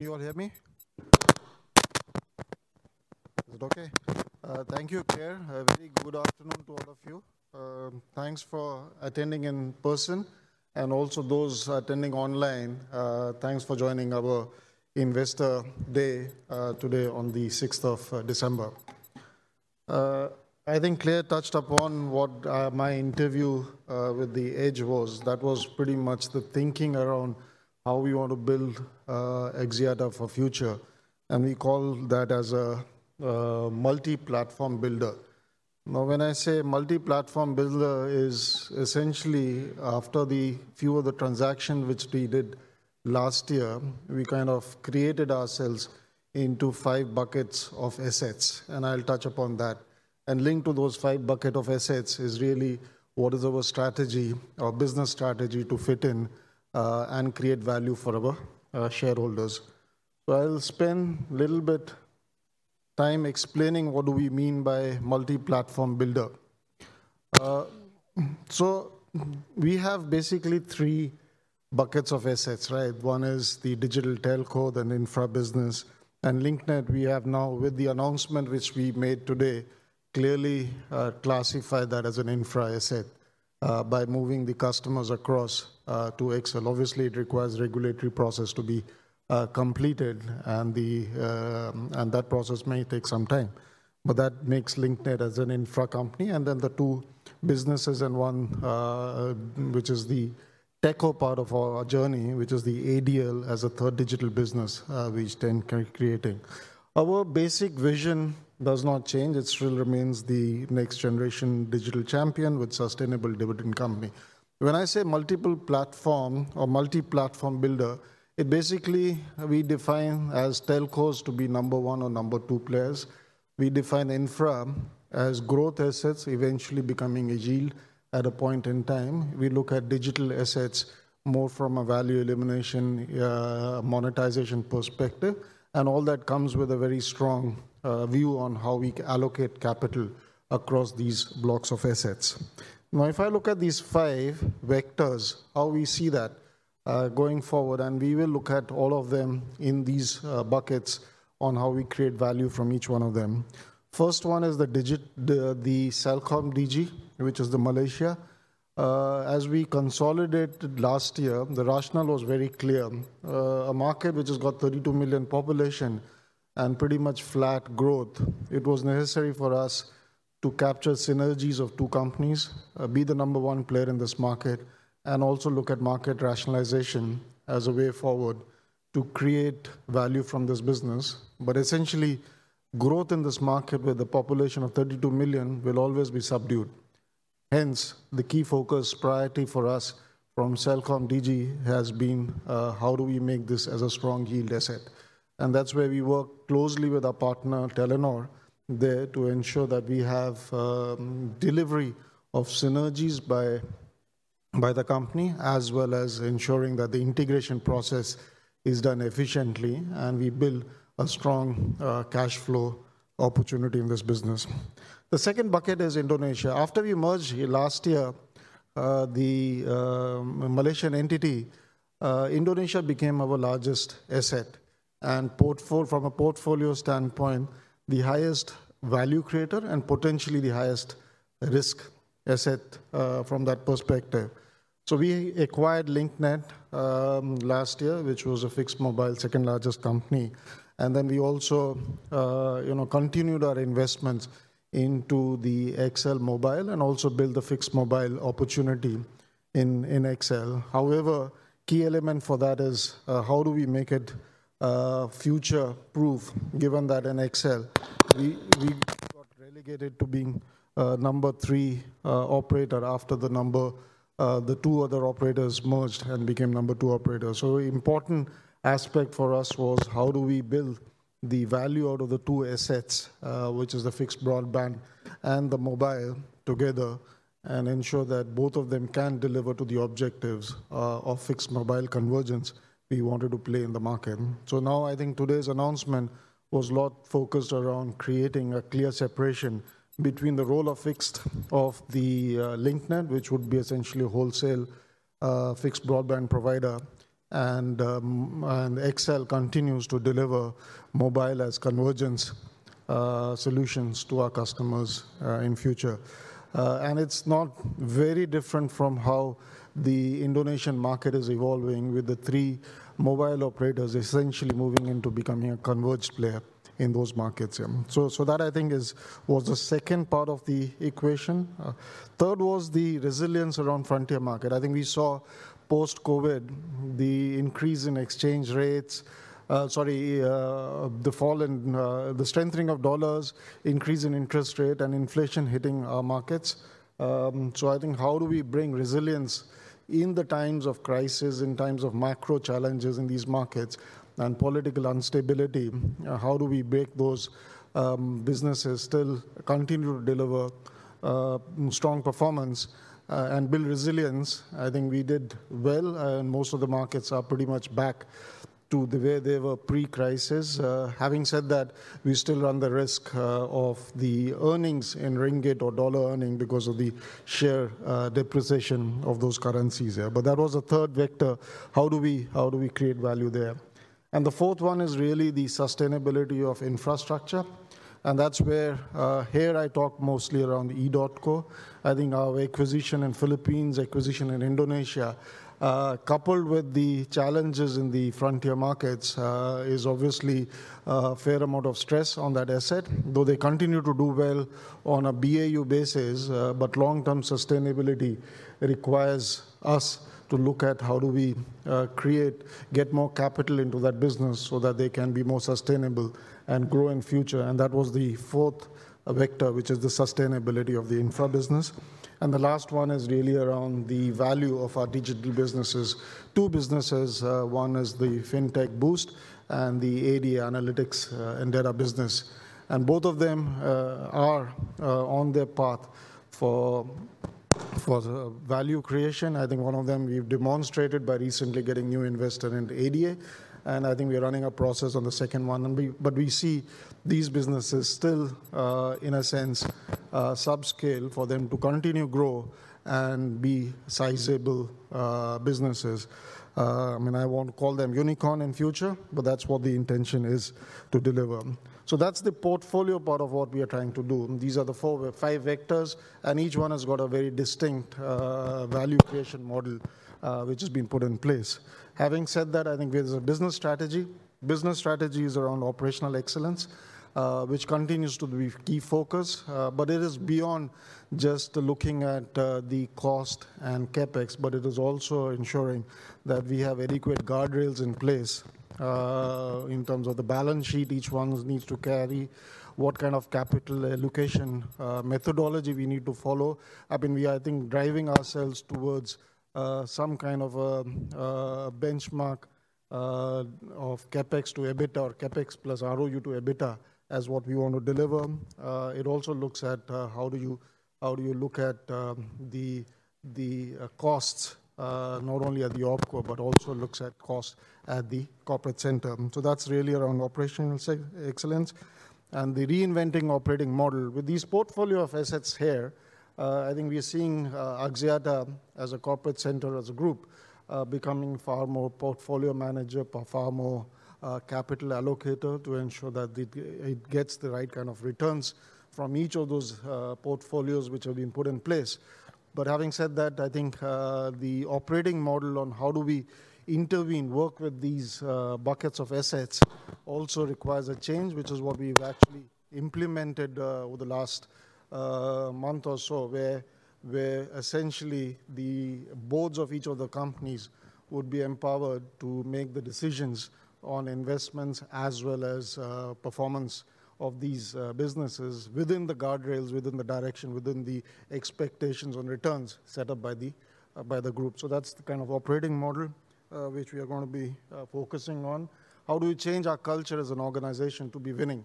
You all hear me? Is it okay? Thank you, Claire. A very good afternoon to all of you. Thanks for attending in person, and also those attending online, thanks for joining our Investor Day today on the 6th of December. I think Claire touched upon what my interview with The Edge was. That was pretty much the thinking around how we want to build Axiata for the future. And we call that as a multi-platform builder. Now, when I say multi-platform builder, it is essentially after a few of the transactions which we did last year, we kind of created ourselves into five buckets of assets. And I'll touch upon that. And linked to those five buckets of assets is really what is our strategy, our business strategy to fit in and create value for our shareholders. I'll spend a little bit of time explaining what we mean by multi-platform builder. We have basically three buckets of assets, right? One is the digital telco, then infra business. Link Net, we have now, with the announcement which we made today, clearly classified that as an infra asset by moving the customers across to XL. Obviously, it requires a regulatory process to be completed, and that process may take some time. That makes Link Net as an infra company. The two businesses, and one which is the tech part of our journey, which is the ADL as a third digital business, which then creating. Our basic vision does not change. It still remains the next generation digital champion with a sustainable dividend company. When I say multiple platform or multi-platform builder, it basically we define as telcos to be number one or number two players. We define infra as growth assets, eventually becoming agile at a point in time. We look at digital assets more from a value elimination, monetization perspective. And all that comes with a very strong view on how we allocate capital across these blocks of assets. Now, if I look at these five vectors, how we see that going forward, and we will look at all of them in these buckets on how we create value from each one of them. First one is the CelcomDigi, which is the Malaysia. As we consolidated last year, the rationale was very clear. A market which has got 32 million population and pretty much flat growth. It was necessary for us to capture synergies of two companies, be the number one player in this market, and also look at market rationalization as a way forward to create value from this business. But essentially, growth in this market with a population of 32 million will always be subdued. Hence, the key focus priority for us from CelcomDigi has been, how do we make this as a strong yield asset? And that's where we work closely with our partner, Telenor, there to ensure that we have delivery of synergies by the company, as well as ensuring that the integration process is done efficiently, and we build a strong cash flow opportunity in this business. The second bucket is Indonesia. After we merged last year, the Malaysian entity, Indonesia became our largest asset. From a portfolio standpoint, the highest value creator and potentially the highest risk asset from that perspective. We acquired Link Net last year, which was a fixed-mobile, second-largest company. Then we also continued our investments into the XL mobile and also built the fixed-mobile opportunity in XL. However, a key element for that is, how do we make it future-proof, given that in XL, we got relegated to being number three operator after the two other operators merged and became number two operator? An important aspect for us was, how do we build the value out of the two assets, which is the fixed broadband and the mobile together, and ensure that both of them can deliver to the objectives of fixed-mobile convergence we wanted to play in the market? So now I think today's announcement was a lot focused around creating a clear separation between the role of fixed of the Link Net, which would be essentially a wholesale fixed broadband provider, and XL continues to deliver mobile as convergence solutions to our customers in the future. And it's not very different from how the Indonesian market is evolving with the three mobile operators essentially moving into becoming a converged player in those markets. So that I think was the second part of the equation. Third was the resilience around the frontier market. I think we saw post-COVID the increase in exchange rates, sorry, the strengthening of dollars, increase in interest rate, and inflation hitting our markets. So I think, how do we bring resilience in the times of crisis, in times of macro challenges in these markets and political instability? How do we break those businesses, still continue to deliver strong performance and build resilience? I think we did well, and most of the markets are pretty much back to the way they were pre-crisis. Having said that, we still run the risk of the earnings in ringgit or dollar earning because of the share depreciation of those currencies here. But that was the third vector. How do we create value there? And the fourth one is really the sustainability of infrastructure. And that's where here I talk mostly around the Edotco. I think our acquisition in the Philippines, acquisition in Indonesia, coupled with the challenges in the frontier markets, is obviously a fair amount of stress on that asset, though they continue to do well on a BAU basis. But long-term sustainability requires us to look at how do we create, get more capital into that business so that they can be more sustainable and grow in the future. And that was the fourth vector, which is the sustainability of the infra business. And the last one is really around the value of our digital businesses. Two businesses, one is the FinTech Boost and the ADA analytics and data business. And both of them are on their path for value creation. I think one of them we've demonstrated by recently getting new investors into ADA. And I think we're running a process on the second one. But we see these businesses still, in a sense, subscale for them to continue to grow and be sizable businesses. I mean, I won't call them unicorn in the future, but that's what the intention is to deliver. So that's the portfolio part of what we are trying to do. These are the five vectors, and each one has got a very distinct value creation model which has been put in place. Having said that, I think there's a business strategy. Business strategy is around operational excellence, which continues to be a key focus. But it is beyond just looking at the cost and CapEx. But it is also ensuring that we have adequate guardrails in place in terms of the balance sheet each one needs to carry, what kind of capital allocation methodology we need to follow. I mean, we are I think driving ourselves towards some kind of a benchmark of CapEx to EBITDA or CapEx plus ROU to EBITDA as what we want to deliver. It also looks at how do you look at the costs, not only at the OpCo, but also looks at costs at the corporate center. So that's really around operational excellence and the reinventing operating model. With these portfolio of assets here, I think we are seeing Axiata as a corporate center, as a group, becoming far more portfolio manager, far more capital allocator to ensure that it gets the right kind of returns from each of those portfolios which have been put in place. But having said that, I think the operating model on how do we intervene, work with these buckets of assets also requires a change, which is what we've actually implemented over the last month or so, where essentially the boards of each of the companies would be empowered to make the decisions on investments as well as performance of these businesses within the guardrails, within the direction, within the expectations on returns set up by the group. So that's the kind of operating model which we are going to be focusing on. How do we change our culture as an organization to be winning?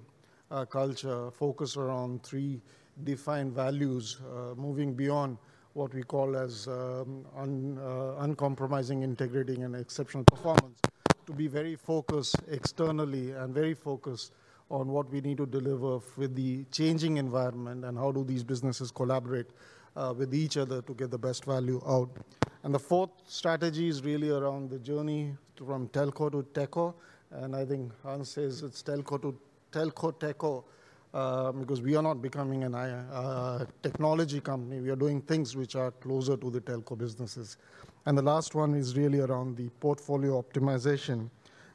Culture focused around three defined values, moving beyond what we call as uncompromising integrity and exceptional performance to be very focused externally and very focused on what we need to deliver with the changing environment and how do these businesses collaborate with each other to get the best value out. The fourth strategy is really around the journey from telco to techco. I think Hans says it's telco to techco because we are not becoming a technology company. We are doing things which are closer to the telco businesses. The last one is really around the portfolio optimization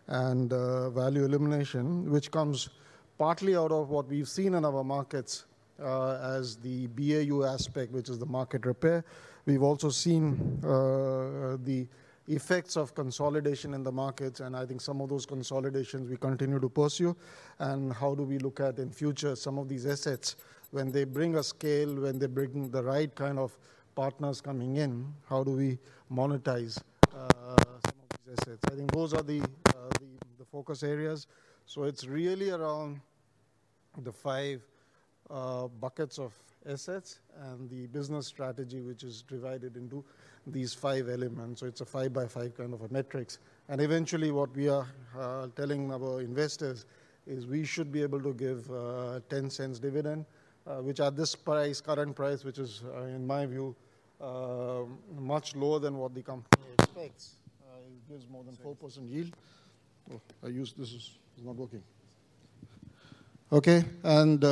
and value elimination, which comes partly out of what we've seen in our markets as the BAU aspect, which is the market repair. We've also seen the effects of consolidation in the markets. I think some of those consolidations we continue to pursue. How do we look at in future some of these assets when they bring a scale, when they bring the right kind of partners coming in? How do we monetize some of these assets? I think those are the focus areas. It's really around the five buckets of assets and the business strategy, which is divided into these five elements. It's a five by five kind of a metrics. And eventually, what we are telling our investors is we should be able to give 0.10 dividend, which at this current price, which is in my view much lower than what the company expects, it gives more than 4% yield. And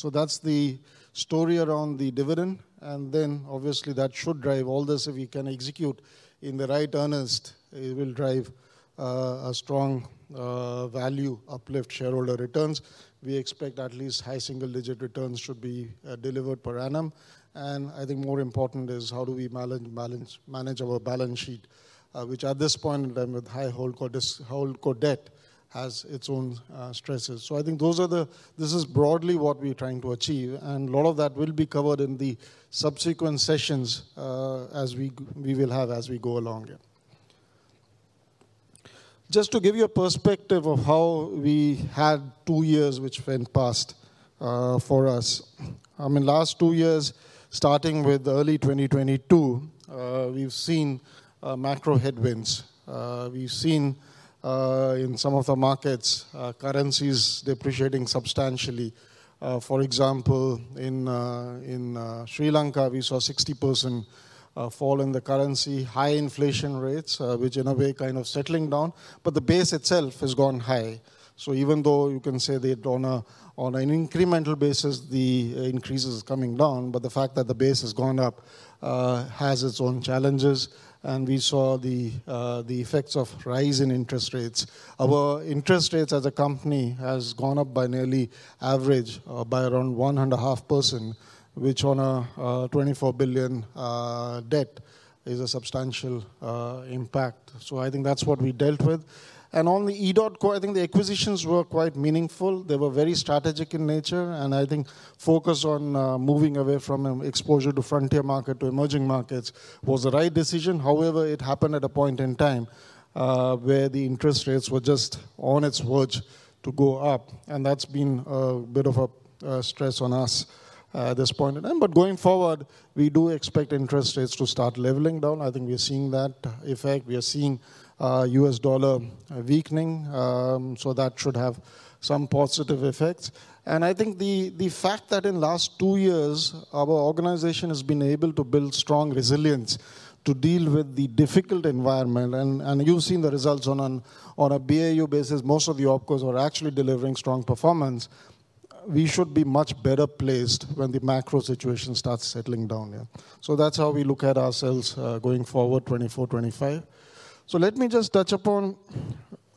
so that's the story around the dividend. And then obviously that should drive all this. If we can execute in the right earnest, it will drive a strong value uplift shareholder returns. We expect at least high single-digit returns should be delivered per annum. And I think more important is how do we manage our balance sheet, which at this point in time with high HoldCo debt has its own stresses. So I think those are this is broadly what we're trying to achieve. And a lot of that will be covered in the subsequent sessions as we will have as we go along here. Just to give you a perspective of how we had two years which went past for us. I mean, last two years, starting with early 2022, we've seen macro headwinds. We've seen in some of the markets, currencies depreciating substantially. For example, in Sri Lanka, we saw a 60% fall in the currency, high inflation rates, which in a way kind of settling down. But the base itself has gone high. So even though you can say they're on an incremental basis, the increase is coming down. But the fact that the base has gone up has its own challenges. And we saw the effects of rising interest rates. Our interest rates as a company has gone up by nearly average by around 1.5%, which on a 24 billion debt is a substantial impact. So I think that's what we dealt with. And on the EDOTCO, I think the acquisitions were quite meaningful. They were very strategic in nature. And I think focus on moving away from exposure to frontier market to emerging markets was the right decision. However, it happened at a point in time where the interest rates were just on the verge to go up, and that's been a bit of a stress on us at this point in time, but going forward, we do expect interest rates to start leveling down. I think we're seeing that effect. We are seeing U.S. dollar weakening, so that should have some positive effects, and I think the fact that in the last two years, our organization has been able to build strong resilience to deal with the difficult environment, and you've seen the results on a BAU basis. Most of the OpCos are actually delivering strong performance. We should be much better placed when the macro situation starts settling down here, so that's how we look at ourselves going forward 2024, 2025, so let me just touch upon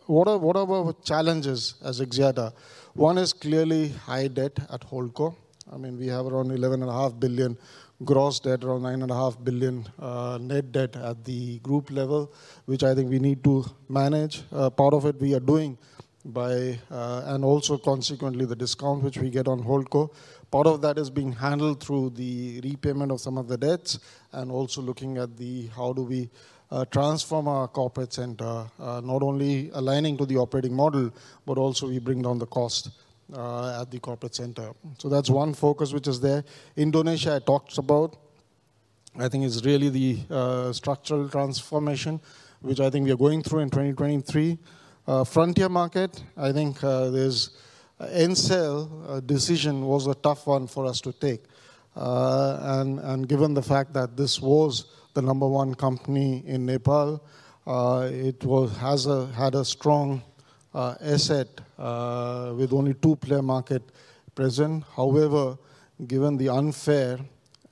what are our challenges as Axiata. One is clearly high debt at HoldCo. I mean, we have around 11.5 billion gross debt, around 9.5 billion net debt at the group level, which I think we need to manage. Part of it we are doing by and also consequently the discount which we get on HoldCo. Part of that is being handled through the repayment of some of the debts and also looking at the how do we transform our corporate center, not only aligning to the operating model, but also we bring down the cost at the corporate center. So that's one focus which is there. Indonesia I talked about. I think it's really the structural transformation, which I think we are going through in 2023. Frontier market, I think there's Ncell decision was a tough one for us to take. Given the fact that this was the number one company in Nepal, it has had a strong asset with only two-player markets present. However, given the unfair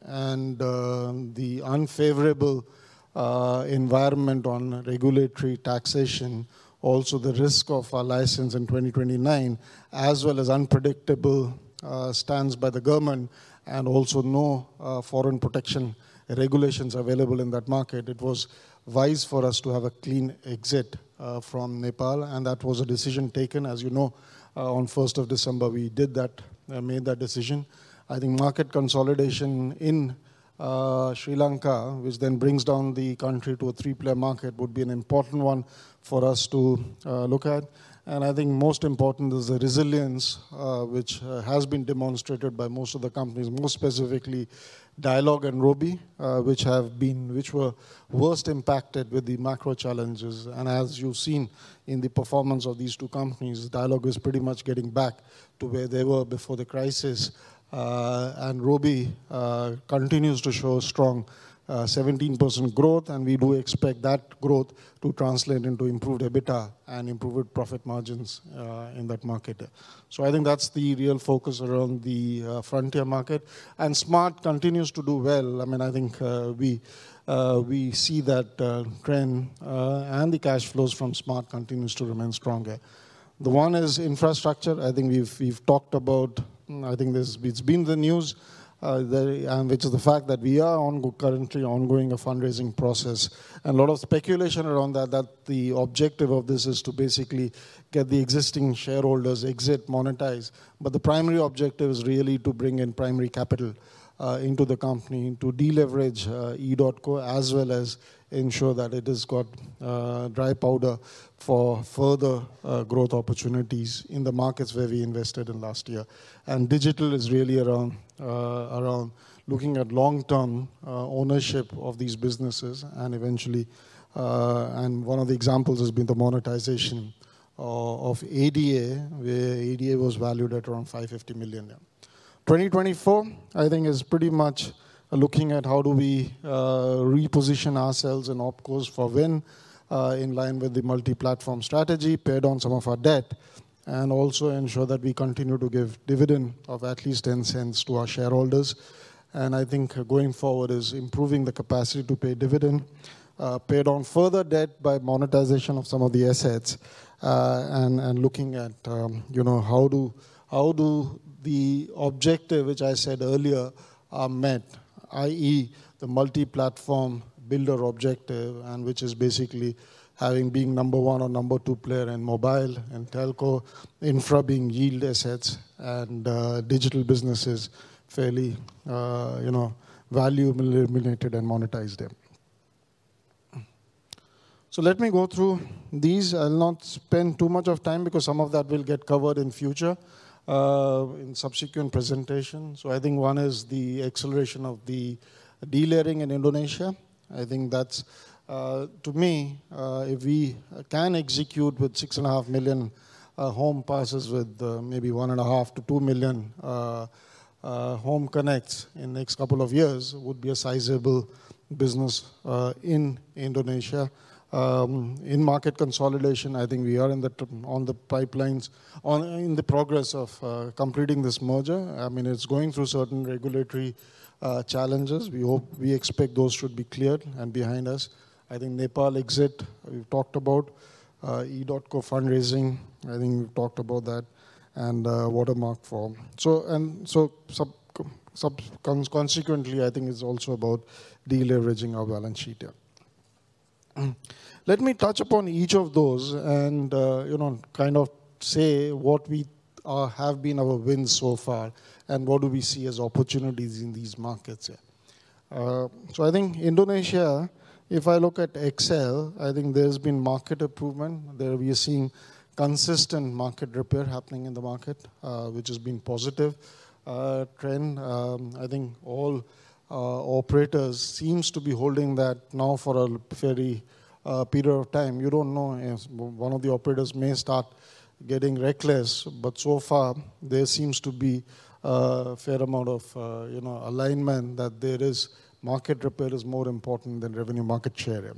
and the unfavorable environment on regulatory taxation, also the risk of our license in 2029, as well as unpredictable stances by the government and also no foreign protection regulations available in that market, it was wise for us to have a clean exit from Nepal. That was a decision taken. As you know, on 1st of December, we did that, made that decision. I think market consolidation in Sri Lanka, which then brings down the country to a three-player market, would be an important one for us to look at. I think most important is the resilience, which has been demonstrated by most of the companies, most specifically Dialog and Robi, which were worst impacted with the macro challenges. As you've seen in the performance of these two companies, Dialog is pretty much getting back to where they were before the crisis. Robi continues to show strong 17% growth. We do expect that growth to translate into improved EBITDA and improved profit margins in that market. I think that's the real focus around the frontier market. Smart continues to do well. I mean, I think we see that trend and the cash flows from Smart continues to remain stronger. The one is infrastructure. I think we've talked about, I think it's been the news, which is the fact that we are currently ongoing a fundraising process. A lot of speculation around that, that the objective of this is to basically get the existing shareholders exit, monetize. But the primary objective is really to bring in primary capital into the company to deleverage EDOTCO as well as ensure that it has got dry powder for further growth opportunities in the markets where we invested in last year. And digital is really around looking at long-term ownership of these businesses. And eventually, one of the examples has been the monetization of ADA, where ADA was valued at around $550 million there. 2024, I think, is pretty much looking at how do we reposition ourselves and OpCos for when in line with the multi-platform strategy, pay down some of our debt, and also ensure that we continue to give dividend of at least 0.10 to our shareholders. I think going forward is improving the capacity to pay dividend, paid on further debt by monetization of some of the assets and looking at how do the objective, which I said earlier, are met, i.e., the multi-platform builder objective, which is basically having being number one or number two player in mobile and telco, infra being yield assets and digital businesses fairly value eliminated and monetized there. Let me go through these. I'll not spend too much of time because some of that will get covered in future in subsequent presentations. I think one is the acceleration of the delayering in Indonesia. I think that's to me, if we can execute with 6.5 million home passes with maybe 1.5-2 million home connects in the next couple of years, it would be a sizable business in Indonesia. In market consolidation, I think we are in the pipeline in the process of completing this merger. I mean, it's going through certain regulatory challenges. We hope we expect those should be cleared and behind us. I think Nepal exit, we've talked about EDOTCO fundraising. I think we've talked about that and what form. So consequently, I think it's also about deleveraging our balance sheet here. Let me touch upon each of those and kind of say what have been our wins so far and what do we see as opportunities in these markets here. So I think Indonesia, if I look at XL, I think there's been market improvement. There we are seeing consistent market repair happening in the market, which has been a positive trend. I think all operators seem to be holding that now for a fair period of time. You don't know. One of the operators may start getting reckless, but so far there seems to be a fair amount of alignment that market repair is more important than revenue market share.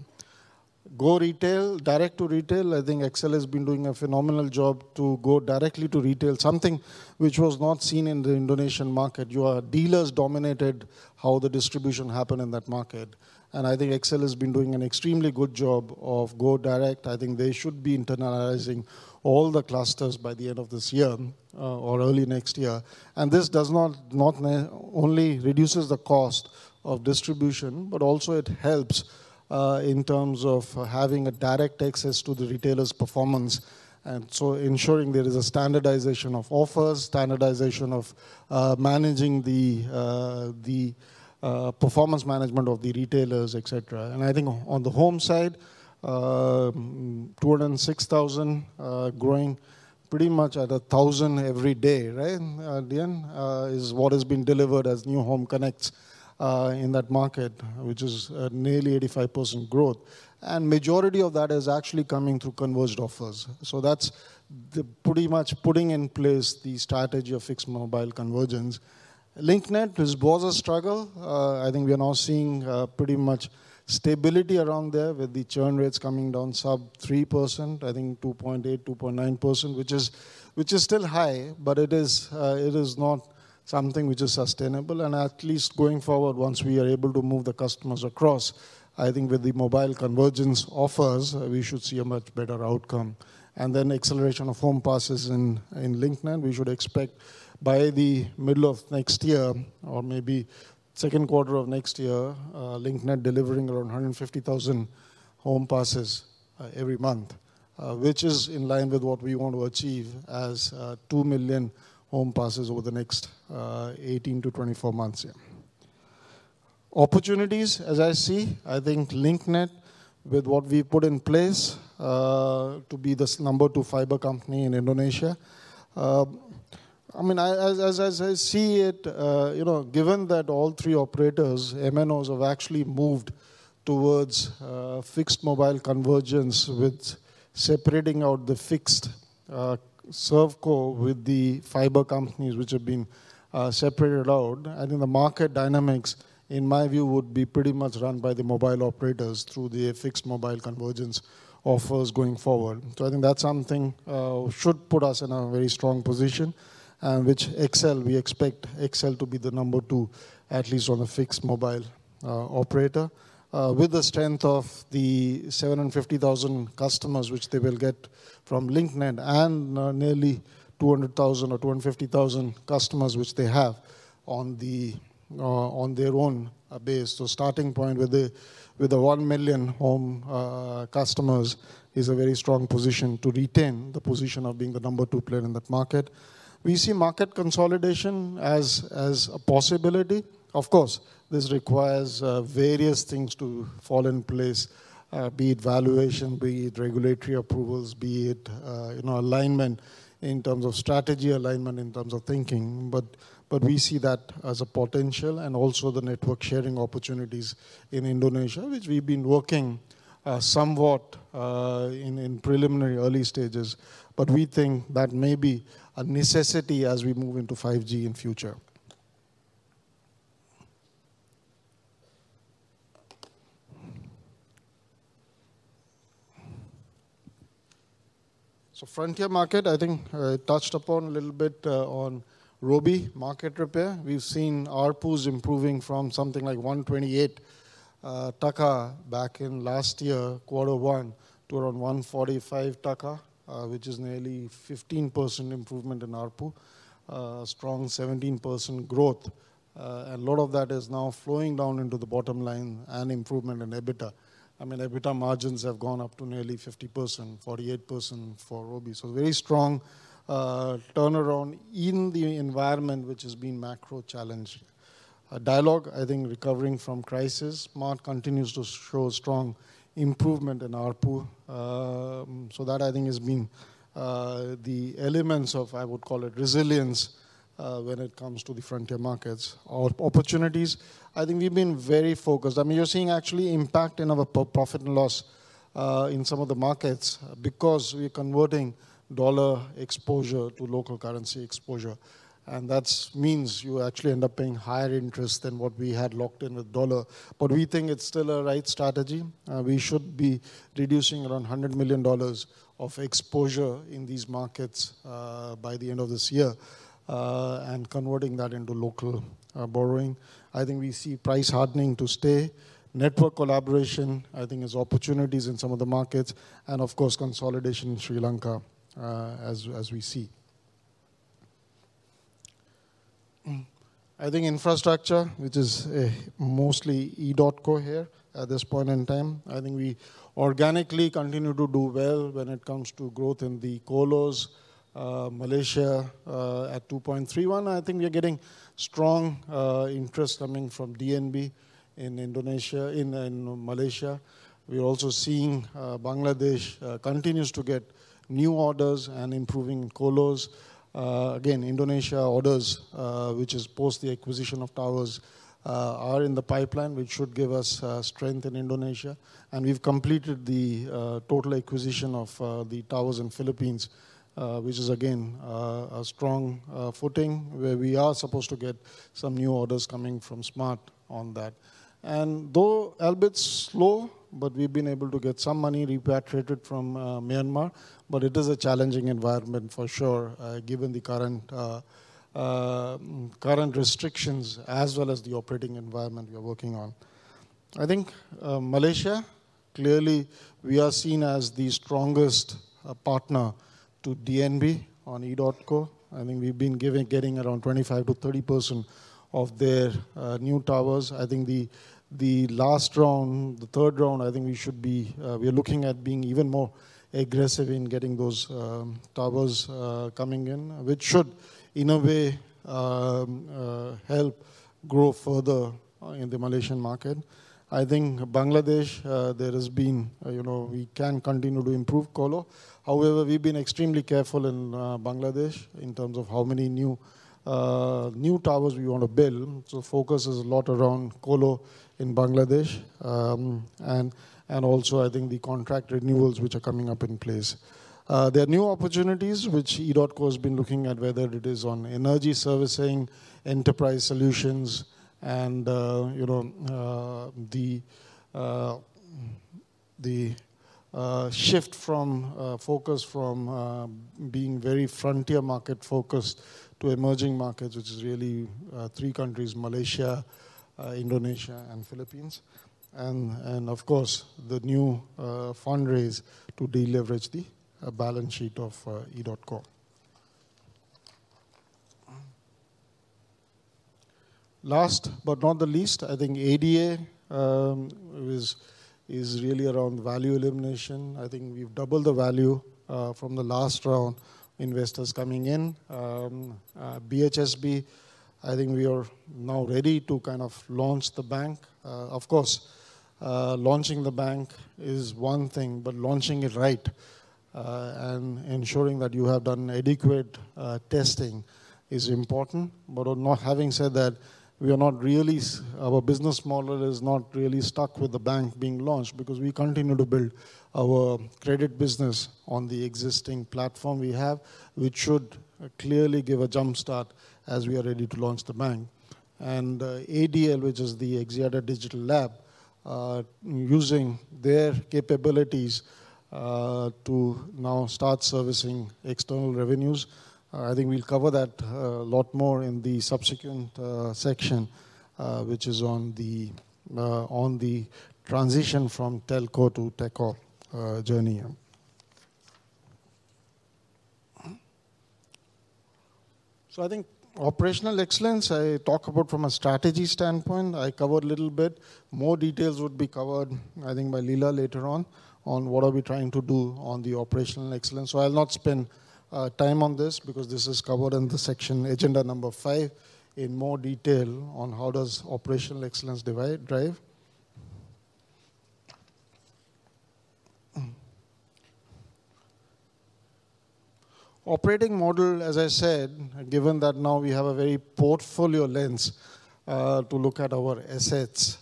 Go retail, direct to retail. I think XL has been doing a phenomenal job to go directly to retail, something which was not seen in the Indonesian market. Your dealers dominated how the distribution happened in that market. I think XL has been doing an extremely good job of going direct. I think they should be internalizing all the clusters by the end of this year or early next year. This does not only reduce the cost of distribution, but also it helps in terms of having a direct access to the retailers' performance, and so ensuring there is a standardization of offers, standardization of managing the performance management of the retailers, etc. I think on the home side, 206,000 growing pretty much at a thousand every day, right? Again, is what has been delivered as new home connects in that market, which is nearly 85% growth. And majority of that is actually coming through converged offers. So that's pretty much putting in place the strategy of fixed mobile convergence. Link Net was a struggle. I think we are now seeing pretty much stability around there with the churn rates coming down sub 3%. I think 2.8-2.9%, which is still high, but it is not something which is sustainable. And at least going forward, once we are able to move the customers across, I think with the mobile convergence offers, we should see a much better outcome. And then acceleration of home passes in Link Net, we should expect by the middle of next year or maybe second quarter of next year, Link Net delivering around 150,000 home passes every month, which is in line with what we want to achieve as 2 million home passes over the next 18-24 months here. Opportunities, as I see, I think Link Net with what we put in place to be the number two fiber company in Indonesia. I mean, as I see it, given that all three operators, MNOs have actually moved towards fixed mobile convergence with separating out the fixed ServeCo with the FiberCo which have been separated out. I think the market dynamics, in my view, would be pretty much run by the mobile operators through the fixed mobile convergence offers going forward. So I think that's something should put us in a very strong position, which XL, we expect XL to be the number two, at least on the fixed mobile operator. With the strength of the 750,000 customers which they will get from Link Net and nearly 200,000 or 250,000 customers which they have on their own base. So starting point with the 1 million home customers is a very strong position to retain the position of being the number two player in that market. We see market consolidation as a possibility. Of course, this requires various things to fall in place, be it valuation, be it regulatory approvals, be it alignment in terms of strategy, alignment in terms of thinking. But we see that as a potential and also the network sharing opportunities in Indonesia, which we've been working somewhat in preliminary early stages. But we think that may be a necessity as we move into 5G in future. So, frontier market, I think I touched upon a little bit on Robi market repair. We've seen our pools improving from something like BDT 128 back in last year, quarter one, to around BDT 145, which is nearly 15% improvement in our pool, strong 17% growth. And a lot of that is now flowing down into the bottom line and improvement in EBITDA. I mean, EBITDA margins have gone up to nearly 50%, 48% for Robi. So very strong turnaround in the environment which has been macro challenged. Dialog, I think, recovering from crisis. Smart continues to show strong improvement in our pool. So that I think has been the elements of, I would call it, resilience when it comes to the frontier markets or opportunities. I think we've been very focused. I mean, you're seeing actually impact in our profit and loss in some of the markets because we're converting dollar exposure to local currency exposure. And that means you actually end up paying higher interest than what we had locked in with dollar. But we think it's still a right strategy. We should be reducing around $100 million of exposure in these markets by the end of this year and converting that into local borrowing. I think we see price hardening to stay. Network collaboration, I think, is opportunities in some of the markets. And of course, consolidation in Sri Lanka as we see. I think infrastructure, which is mostly EDOTCO here at this point in time. I think we organically continue to do well when it comes to growth in the colos, Malaysia at 2.31. I think we are getting strong interest coming from DNB in Malaysia. We are also seeing Bangladesh continues to get new orders and improving colos. Again, Indonesia orders, which is post the acquisition of towers, are in the pipeline, which should give us strength in Indonesia, and we've completed the total acquisition of the towers in Philippines, which is again a strong footing where we are supposed to get some new orders coming from Smart on that, and though Edotco's slow, but we've been able to get some money repatriated from Myanmar, but it is a challenging environment for sure, given the current restrictions as well as the operating environment we are working on. I think Malaysia, clearly we are seen as the strongest partner to DNB on Edotco. I think we've been getting around 25%-30% of their new towers. I think the last round, the third round, I think we should be, we are looking at being even more aggressive in getting those towers coming in, which should in a way help grow further in the Malaysian market. I think Bangladesh, there has been, we can continue to improve colo. However, we've been extremely careful in Bangladesh in terms of how many new towers we want to build. So focus is a lot around colo in Bangladesh. And also I think the contract renewals which are coming up in place. There are new opportunities which Edotco has been looking at, whether it is on energy servicing, enterprise solutions, and the shift from focus from being very frontier market focused to emerging markets, which is really three countries, Malaysia, Indonesia, and Philippines. And of course, the new fundraise to deleverage the balance sheet of Edotco. Last but not the least, I think ADA is really around value elimination. I think we've doubled the value from the last round investors coming in. Boost, I think we are now ready to kind of launch the bank. Of course, launching the bank is one thing, but launching it right and ensuring that you have done adequate testing is important. But having said that, we are not really, our business model is not really stuck with the bank being launched because we continue to build our credit business on the existing platform we have, which should clearly give a jumpstart as we are ready to launch the bank. And ADL, which is the Axiata Digital Labs, using their capabilities to now start servicing external revenues. I think we'll cover that a lot more in the subsequent section, which is on the transition from telco to tech journey. So I think operational excellence, I talk about from a strategy standpoint. I covered a little bit. More details would be covered, I think, by Lila later on what are we trying to do on the operational excellence. So I'll not spend time on this because this is covered in the section agenda number five in more detail on how does operational excellence drive. Operating model, as I said, given that now we have a very portfolio lens to look at our assets,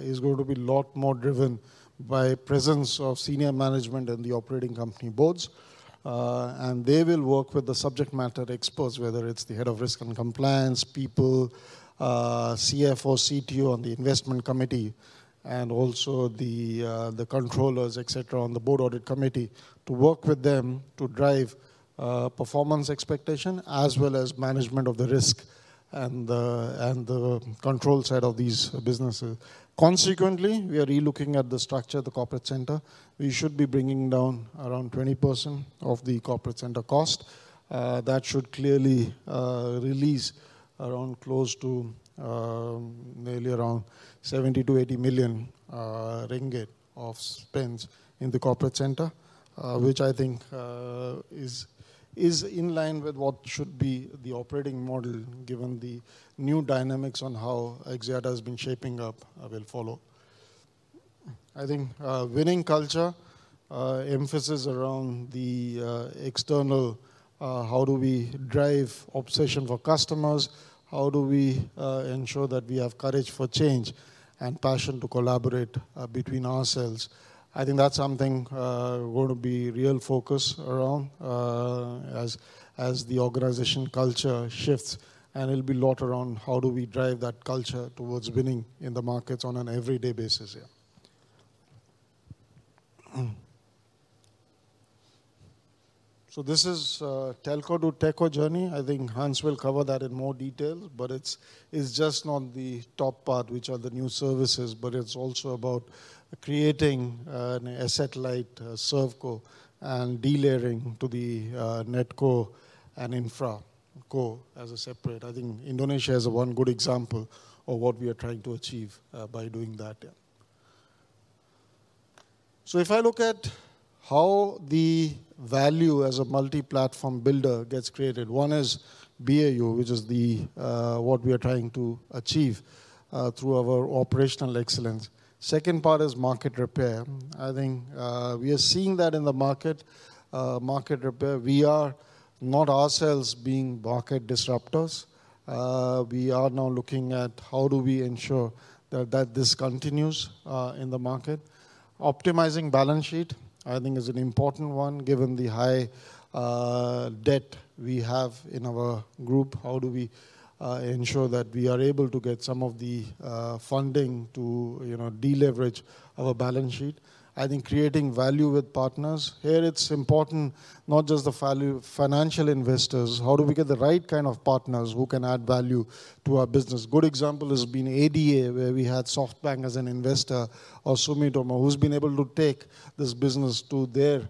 is going to be a lot more driven by presence of senior management and the operating company boards. They will work with the subject matter experts, whether it's the head of risk and compliance, people, CFO, CTO on the investment committee, and also the controllers, etc., on the board audit committee to work with them to drive performance expectation as well as management of the risk and the control side of these businesses. Consequently, we are re-looking at the structure, the corporate center. We should be bringing down around 20% of the corporate center cost. That should clearly release around close to nearly around 70 million-80 million ringgit of spends in the corporate center, which I think is in line with what should be the operating model given the new dynamics on how Axiata has been shaping up will follow. I think winning culture, emphasis around the external, how do we drive obsession for customers? How do we ensure that we have courage for change and passion to collaborate between ourselves? I think that's something going to be real focus around as the organization culture shifts. And it'll be a lot around how do we drive that culture towards winning in the markets on an everyday basis. So this is telco to tech journey. I think Hans will cover that in more detail, but it's just not the top part, which are the new services, but it's also about creating an asset like ServeCo and delivering to the NetCo and InfraCo as a separate. I think Indonesia is one good example of what we are trying to achieve by doing that. So if I look at how the value as a multi-platform builder gets created, one is BAU, which is what we are trying to achieve through our operational excellence. Second part is market repair. I think we are seeing that in the market, market repair. We are not ourselves being market disruptors. We are now looking at how do we ensure that this continues in the market. Optimizing balance sheet, I think, is an important one given the high debt we have in our group. How do we ensure that we are able to get some of the funding to deleverage our balance sheet? I think creating value with partners. Here it's important not just the financial investors. How do we get the right kind of partners who can add value to our business? Good example has been ADA, where we had SoftBank as an investor or Sumitomo, who's been able to take this business to their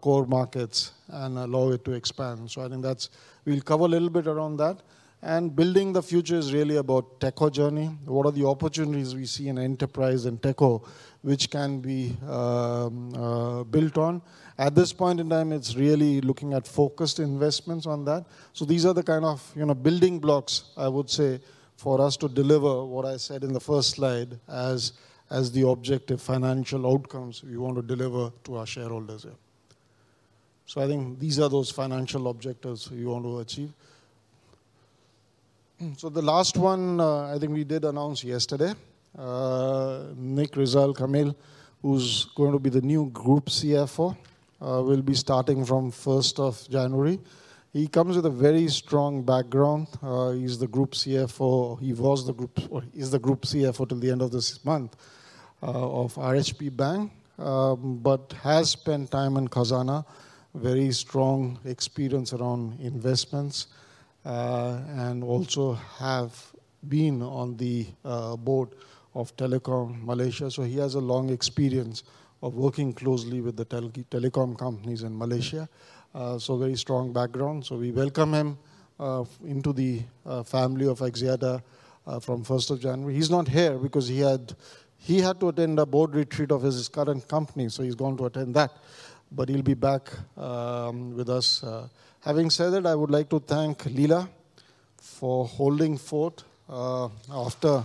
core markets and allow it to expand. So I think that's what we'll cover a little bit around that. And building the future is really about tech journey. What are the opportunities we see in enterprise and TechCo which can be built on? At this point in time, it's really looking at focused investments on that. So these are the kind of building blocks, I would say, for us to deliver what I said in the first slide as the objective financial outcomes we want to deliver to our shareholders. So I think these are those financial objectives we want to achieve. So the last one, I think we did announce yesterday, Nik Rizal Kamil, who's going to be the new Group CFO, will be starting from 1st of January. He comes with a very strong background. He's the Group CFO. He was the group, is the group CFO till the end of this month of RHB Bank, but has spent time in Khazanah, very strong experience around investments, and also have been on the board of Telekom Malaysia. So he has a long experience of working closely with the telecom companies in Malaysia. So very strong background. So we welcome him into the family of Axiata from 1st of January. He's not here because he had to attend a board retreat of his current company. So he's going to attend that, but he'll be back with us. Having said that, I would like to thank Lila for holding forth after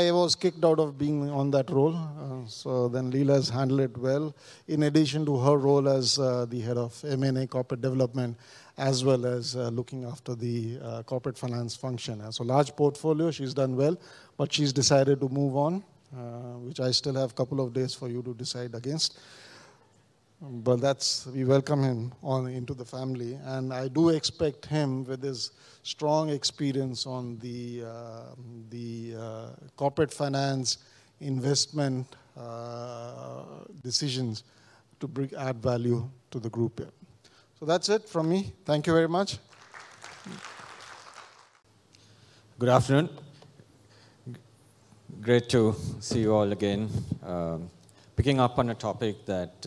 I was kicked out of being on that role. So then Lila's handled it well in addition to her role as the head of M&A corporate development, as well as looking after the corporate finance function. So large portfolio, she's done well, but she's decided to move on, which I still have a couple of days for you to decide against. But we welcome him into the family. And I do expect him, with his strong experience on the corporate finance investment decisions, to add value to the group here. So that's it from me. Thank you very much. Good afternoon. Great to see you all again. Picking up on a topic that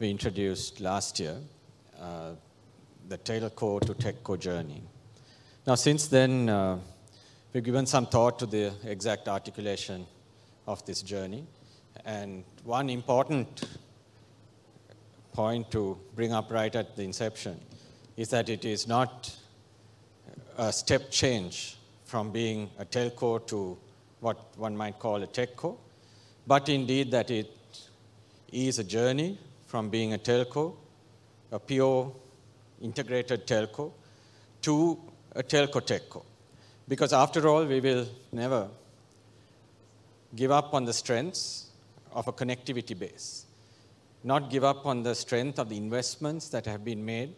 we introduced last year, the telco to TechCo journey. Now, since then, we've given some thought to the exact articulation of this journey. One important point to bring up right at the inception is that it is not a step change from being a telco to what one might call a TechCo, but indeed that it is a journey from being a telco, a pure integrated telco, to a telco TechCo. Because after all, we will never give up on the strengths of a connectivity base, not give up on the strength of the investments that have been made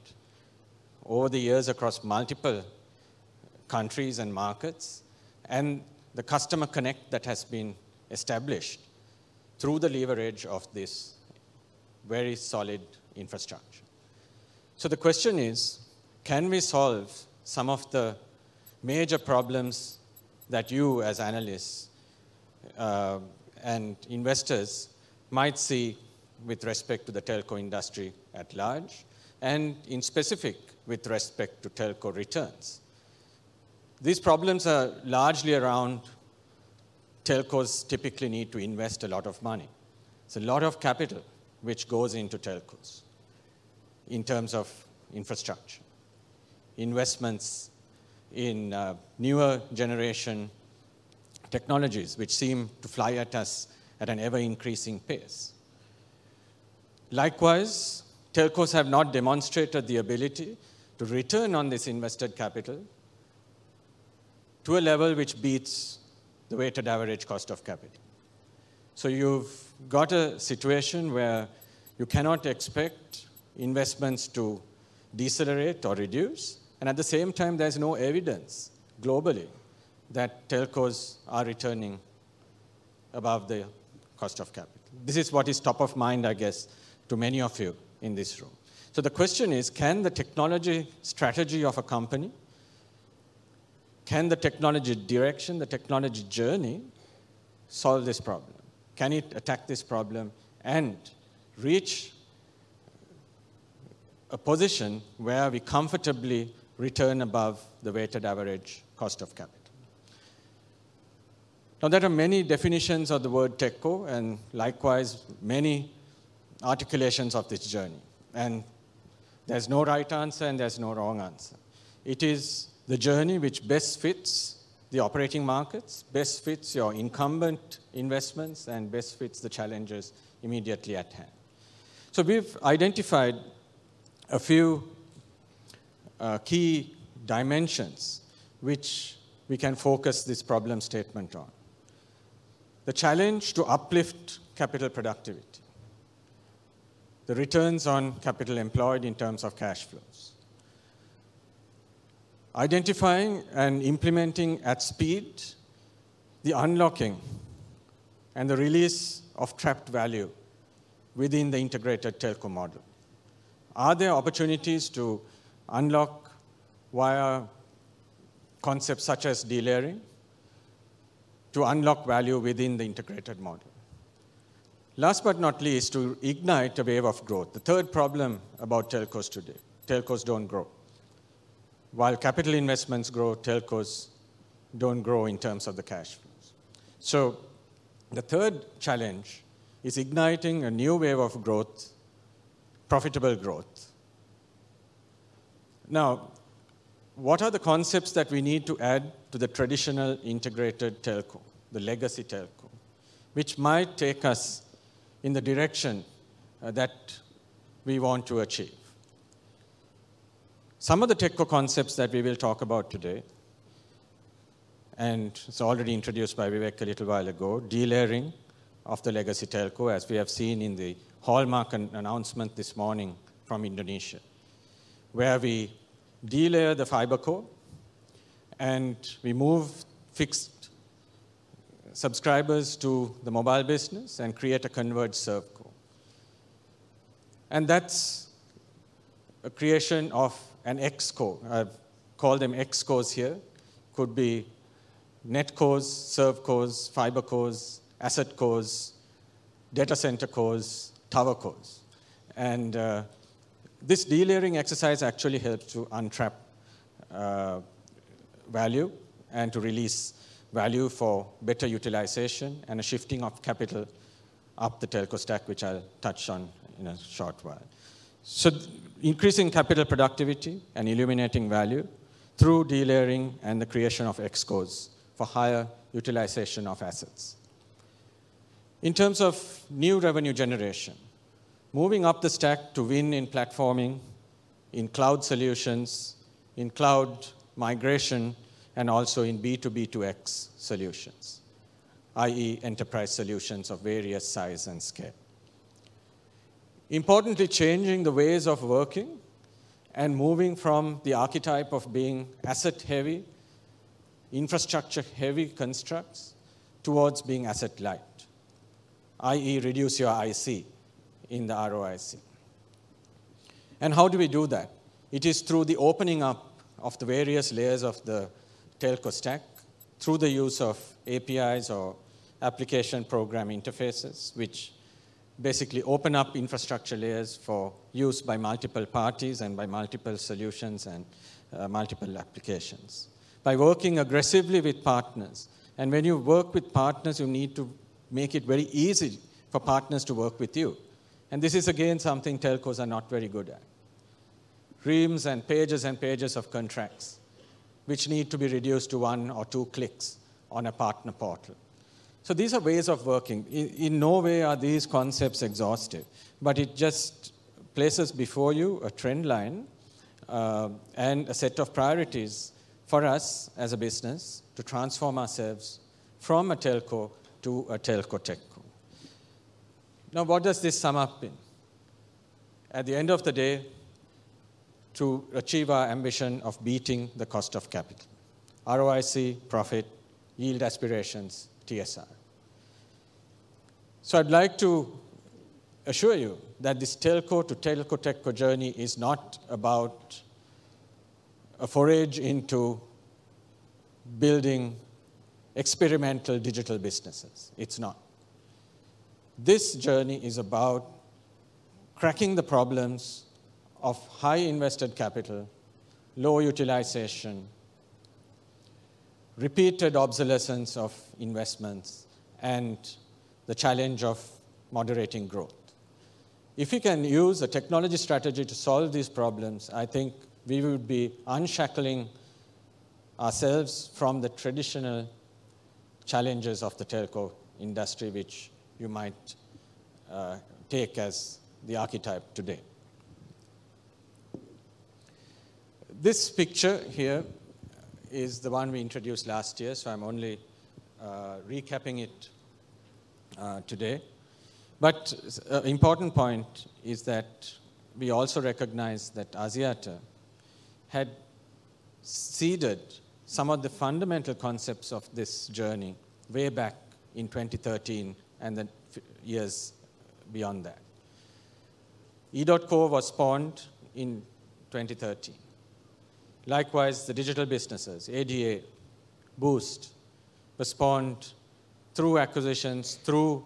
over the years across multiple countries and markets, and the customer connect that has been established through the leverage of this very solid infrastructure. So the question is, can we solve some of the major problems that you as analysts and investors might see with respect to the telco industry at large, and in specific with respect to telco returns? These problems are largely around, telcos typically need to invest a lot of money. It's a lot of capital which goes into telcos in terms of infrastructure, investments in newer generation technologies which seem to fly at us at an ever-increasing pace. Likewise, telcos have not demonstrated the ability to return on this invested capital to a level which beats the weighted average cost of capital. So you've got a situation where you cannot expect investments to decelerate or reduce. And at the same time, there's no evidence globally that telcos are returning above the cost of capital. This is what is top of mind, I guess, to many of you in this room. So the question is, can the technology strategy of a company, can the technology direction, the technology journey solve this problem? Can it attack this problem and reach a position where we comfortably return above the weighted average cost of capital? Now, there are many definitions of the word TechCo and likewise many articulations of this journey. There's no right answer and there's no wrong answer. It is the journey which best fits the operating markets, best fits your incumbent investments, and best fits the challenges immediately at hand. We've identified a few key dimensions which we can focus this problem statement on. The challenge to uplift capital productivity, the returns on capital employed in terms of cash flows, identifying and implementing at speed, the unlocking and the release of trapped value within the integrated telco model. Are there opportunities to unlock via concepts such as delayering to unlock value within the integrated model? Last but not least, to ignite a wave of growth. The third problem about telcos today, telcos don't grow. While capital investments grow, telcos don't grow in terms of the cash flows. So the third challenge is igniting a new wave of growth, profitable growth. Now, what are the concepts that we need to add to the traditional integrated telco, the legacy telco, which might take us in the direction that we want to achieve? Some of the TechCo concepts that we will talk about today, and it's already introduced by Vivek a little while ago, delayering of the legacy telco, as we have seen in the landmark announcement this morning from Indonesia, where we delayer the FiberCo and we move fixed subscribers to the mobile business and create a converged ServeCo. And that's a creation of an ex core. I've called them ex cores here. Could be net cores, serve cores, fiber cores, asset cores, data center cores, tower cores. This delayering exercise actually helps to unlock value and to release value for better utilization and a shifting of capital up the telco stack, which I'll touch on in a short while. Increasing capital productivity and unlocking value through delayering and the creation of these cores for higher utilization of assets. In terms of new revenue generation, moving up the stack to win in platforming, in cloud solutions, in cloud migration, and also in B2B2X solutions, i.e., enterprise solutions of various size and scale. Importantly, changing the ways of working and moving from the archetype of being asset-heavy, infrastructure-heavy constructs towards being asset-light, i.e., reduce your IC in the ROIC. How do we do that? It is through the opening up of the various layers of the telco stack, through the use of APIs or application programming interfaces, which basically open up infrastructure layers for use by multiple parties and by multiple solutions and multiple applications, by working aggressively with partners. And when you work with partners, you need to make it very easy for partners to work with you. And this is again something telcos are not very good at. Reams and pages and pages of contracts which need to be reduced to one or two clicks on a partner portal. So these are ways of working. In no way are these concepts exhaustive, but it just places before you a trend line and a set of priorities for us as a business to transform ourselves from a telco to a telco TechCo. Now, what does this sum up in? At the end of the day, to achieve our ambition of beating the cost of capital, ROIC, profit, yield aspirations, TSR, so I'd like to assure you that this telco to TechCo journey is not about a foray into building experimental digital businesses. It's not. This journey is about cracking the problems of high invested capital, low utilization, repeated obsolescence of investments, and the challenge of moderating growth. If we can use a technology strategy to solve these problems, I think we would be unshackling ourselves from the traditional challenges of the telco industry, which you might take as the archetype today. This picture here is the one we introduced last year, so I'm only recapping it today. But an important point is that we also recognize that Axiata had seeded some of the fundamental concepts of this journey way back in 2013 and the years beyond that. Edotco was spawned in 2013. Likewise, the digital businesses, ADA, Boost, were spawned through acquisitions, through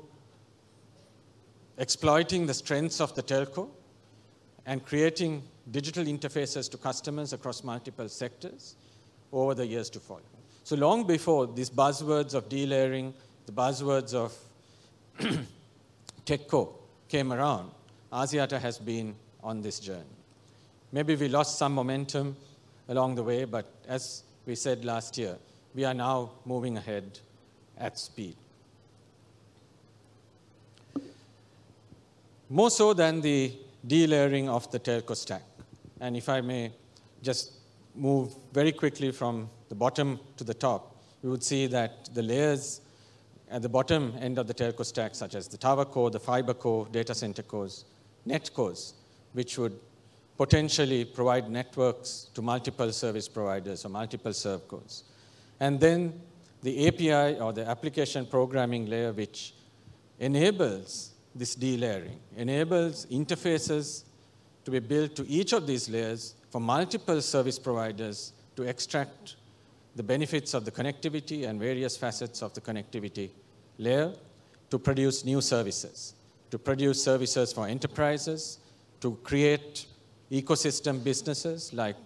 exploiting the strengths of the telco and creating digital interfaces to customers across multiple sectors over the years to follow. So long before these buzzwords of delayering, the buzzwords of TechCo came around, Axiata has been on this journey. Maybe we lost some momentum along the way, but as we said last year, we are now moving ahead at speed. More so than the delayering of the telco stack. And if I may just move very quickly from the bottom to the top, you would see that the layers at the bottom end of the telco stack, such as the TowerCo, the FiberCo, data center cores, NetCos, which would potentially provide networks to multiple service providers or multiple ServeCos. And then the API or the application programming layer, which enables this delivering, enables interfaces to be built to each of these layers for multiple service providers to extract the benefits of the connectivity and various facets of the connectivity layer to produce new services, to produce services for enterprises, to create ecosystem businesses like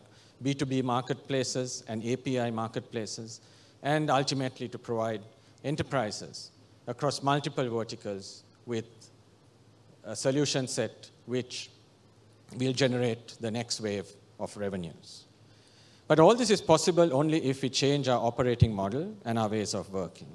B2B marketplaces and API marketplaces, and ultimately to provide enterprises across multiple verticals with a solution set which will generate the next wave of revenues. But all this is possible only if we change our operating model and our ways of working.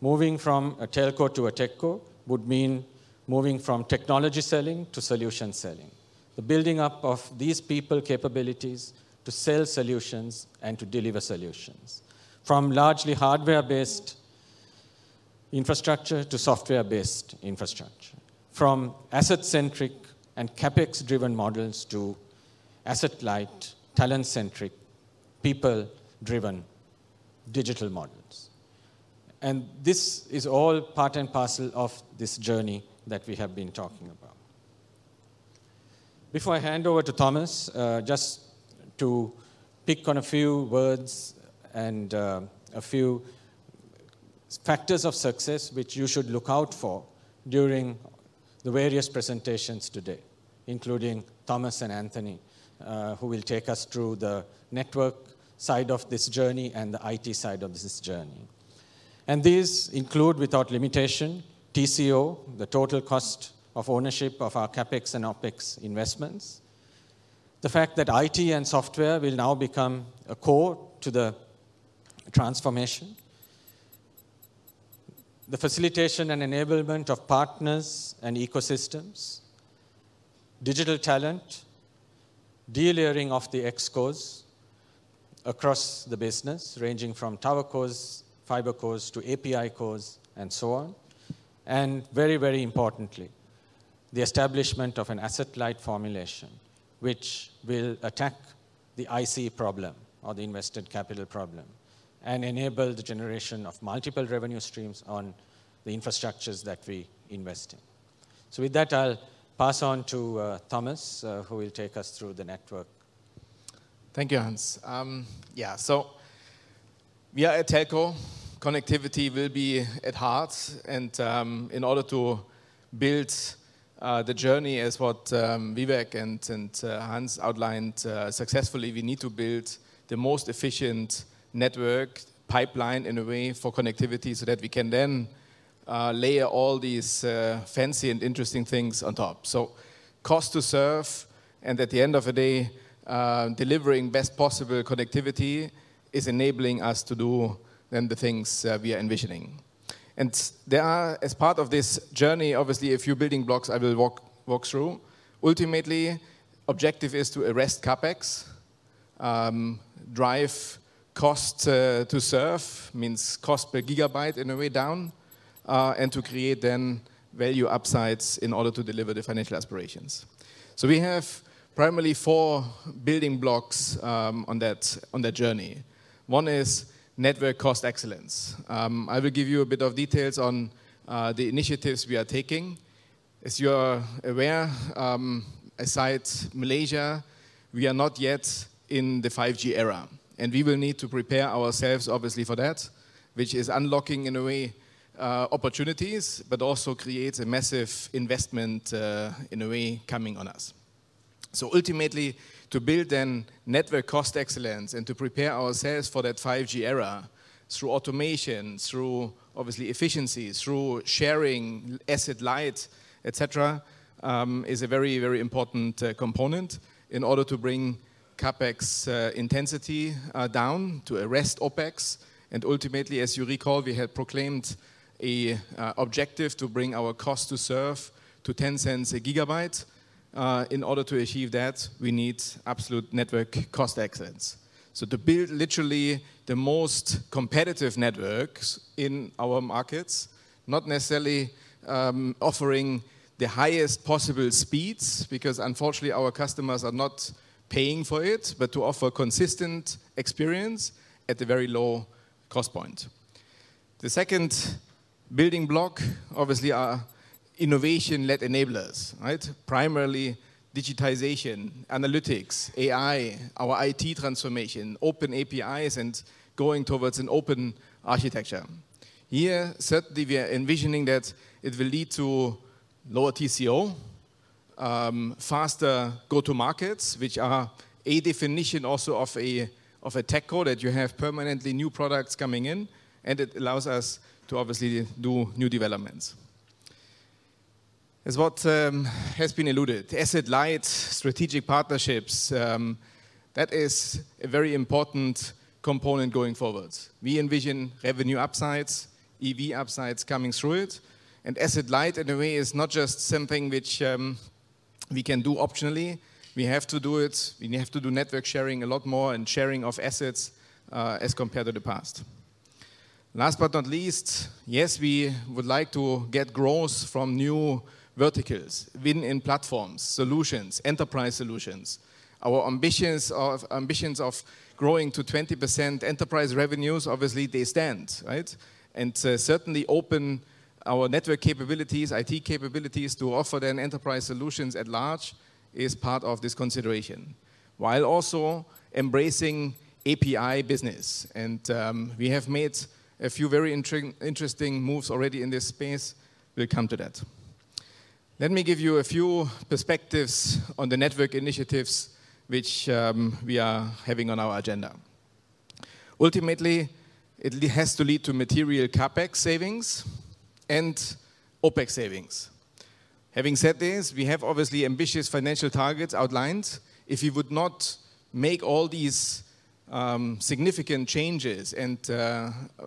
Moving from a telco to a TechCo would mean moving from technology selling to solution selling, the building up of these people capabilities to sell solutions and to deliver solutions, from largely hardware-based infrastructure to software-based infrastructure, from asset-centric and CapEx-driven models to asset-light, talent-centric, people-driven digital models. This is all part and parcel of this journey that we have been talking about. Before I hand over to Thomas, just to pick on a few words and a few factors of success which you should look out for during the various presentations today, including Thomas and Anthony, who will take us through the network side of this journey and the IT side of this journey. These include, without limitation, TCO, the total cost of ownership of our CapEx and OpEx investments, the fact that IT and software will now become a core to the transformation, the facilitation and enablement of partners and ecosystems, digital talent, delivering of the XCos across the business, ranging from TowerCos, FiberCos to API cores, and so on. Very, very importantly, the establishment of an asset-light formulation which will attack the IC problem or the invested capital problem and enable the generation of multiple revenue streams on the infrastructures that we invest in. With that, I'll pass on to Thomas, who will take us through the network. Thank you, Hans. Yeah, we are at telco. Connectivity will be at heart. In order to build the journey, as what Vivek and Hans outlined successfully, we need to build the most efficient network pipeline in a way for connectivity so that we can then layer all these fancy and interesting things on top. Cost to serve, and at the end of the day, delivering best possible connectivity is enabling us to do then the things we are envisioning. There are, as part of this journey, obviously a few building blocks I will walk through. Ultimately, the objective is to arrest CapEx, drive cost to serve, means cost per gigabyte in a way down, and to create then value upsides in order to deliver the financial aspirations. So we have primarily four building blocks on that journey. One is network cost excellence. I will give you a bit of details on the initiatives we are taking. As you are aware, aside from Malaysia, we are not yet in the 5G era. And we will need to prepare ourselves, obviously, for that, which is unlocking in a way opportunities, but also creates a massive investment in a way coming on us. So ultimately, to build then network cost excellence and to prepare ourselves for that 5G era through automation, through obviously efficiencies, through sharing asset light, etc., is a very, very important component in order to bring CapEx intensity down to arrest OpEx. Ultimately, as you recall, we had proclaimed an objective to bring our cost to serve to $0.10 a gigabyte. In order to achieve that, we need absolute network cost excellence. So to build literally the most competitive networks in our markets, not necessarily offering the highest possible speeds, because unfortunately, our customers are not paying for it, but to offer consistent experience at a very low cost point. The second building block, obviously, are innovation-led enablers, right? Primarily digitization, analytics, AI, our IT transformation, open APIs, and going towards an open architecture. Here, certainly, we are envisioning that it will lead to lower TCO, faster go-to-markets, which are a definition also of a tech core that you have permanently new products coming in, and it allows us to obviously do new developments. As what has been alluded, asset light, strategic partnerships, that is a very important component going forwards. We envision revenue upsides, EV upsides coming through it. And asset light, in a way, is not just something which we can do optionally. We have to do it. We have to do network sharing a lot more and sharing of assets as compared to the past. Last but not least, yes, we would like to get growth from new verticals, win-in platforms, solutions, enterprise solutions. Our ambitions of growing to 20% enterprise revenues, obviously, they stand, right? And certainly, open our network capabilities, IT capabilities to offer then enterprise solutions at large is part of this consideration, while also embracing API business. And we have made a few very interesting moves already in this space. We'll come to that. Let me give you a few perspectives on the network initiatives which we are having on our agenda. Ultimately, it has to lead to material CapEx savings and OpEx savings. Having said this, we have obviously ambitious financial targets outlined. If we would not make all these significant changes and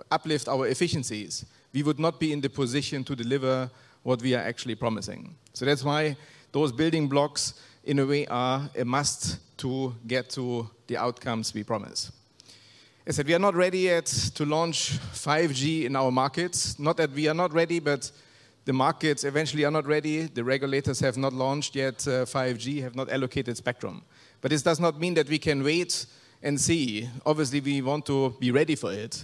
uplift our efficiencies, we would not be in the position to deliver what we are actually promising. So that's why those building blocks, in a way, are a must to get to the outcomes we promise. As I said, we are not ready yet to launch 5G in our markets. Not that we are not ready, but the markets eventually are not ready. The regulators have not launched yet 5G, have not allocated spectrum. But this does not mean that we can wait and see. Obviously, we want to be ready for it.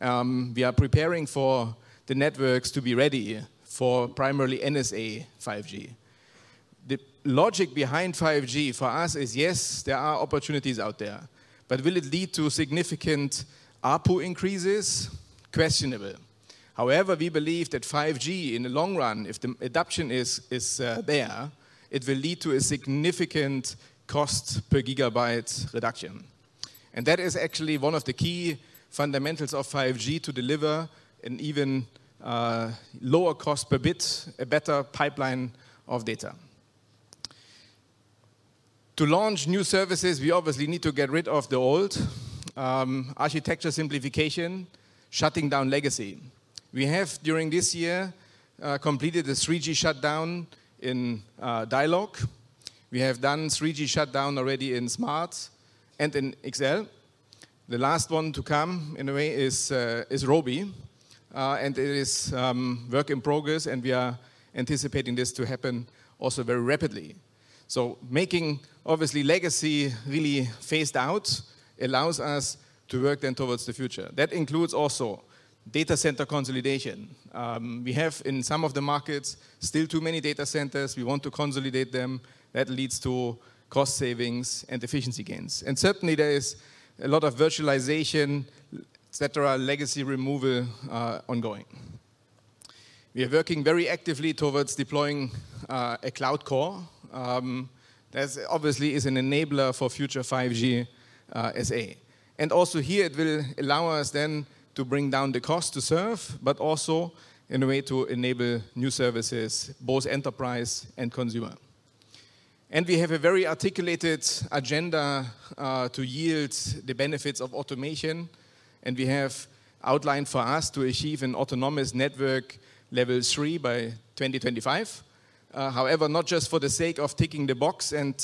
We are preparing for the networks to be ready for primarily NSA 5G. The logic behind 5G for us is, yes, there are opportunities out there, but will it lead to significant ARPU increases? Questionable. However, we believe that 5G, in the long run, if the adoption is there, it will lead to a significant cost per gigabyte reduction. And that is actually one of the key fundamentals of 5G to deliver an even lower cost per bit, a better pipeline of data. To launch new services, we obviously need to get rid of the old. Architecture simplification, shutting down legacy. We have, during this year, completed a 3G shutdown in Dialog. We have done 3G shutdown already in Smart and in XL. The last one to come, in a way, is Robi. And it is a work in progress, and we are anticipating this to happen also very rapidly. So, making legacy really phased out allows us to work then towards the future. That includes also data center consolidation. We have, in some of the markets, still too many data centers. We want to consolidate them. That leads to cost savings and efficiency gains. And certainly, there is a lot of virtualization, etc., legacy removal ongoing. We are working very actively towards deploying a cloud core. That, obviously, is an enabler for future 5G SA. And also here, it will allow us then to bring down the cost to serve, but also, in a way, to enable new services, both enterprise and consumer. And we have a very articulated agenda to yield the benefits of automation. And we have outlined for us to achieve an autonomous network level three by 2025. However, not just for the sake of ticking the box and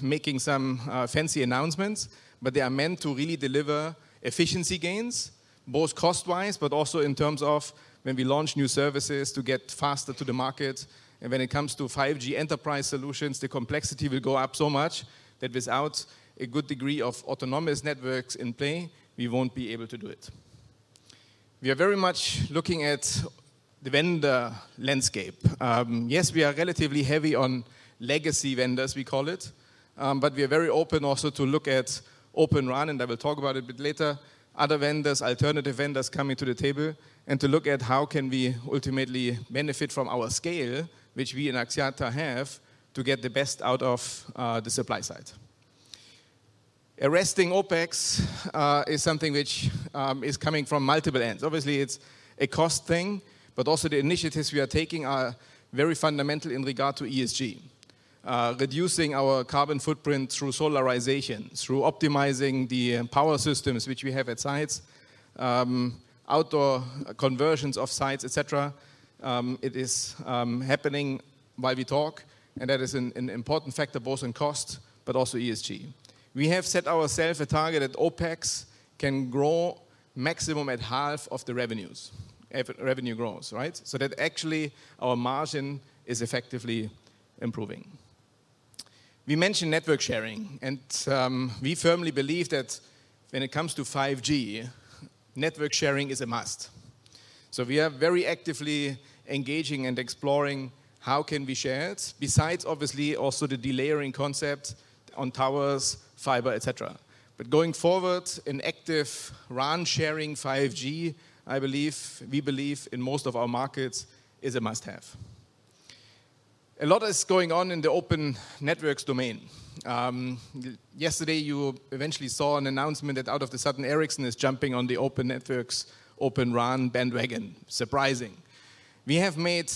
making some fancy announcements, but they are meant to really deliver efficiency gains, both cost-wise, but also in terms of when we launch new services to get faster to the market, and when it comes to 5G enterprise solutions, the complexity will go up so much that without a good degree of autonomous networks in play, we won't be able to do it. We are very much looking at the vendor landscape. Yes, we are relatively heavy on legacy vendors, we call it, but we are very open also to look at Open RAN, and I will talk about it a bit later, other vendors, alternative vendors coming to the table, and to look at how can we ultimately benefit from our scale, which we in Axiata have to get the best out of the supply side. Arresting OpEx is something which is coming from multiple ends. Obviously, it's a cost thing, but also the initiatives we are taking are very fundamental in regard to ESG. Reducing our carbon footprint through solarization, through optimizing the power systems which we have at sites, outdoor conversions of sites, etc., it is happening while we talk, and that is an important factor, both in cost but also ESG. We have set ourselves a target that OpEx can grow maximum at half of the revenues, revenue growth right, so that actually our margin is effectively improving. We mentioned network sharing, and we firmly believe that when it comes to 5G, network sharing is a must, so we are very actively engaging and exploring how can we share it, besides, obviously, also the delayering concept on towers, fiber, etc. But going forward, an active RAN sharing 5G, I believe, we believe in most of our markets, is a must-have. A lot is going on in the open networks domain. Yesterday, you eventually saw an announcement that out of the sudden, Ericsson is jumping on the open networks, open RAN bandwagon. Surprising. We have made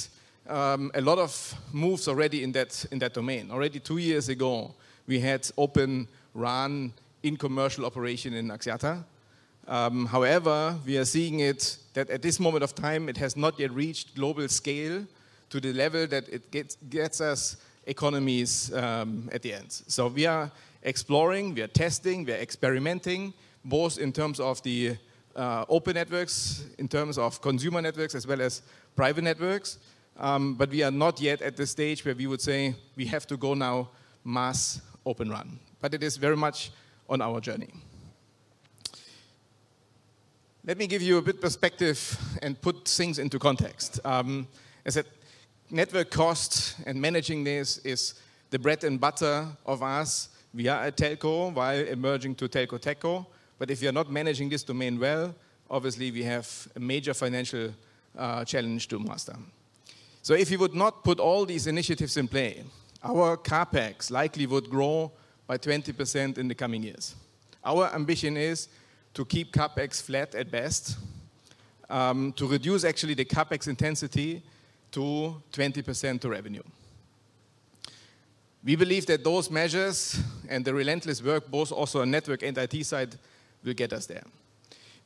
a lot of moves already in that domain. Already two years ago, we had open RAN in commercial operation in Axiata. However, we are seeing that at this moment of time, it has not yet reached global scale to the level that it gets us economies at the end. So we are exploring, we are testing, we are experimenting, both in terms of the open networks, in terms of consumer networks, as well as private networks. But we are not yet at the stage where we would say we have to go now mass Open RAN. But it is very much on our journey. Let me give you a bit of perspective and put things into context. As I said, network cost and managing this is the bread and butter of us. We are a telco while emerging to telco techco. But if you are not managing this domain well, obviously, we have a major financial challenge to master. So if you would not put all these initiatives in play, our CapEx likely would grow by 20% in the coming years. Our ambition is to keep CapEx flat at best, to reduce actually the CapEx intensity to 20% to revenue. We believe that those measures and the relentless work, both also on network and IT side, will get us there.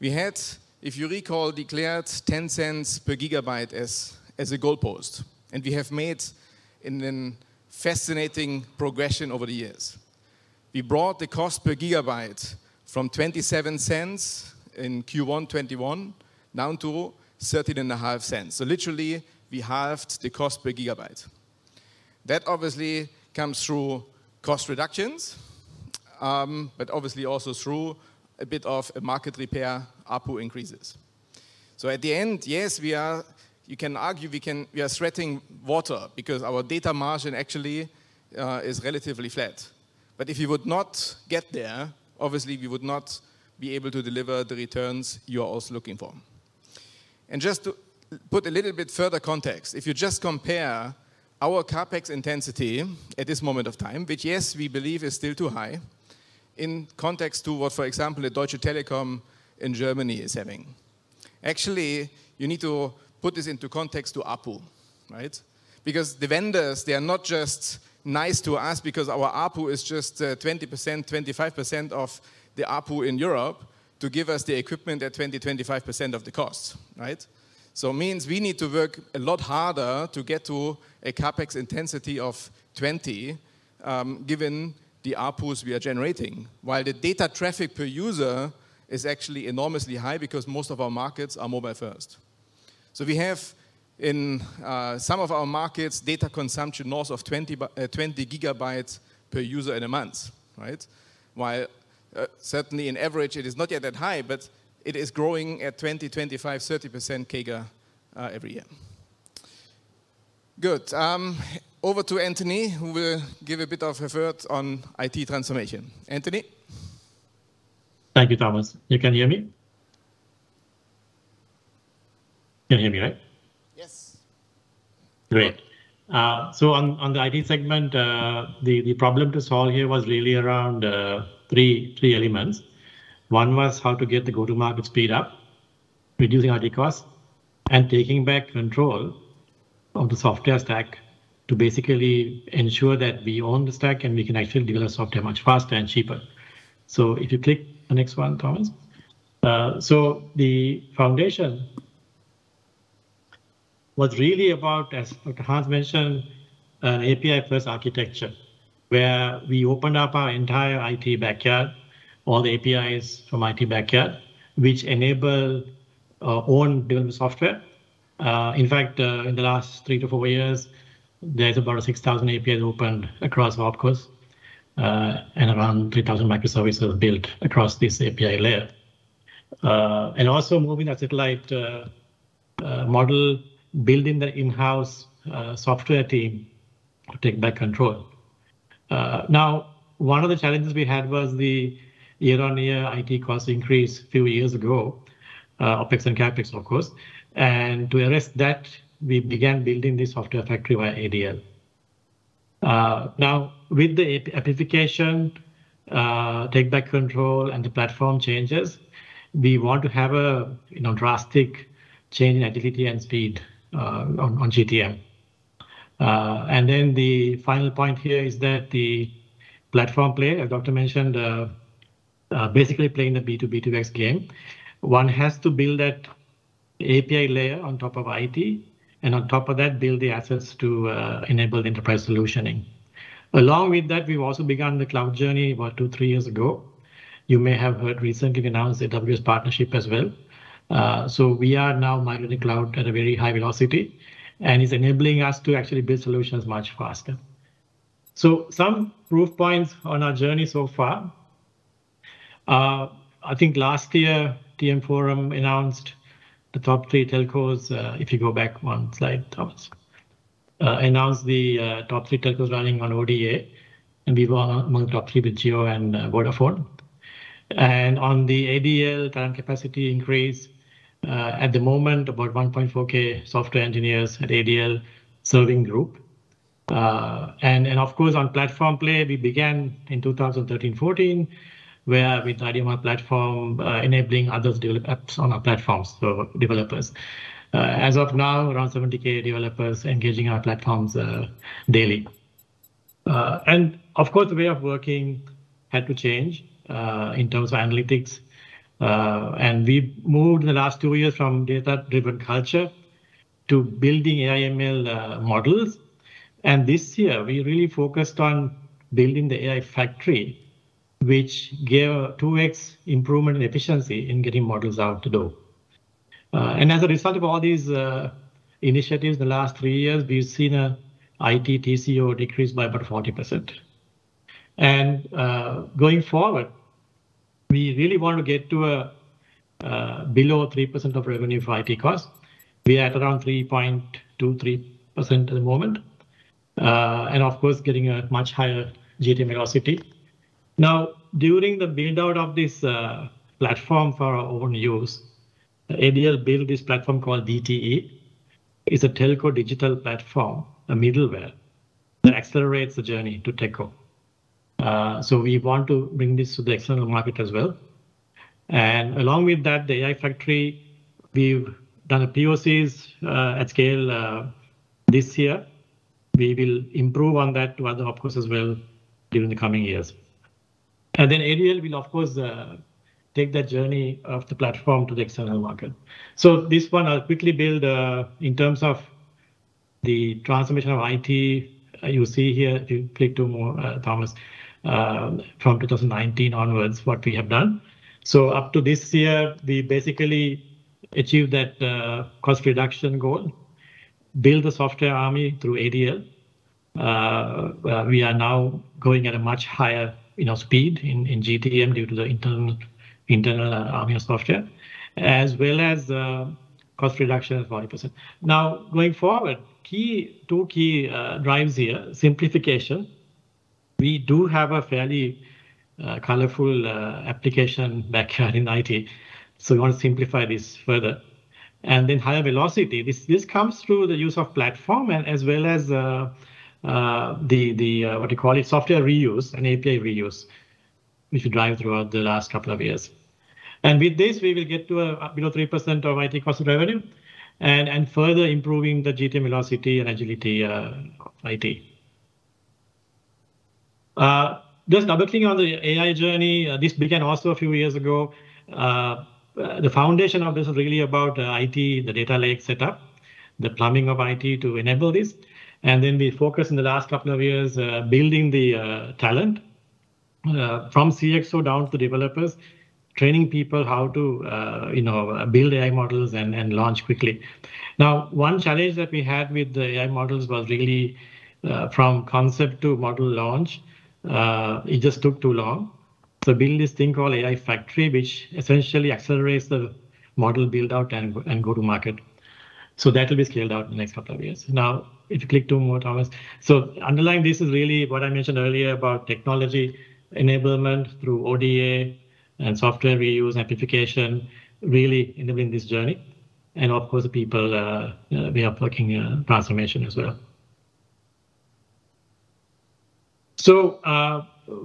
We had, if you recall, declared $0.10 per gigabyte as a goalpost, and we have made a fascinating progression over the years. We brought the cost per gigabyte from $0.27 in Q1 2021 down to $0.135. So literally, we halved the cost per gigabyte. That obviously comes through cost reductions, but obviously also through a bit of market repair, ARPU increases. So at the end, yes, we are, you can argue we are sweating assets because our data margin actually is relatively flat. But if you would not get there, obviously, we would not be able to deliver the returns you are also looking for. Just to put a little bit further context, if you just compare our CapEx intensity at this moment of time, which yes, we believe is still too high in context to what, for example, a Deutsche Telekom in Germany is having. Actually, you need to put this into context to APU, right? Because the vendors, they are not just nice to us because our APU is just 20%-25% of the APU in Europe to give us the equipment at 20%-25% of the cost, right? It means we need to work a lot harder to get to a CapEx intensity of 20 given the APUs we are generating, while the data traffic per user is actually enormously high because most of our markets are mobile-first. We have in some of our markets data consumption north of 20 gigabytes per user in a month, right? While certainly on average, it is not yet that high, but it is growing at 20%, 25%, 30% CAGR every year. Good. Over to Anthony, who will give a bit of a word on IT transformation. Anthony. Thank you, Thomas. You can hear me? Can you hear me, right? Yes. Great. So on the IT segment, the problem to solve here was really around three elements. One was how to get the go-to-market speed up, reducing IT costs, and taking back control of the software stack to basically ensure that we own the stack and we can actually develop software much faster and cheaper. So if you click the next one, Thomas. So the foundation was really about, as Hans mentioned, an API-first architecture where we opened up our entire IT backyard, all the APIs from IT backyard, which enable our own development software. In fact, in the last three to four years, there's about 6,000 APIs opened across OpCos and around 3,000 microservices built across this API layer. And also moving that satellite model, building the in-house software team to take back control. Now, one of the challenges we had was the year-on-year IT cost increase a few years ago, OpEx and CapEx, of course. And to address that, we began building the software factory via ADL. Now, with the amplification, take back control, and the platform changes, we want to have a drastic change in agility and speed on GTM. And then the final point here is that the platform player, as Dr. mentioned, basically playing the B2B2X game, one has to build that API layer on top of IT, and on top of that, build the assets to enable enterprise solutioning. Along with that, we've also begun the cloud journey about two, three years ago. You may have heard recently we announced AWS Partnership as well, so we are now migrating cloud at a very high velocity, and it's enabling us to actually build solutions much faster, so some proof points on our journey so far. I think last year, TM Forum announced the top three telcos. If you go back one slide, Thomas, announced the top three telcos running on ODA, and we were among the top three with Jio and Vodafone, and on the ADL, current capacity increase, at the moment, about 1.4K software engineers at ADL serving group, and of course, on platform play, we began in 2013, 2014, where with IDMR platform, enabling others to develop apps on our platforms, so developers, as of now, around 70K developers engaging our platforms daily. Of course, the way of working had to change in terms of analytics. We moved in the last two years from data-driven culture to building AI/ML models. This year, we really focused on building the AI factory, which gave a 2X improvement in efficiency in getting models out the door. As a result of all these initiatives in the last three years, we've seen an IT TCO decrease by about 40%. Going forward, we really want to get to below 3% of revenue for IT costs. We are at around 3.23% at the moment. Of course, getting a much higher GTM velocity. Now, during the build-out of this platform for our own use, ADL built this platform called DTE. It's a telco digital platform, a middleware that accelerates the journey to techco. We want to bring this to the external market as well. Along with that, the AI factory, we have done POCs at scale this year. We will improve on that to others, of course, as well during the coming years. Then ADL will, of course, take that journey of the platform to the external market. This one I will quickly build in terms of the transformation of IT. You see here. If you click to Thomas, from 2019 onwards, what we have done. Up to this year, we basically achieved that cost reduction goal, built the software army through ADL. We are now going at a much higher speed in GTM due to the internal army of software, as well as cost reduction of 40%. Now, going forward, two key drivers here, simplification. We do have a fairly colorful application backyard in IT. We want to simplify this further. And then higher velocity. This comes through the use of platform and as well as the, what do you call it, software reuse and API reuse, which we drive throughout the last couple of years. And with this, we will get to below 3% of IT cost revenue and further improving the GTM velocity and agility of IT. Just double-clicking on the AI journey, this began also a few years ago. The foundation of this is really about IT, the data lake setup, the plumbing of IT to enable this. And then we focus in the last couple of years building the talent from CXO down to the developers, training people how to build AI models and launch quickly. Now, one challenge that we had with the AI models was really from concept to model launch. It just took too long. So, build this thing called AI factory, which essentially accelerates the model build-out and go-to-market. So that will be scaled out in the next couple of years. Now, if you click to more, Thomas. So underlying this is really what I mentioned earlier about technology enablement through ODA and software reuse, amplification, really enabling this journey. And of course, the people we are working transformation as well. So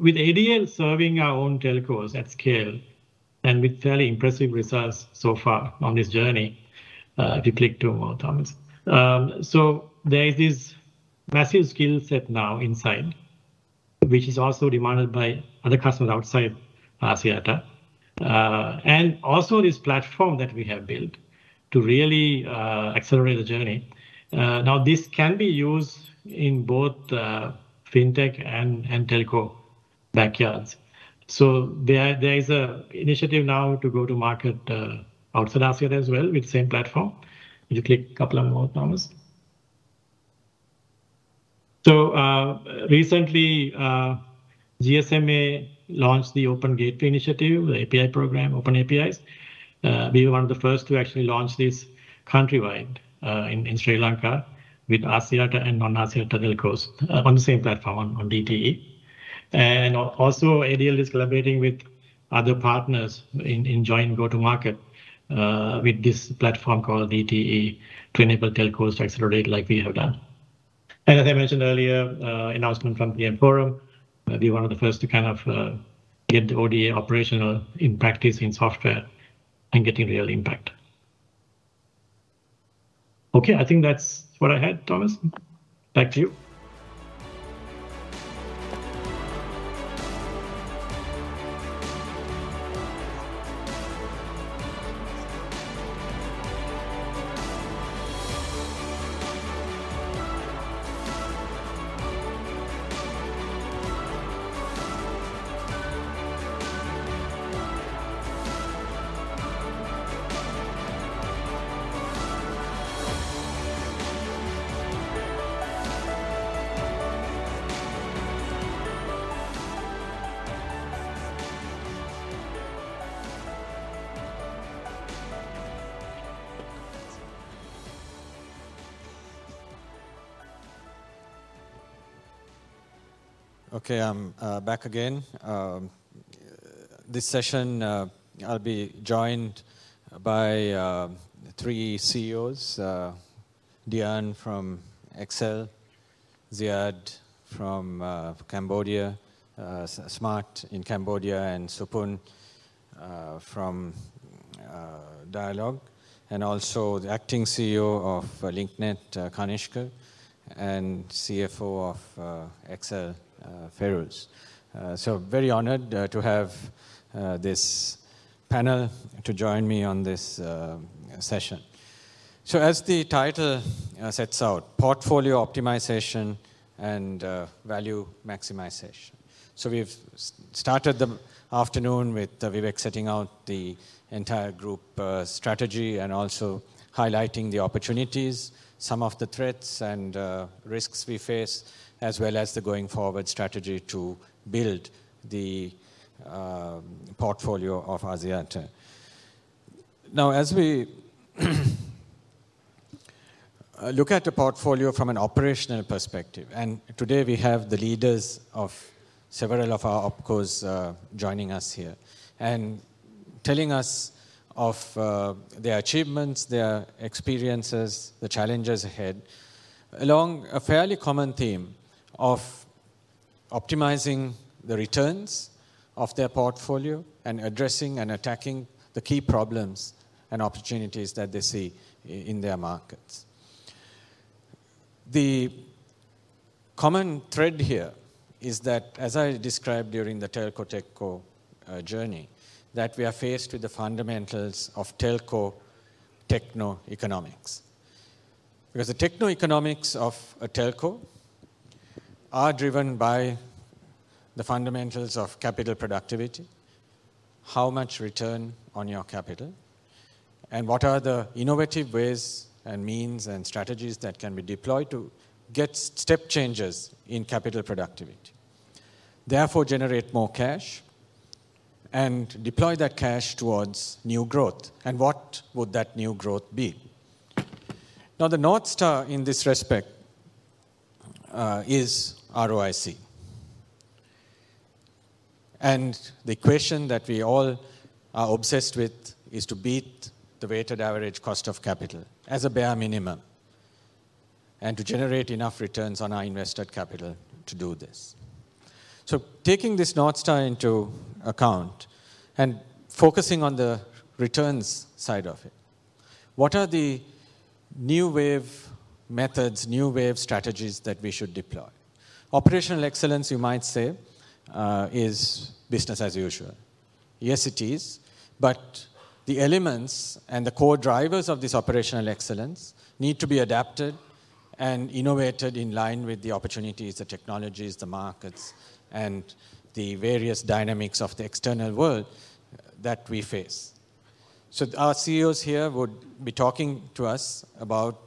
with ADL serving our own telcos at scale and with fairly impressive results so far on this journey, if you click to more, Thomas. So there is this massive skill set now inside, which is also demanded by other customers outside Axiata. And also this platform that we have built to really accelerate the journey. Now, this can be used in both fintech and telco backyards. So there is an initiative now to go-to-market outside Axiata as well with the same platform. If you click a couple more, Thomas. So recently, GSMA launched the Open Gateway Initiative, the API program, Open APIs. We were one of the first to actually launch this countrywide in Sri Lanka with Axiata and non-Axiata telcos on the same platform on DTE. And also ADL is collaborating with other partners in joint go-to-market with this platform called DTE to enable telcos to accelerate like we have done. And as I mentioned earlier, announcement from TM Forum, we were one of the first to kind of get the ODA operational in practice in software and getting real impact. Okay, I think that's what I had, Thomas. Back to you. Okay, I'm back again. This session, I'll be joined by three CEOs, Dian from XL, Ziad from Cambodia, Smart in Cambodia, and Supun from Dialog, and also the acting CEO of Link Net, Kanishka, and CFO of XL, Feiruz. So very honored to have this panel to join me on this session. So as the title sets out, portfolio optimization and value maximization. So we've started the afternoon with Vivek setting out the entire group strategy and also highlighting the opportunities, some of the threats and risks we face, as well as the going forward strategy to build the portfolio of Axiata. Now, as we look at a portfolio from an operational perspective, and today we have the leaders of several of our OpCos joining us here and telling us of their achievements, their experiences, the challenges ahead along a fairly common theme of optimizing the returns of their portfolio and addressing and attacking the key problems and opportunities that they see in their markets. The common thread here is that, as I described during the telco-techco journey, that we are faced with the fundamentals of telco techno-economics. Because the techno-economics of a telco are driven by the fundamentals of capital productivity, how much return on your capital, and what are the innovative ways and means and strategies that can be deployed to get step changes in capital productivity, therefore generate more cash and deploy that cash towards new growth. And what would that new growth be? Now, the North Star in this respect is ROIC. And the equation that we all are obsessed with is to beat the weighted average cost of capital as a bare minimum and to generate enough returns on our invested capital to do this. So taking this North Star into account and focusing on the returns side of it, what are the new wave methods, new wave strategies that we should deploy? Operational excellence, you might say, is business as usual. Yes, it is. But the elements and the core drivers of this operational excellence need to be adapted and innovated in line with the opportunities, the technologies, the markets, and the various dynamics of the external world that we face. So our CEOs here would be talking to us about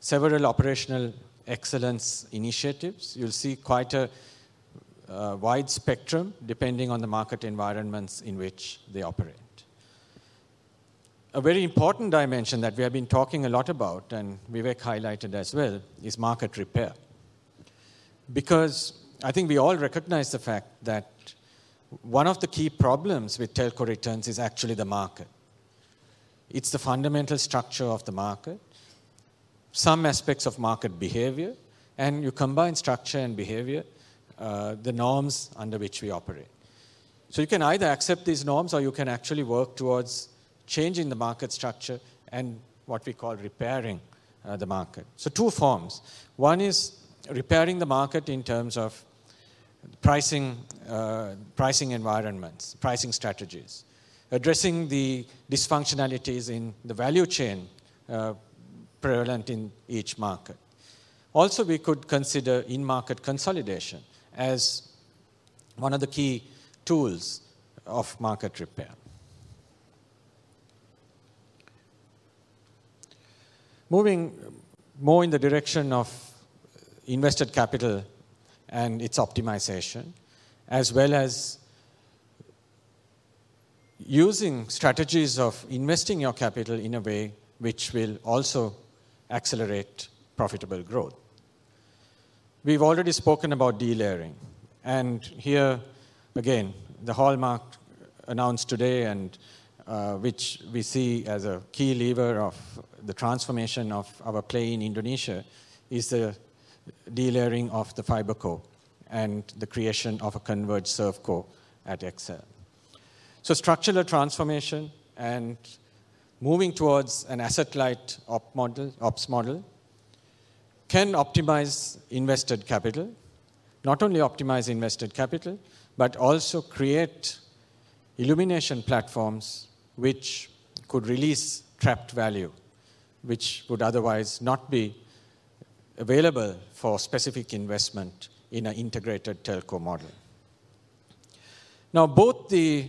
several operational excellence initiatives. You'll see quite a wide spectrum depending on the market environments in which they operate. A very important dimension that we have been talking a lot about and Vivek highlighted as well is market repair. Because I think we all recognize the fact that one of the key problems with telco returns is actually the market. It's the fundamental structure of the market, some aspects of market behavior, and you combine structure and behavior, the norms under which we operate. So you can either accept these norms or you can actually work towards changing the market structure and what we call repairing the market. So two forms. One is repairing the market in terms of pricing environments, pricing strategies, addressing the dysfunctionalities in the value chain prevalent in each market. Also, we could consider in-market consolidation as one of the key tools of market repair. Moving more in the direction of invested capital and its optimization, as well as using strategies of investing your capital in a way which will also accelerate profitable growth. We've already spoken about de-layering. And here, again, the hallmark announced today, which we see as a key lever of the transformation of our play in Indonesia, is the de-layering of the FiberCo and the creation of a converged ServeCo at XL. Structural transformation and moving towards an asset-light ops model can optimize invested capital, not only optimize invested capital, but also create illumination platforms which could release trapped value, which would otherwise not be available for specific investment in an integrated telco model. Now, both the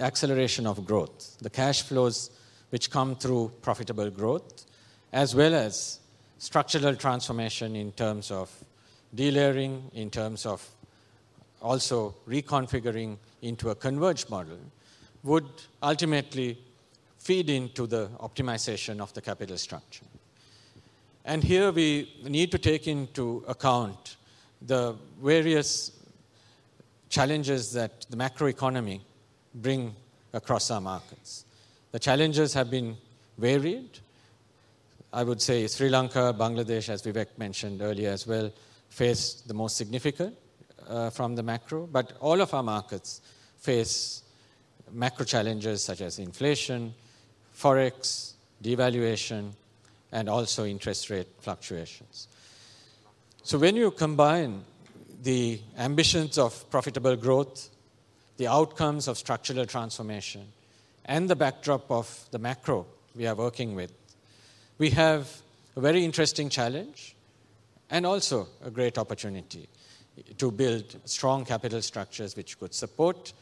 acceleration of growth, the cash flows which come through profitable growth, as well as structural transformation in terms of delayering, in terms of also reconfiguring into a converged model, would ultimately feed into the optimization of the capital structure, and here we need to take into account the various challenges that the macroeconomy brings across our markets. The challenges have been varied. I would say Sri Lanka, Bangladesh, as Vivek mentioned earlier as well, faced the most significant from the macro, but all of our markets face macro challenges such as inflation, forex, devaluation, and also interest rate fluctuations. So when you combine the ambitions of profitable growth, the outcomes of structural transformation, and the backdrop of the macro we are working with, we have a very interesting challenge and also a great opportunity to build strong capital structures which could support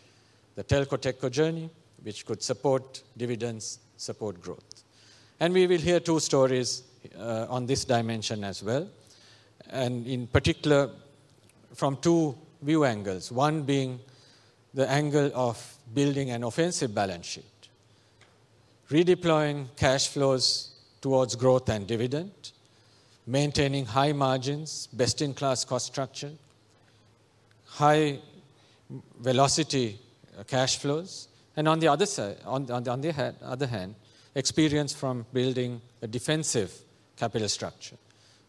the telco-techco journey, which could support dividends, support growth. And we will hear two stories on this dimension as well, and in particular from two view angles, one being the angle of building an offensive balance sheet, redeploying cash flows towards growth and dividend, maintaining high margins, best-in-class cost structure, high-velocity cash flows. And on the other side, on the other hand, experience from building a defensive capital structure,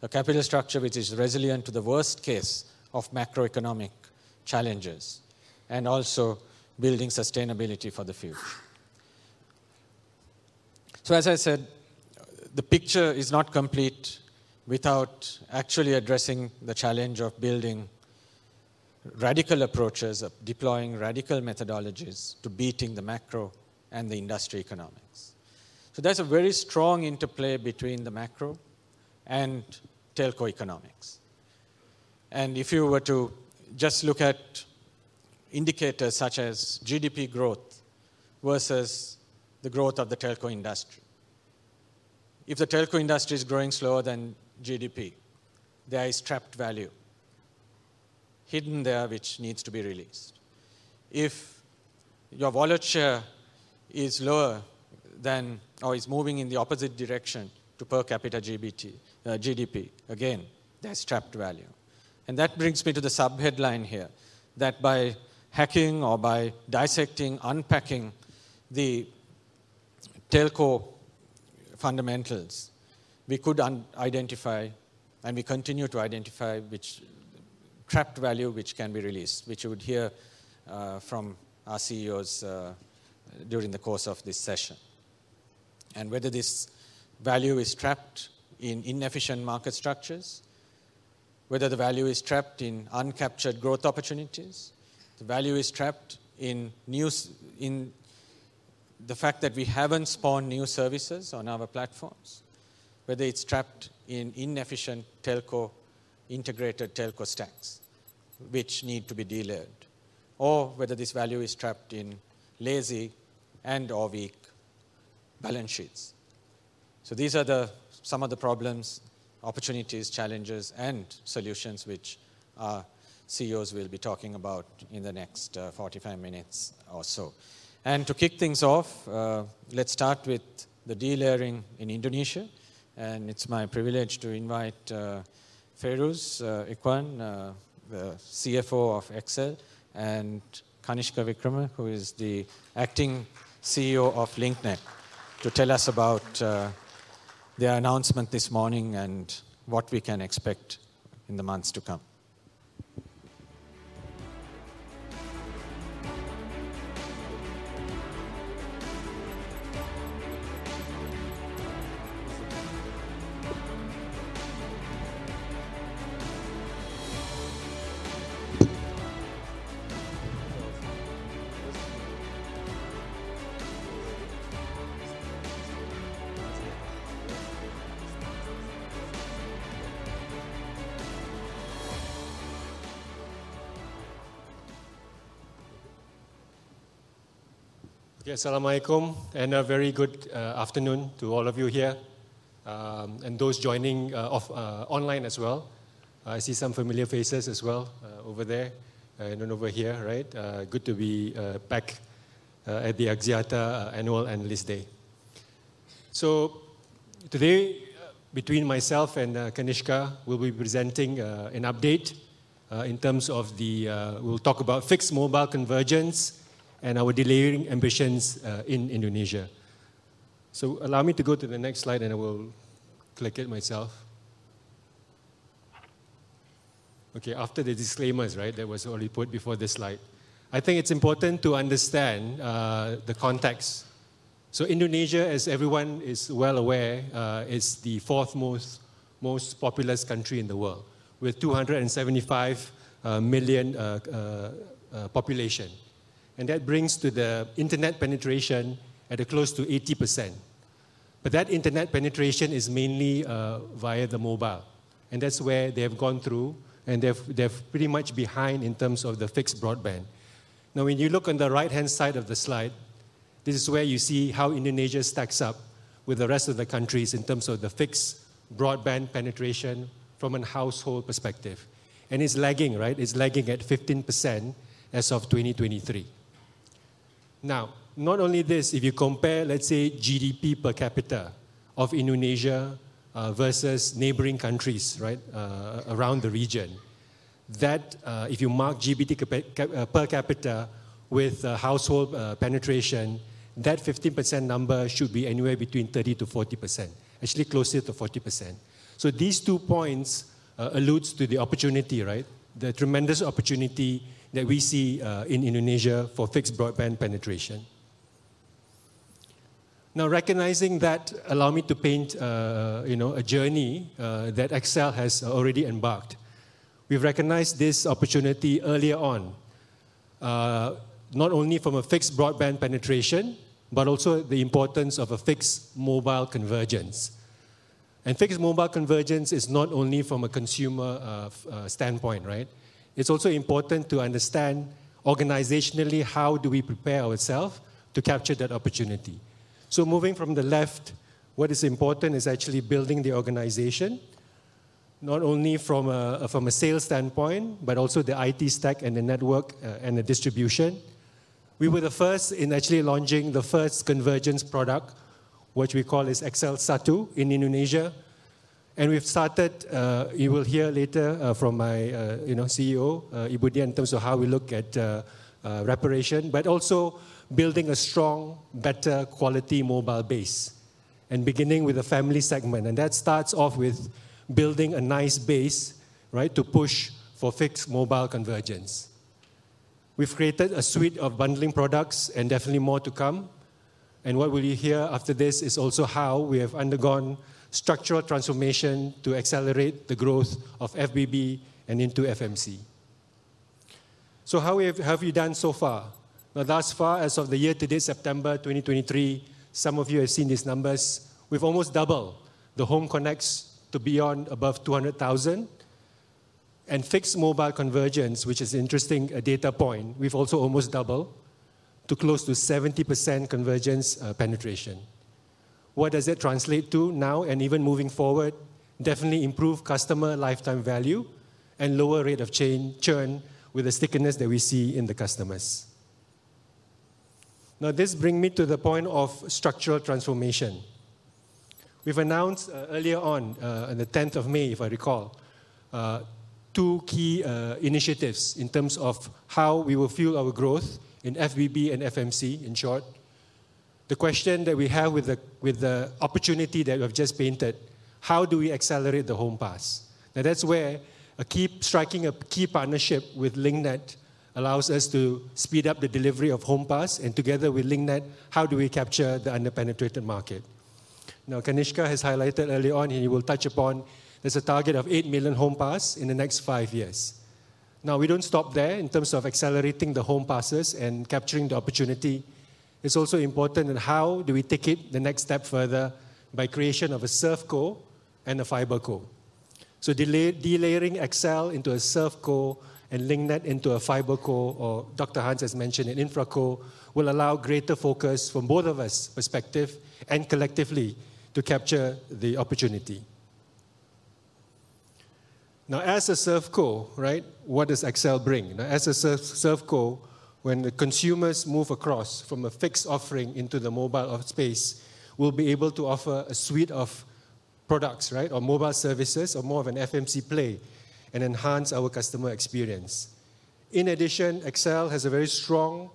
a capital structure which is resilient to the worst case of macroeconomic challenges and also building sustainability for the future. So as I said, the picture is not complete without actually addressing the challenge of building radical approaches, of deploying radical methodologies to beating the macro and the industry economics. So there's a very strong interplay between the macro and telco economics. And if you were to just look at indicators such as GDP growth versus the growth of the telco industry, if the telco industry is growing slower than GDP, there is trapped value hidden there which needs to be released. If your mobile share is lower than or is moving in the opposite direction to per capita GDP, again, there's trapped value. And that brings me to the subheadline here that by hacking or by dissecting, unpacking the telco fundamentals, we could identify and we continue to identify which trapped value can be released, which you would hear from our CEOs during the course of this session. Whether this value is trapped in inefficient market structures, whether the value is trapped in uncaptured growth opportunities, the value is trapped in the fact that we haven't spawned new services on our platforms, whether it's trapped in inefficient telco integrated telco stacks which need to be de-layered, or whether this value is trapped in lazy and/or weak balance sheets. So these are some of the problems, opportunities, challenges, and solutions which our CEOs will be talking about in the next 45 minutes or so. And to kick things off, let's start with the de-layering in Indonesia. And it's my privilege to invite Feiruz Ikhwan, the CFO of XL, and Kanishka Wickrama, who is the acting CEO of Link Net, to tell us about their announcement this morning and what we can expect in the months to come. Okay, Assalamualaikum and a very good afternoon to all of you here and those joining online as well. I see some familiar faces as well over there and over here, right? Good to be back at the Axiata annual analyst day. So today, between myself and Kanishka, we'll be presenting an update in terms of the we'll talk about fixed mobile convergence and our de-layering ambitions in Indonesia, so allow me to go to the next slide and I will click it myself. Okay, after the disclaimers, right? That was already put before this slide. I think it's important to understand the context, so Indonesia, as everyone is well aware, is the fourth most populous country in the world with 275 million population, and that brings to the internet penetration at close to 80%. But that internet penetration is mainly via the mobile. That's where they have gone through and they're pretty much behind in terms of the fixed broadband. Now, when you look on the right-hand side of the slide, this is where you see how Indonesia stacks up with the rest of the countries in terms of the fixed broadband penetration from a household perspective. And it's lagging, right? It's lagging at 15% as of 2023. Now, not only this, if you compare, let's say, GDP per capita of Indonesia versus neighboring countries, right, around the region, that if you mark GDP per capita with household penetration, that 15% number should be anywhere between 30%-40%, actually closer to 40%. So these two points allude to the opportunity, right? The tremendous opportunity that we see in Indonesia for fixed broadband penetration. Now, recognizing that, allow me to paint a journey that XL has already embarked. We've recognized this opportunity earlier on, not only from a fixed broadband penetration, but also the importance of a fixed mobile convergence. And fixed mobile convergence is not only from a consumer standpoint, right? It's also important to understand organizationally how do we prepare ourselves to capture that opportunity. So moving from the left, what is important is actually building the organization, not only from a sales standpoint, but also the IT stack and the network and the distribution. We were the first in actually launching the first convergence product, which we call XL SATU in Indonesia. And we've started, you will hear later from my CEO, Ibu Dian, in terms of how we look at preparation, but also building a strong, better quality mobile base and beginning with a family segment. And that starts off with building a nice base, right, to push for fixed mobile convergence. We've created a suite of bundling products and definitely more to come. And what we will hear after this is also how we have undergone structural transformation to accelerate the growth of FBB and into FMC. So how have we done so far? Well, thus far, as of the year today, September 2023, some of you have seen these numbers. We've almost doubled the home connects to beyond above 200,000. And fixed mobile convergence, which is an interesting data point, we've also almost doubled to close to 70% convergence penetration. What does it translate to now and even moving forward? Definitely improve customer lifetime value and lower rate of churn with the stickiness that we see in the customers. Now, this brings me to the point of structural transformation. We've announced earlier on, on the 10th of May, if I recall, two key initiatives in terms of how we will fuel our growth in FBB and FMC, in short. The question that we have with the opportunity that we've just painted, how do we accelerate the home pass? Now, that's where striking a key partnership with Link Net allows us to speed up the delivery of home pass. And together with Link Net, how do we capture the under-penetrated market? Now, Kanishka has highlighted early on, and he will touch upon, there's a target of eight million home passes in the next five years. Now, we don't stop there in terms of accelerating the home passes and capturing the opportunity. It's also important that how do we take it the next step further by creation of a ServeCo and a FiberCo. De-layering XL into a ServeCo and Link Net into a FiberCo, or Dr. Hans has mentioned an InfraCo, will allow greater focus from both of us' perspective and collectively to capture the opportunity. Now, as a ServeCo, right, what does XL bring? Now, as a ServeCo, when the consumers move across from a fixed offering into the mobile space, we'll be able to offer a suite of products, right, or mobile services, or more of an FMC play and enhance our customer experience. In addition, XL has a very strong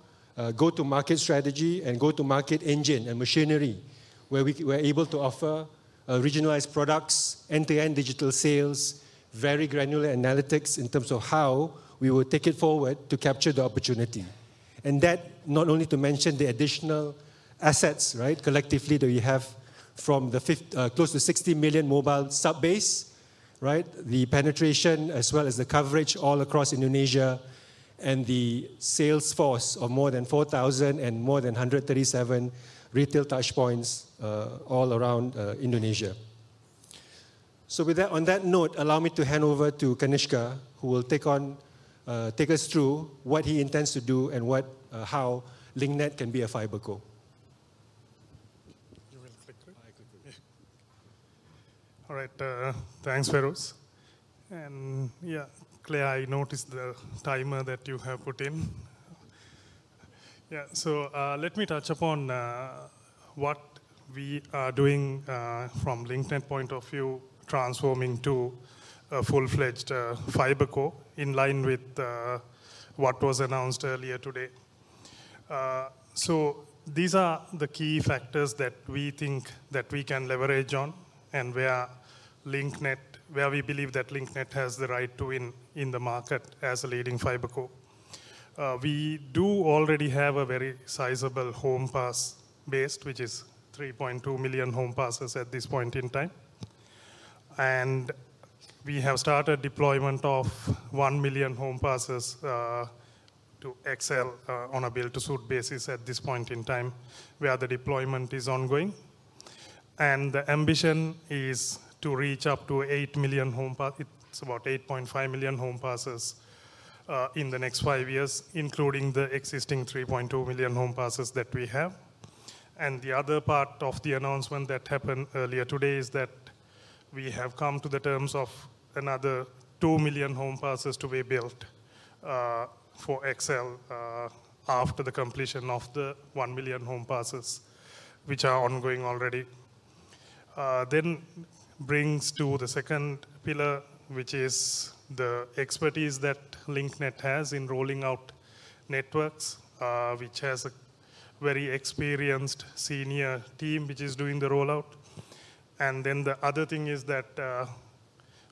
go-to-market strategy and go-to-market engine and machinery where we are able to offer regionalized products, end-to-end digital sales, very granular analytics in terms of how we will take it forward to capture the opportunity. That, not only to mention the additional assets, right, collectively that we have from the close to 60 million mobile subbase, right, the penetration as well as the coverage all across Indonesia and the sales force of more than 4,000 and more than 137 retail touchpoints all around Indonesia. With that, on that note, allow me to hand over to Kanishka, who will take us through what he intends to do and how Link Net can be a fiber core. You will click it? I clicked it. All right, thanks, Feiruz. Yeah, Claire, I noticed the timer that you have put in. Yeah, so let me touch upon what we are doing from Link Net point of view, transforming to a full-fledged fiber core in line with what was announced earlier today. These are the key factors that we think that we can leverage on and where we believe that Link Net has the right to win in the market as a leading fiber core. We do already have a very sizable home passes base, which is 3.2 million home passes at this point in time. And we have started deployment of one million home passes to XL on a build-to-suit basis at this point in time where the deployment is ongoing. And the ambition is to reach up to eight million home passes. It's about 8.5 million home passes in the next five years, including the existing 3.2 million home passes that we have. And the other part of the announcement that happened earlier today is that we have come to the terms of another 2 million home passes to be built for XL after the completion of the 1 million home passes, which are ongoing already. Then brings to the second pillar, which is the expertise that Link Net has in rolling out networks, which has a very experienced senior team which is doing the rollout. And then the other thing is that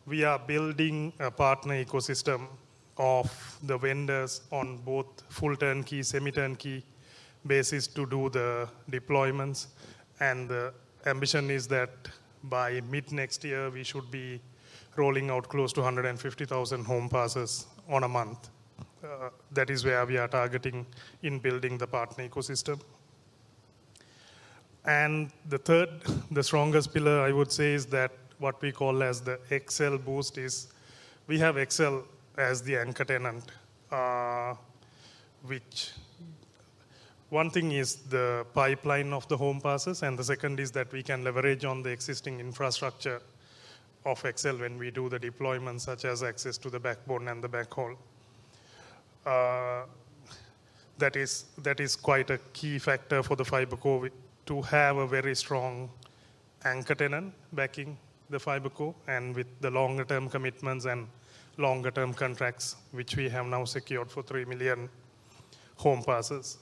we are building a partner ecosystem of the vendors on both full turnkey, semi turnkey basis to do the deployments. And the ambition is that by mid next year, we should be rolling out close to 150,000 home passes on a month. That is where we are targeting in building the partner ecosystem. And the third, the strongest pillar, I would say, is that what we call as the XL boost is we have XL as the anchor tenant, which one thing is the pipeline of the home passes, and the second is that we can leverage on the existing infrastructure of XL when we do the deployment, such as access to the backbone and the backhaul. That is quite a key factor for the fiber core to have a very strong anchor tenant backing the fiber core and with the longer-term commitments and longer-term contracts, which we have now secured for three million home passes,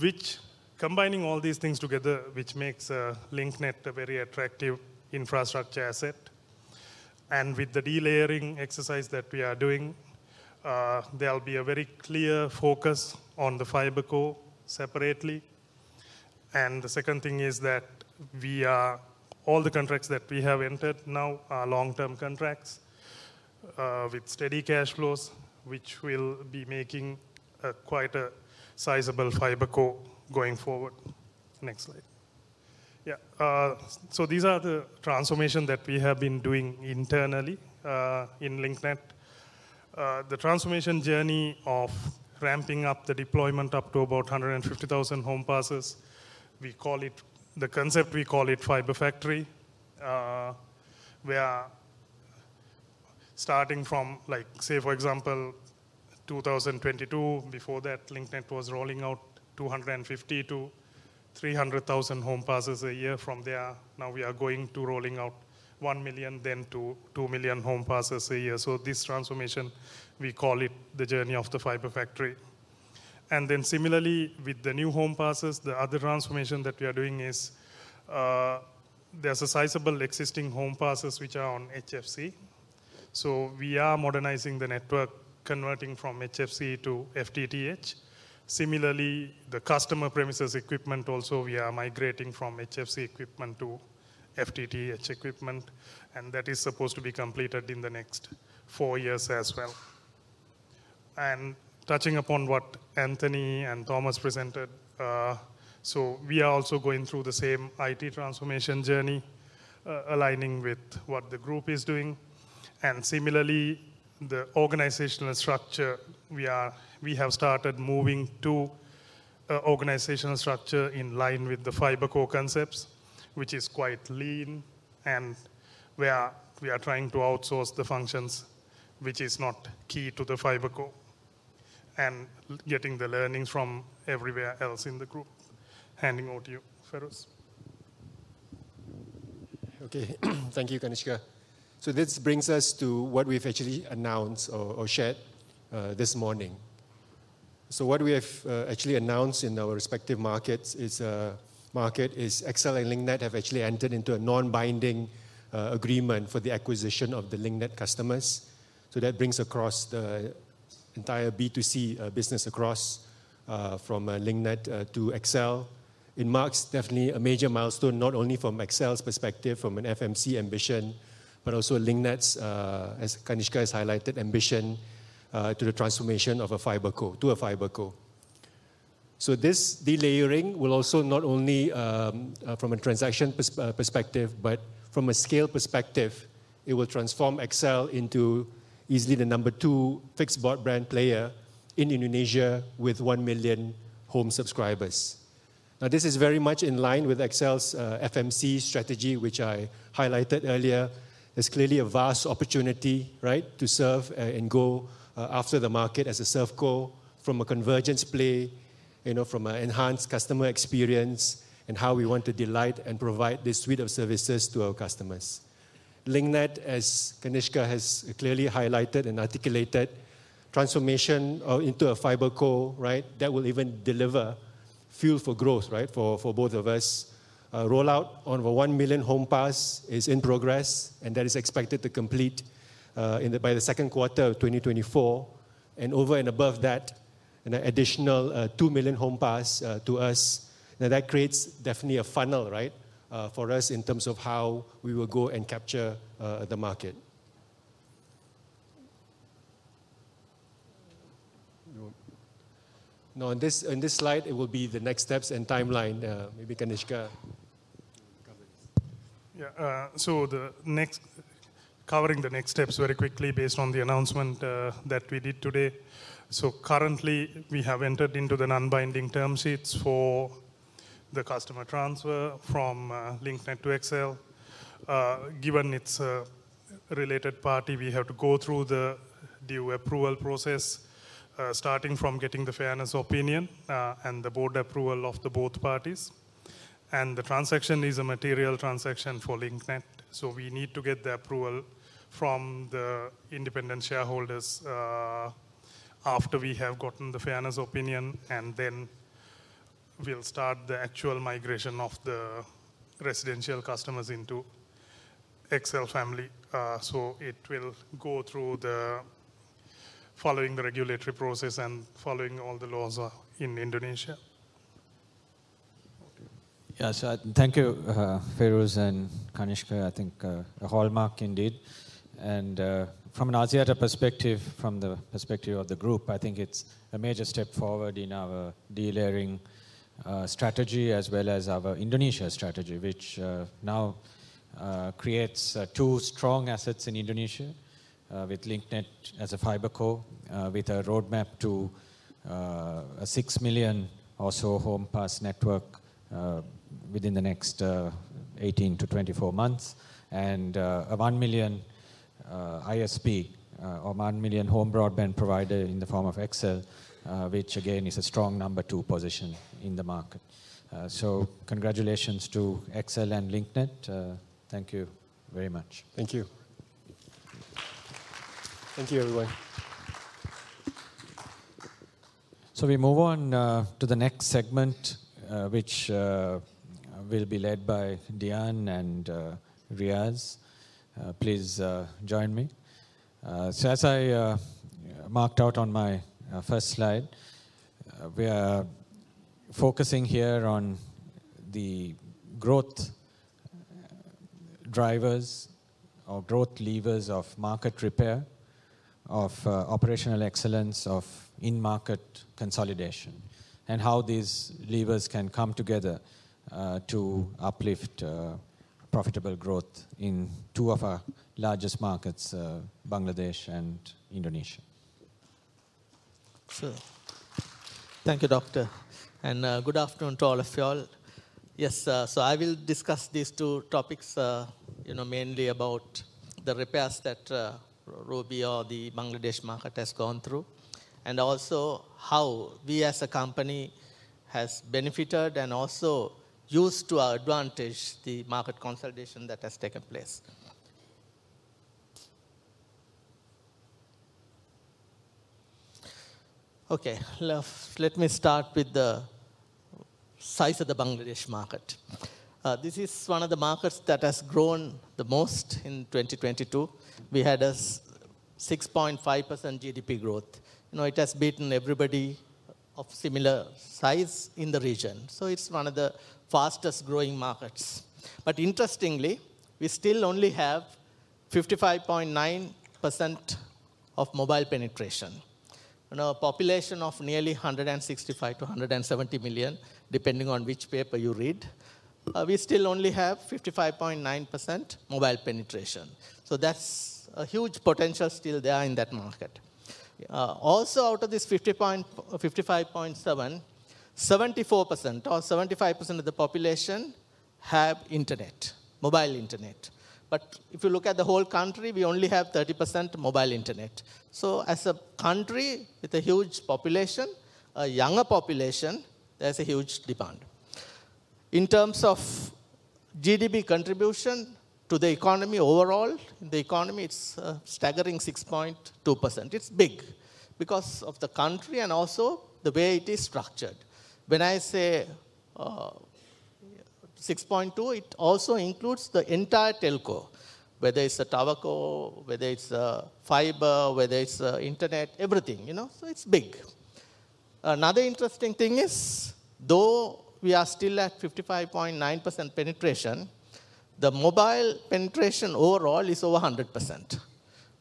which combining all these things together, which makes Link Net a very attractive infrastructure asset. And with the delayering exercise that we are doing, there'll be a very clear focus on the fiber core separately. The second thing is that all the contracts that we have entered now are long-term contracts with steady cash flows, which will be making quite a sizable fiber core going forward. Next slide. Yeah, so these are the transformations that we have been doing internally in Link Net. The transformation journey of ramping up the deployment up to about 150,000 home passes, the concept we call it fiber factory, where starting from, like, say, for example, 2022, before that, Link Net was rolling out 250,000 to 300,000 home passes a year from there. Now we are going to rolling out 1 million, then to 2 million home passes a year. So this transformation, we call it the journey of the fiber factory. Then similarly, with the new home passes, the other transformation that we are doing is there's a sizable existing home passes which are on HFC. We are modernizing the network, converting from HFC to FTTH. Similarly, the customer premises equipment also, we are migrating from HFC equipment to FTTH equipment. That is supposed to be completed in the next four years as well. Touching upon what Anthony and Thomas presented, we are also going through the same IT transformation journey, aligning with what the group is doing. Similarly, the organizational structure, we have started moving to an organizational structure in line with the FiberCo concepts, which is quite lean, and where we are trying to outsource the functions, which is not key to the FiberCo, and getting the learnings from everywhere else in the group. Handing over to you, Feiruz. Okay, thank you, Kanishka. This brings us to what we've actually announced or shared this morning. What we have actually announced in our respective markets is XL and Link Net have actually entered into a non-binding agreement for the acquisition of the Link Net customers. That brings across the entire B2C business across from Link Net to XL. It marks definitely a major milestone, not only from XL's perspective, from an FMC ambition, but also Link Net's, as Kanishka has highlighted, ambition to the transformation of a FiberCo to a FiberCo. This delayering will also not only from a transaction perspective, but from a scale perspective, it will transform XL into easily the number two fixed broadband player in Indonesia with one million home subscribers. Now, this is very much in line with XL's FMC strategy, which I highlighted earlier. There's clearly a vast opportunity, right, to serve and go after the market as a ServeCo from a convergence play, you know, from an enhanced customer experience and how we want to delight and provide this suite of services to our customers. Link Net, as Kanishka has clearly highlighted and articulated, transformation into a FiberCo, right, that will even deliver fuel for growth, right, for both of us. Rollout on over 1 million home passes is in progress, and that is expected to complete by the second quarter of 2024, and over and above that, an additional 2 million home passes to us, and that creates definitely a funnel, right, for us in terms of how we will go and capture the market. Now, in this slide, it will be the next steps and timeline. Maybe Kanishka. Yeah, so covering the next steps very quickly based on the announcement that we did today. So currently, we have entered into the non-binding term sheets for the customer transfer from Link Net to XL. Given its related party, we have to go through the due approval process, starting from getting the fairness opinion and the board approval of both parties. And the transaction is a material transaction for Link Net. So we need to get the approval from the independent shareholders after we have gotten the fairness opinion, and then we'll start the actual migration of the residential customers into XL family. So it will go through following the regulatory process and following all the laws in Indonesia. Yeah, so thank you, Feiruz and Kanishka. I think a hallmark indeed. And from an ASEAT perspective, from the perspective of the group, I think it's a major step forward in our delayering strategy as well as our Indonesia strategy, which now creates two strong assets in Indonesia with Link Net as a FiberCo, with a roadmap to a 6 million or so home pass network within the next 18-24 months, and a 1 million ISP or 1 million home broadband provider in the form of XL, which again is a strong number two position in the market. So congratulations to XL and Link Net. Thank you very much. Thank you. Thank you, everyone. So we move on to the next segment, which will be led by Dian and Riyaaz. Please join me. As I marked out on my first slide, we are focusing here on the growth drivers or growth levers of market repair, of operational excellence, of in-market consolidation, and how these levers can come together to uplift profitable growth in two of our largest markets, Bangladesh and Indonesia. Thank you, Doctor. Good afternoon to all of you all. Yes, so I will discuss these two topics, you know, mainly about the repairs that Robi or the Bangladesh market has gone through, and also how we as a company have benefited and also used to our advantage the market consolidation that has taken place. Okay, let me start with the size of the Bangladesh market. This is one of the markets that has grown the most in 2022. We had a 6.5% GDP growth. You know, it has beaten everybody of similar size in the region. It's one of the fastest growing markets. But interestingly, we still only have 55.9% of mobile penetration. You know, a population of nearly 165-170 million, depending on which paper you read, we still only have 55.9% mobile penetration. So that's a huge potential still there in that market. Also, out of this 55.7%, 74% or 75% of the population have internet, mobile internet. But if you look at the whole country, we only have 30% mobile internet. So as a country with a huge population, a younger population, there's a huge demand. In terms of GDP contribution to the economy overall, the economy, it's a staggering 6.2%. It's big because of the country and also the way it is structured. When I say 6.2, it also includes the entire telco, whether it's a TowerCo, whether it's a FiberCo, whether it's internet, everything, you know. So it's big. Another interesting thing is, though we are still at 55.9% penetration, the mobile penetration overall is over 100%.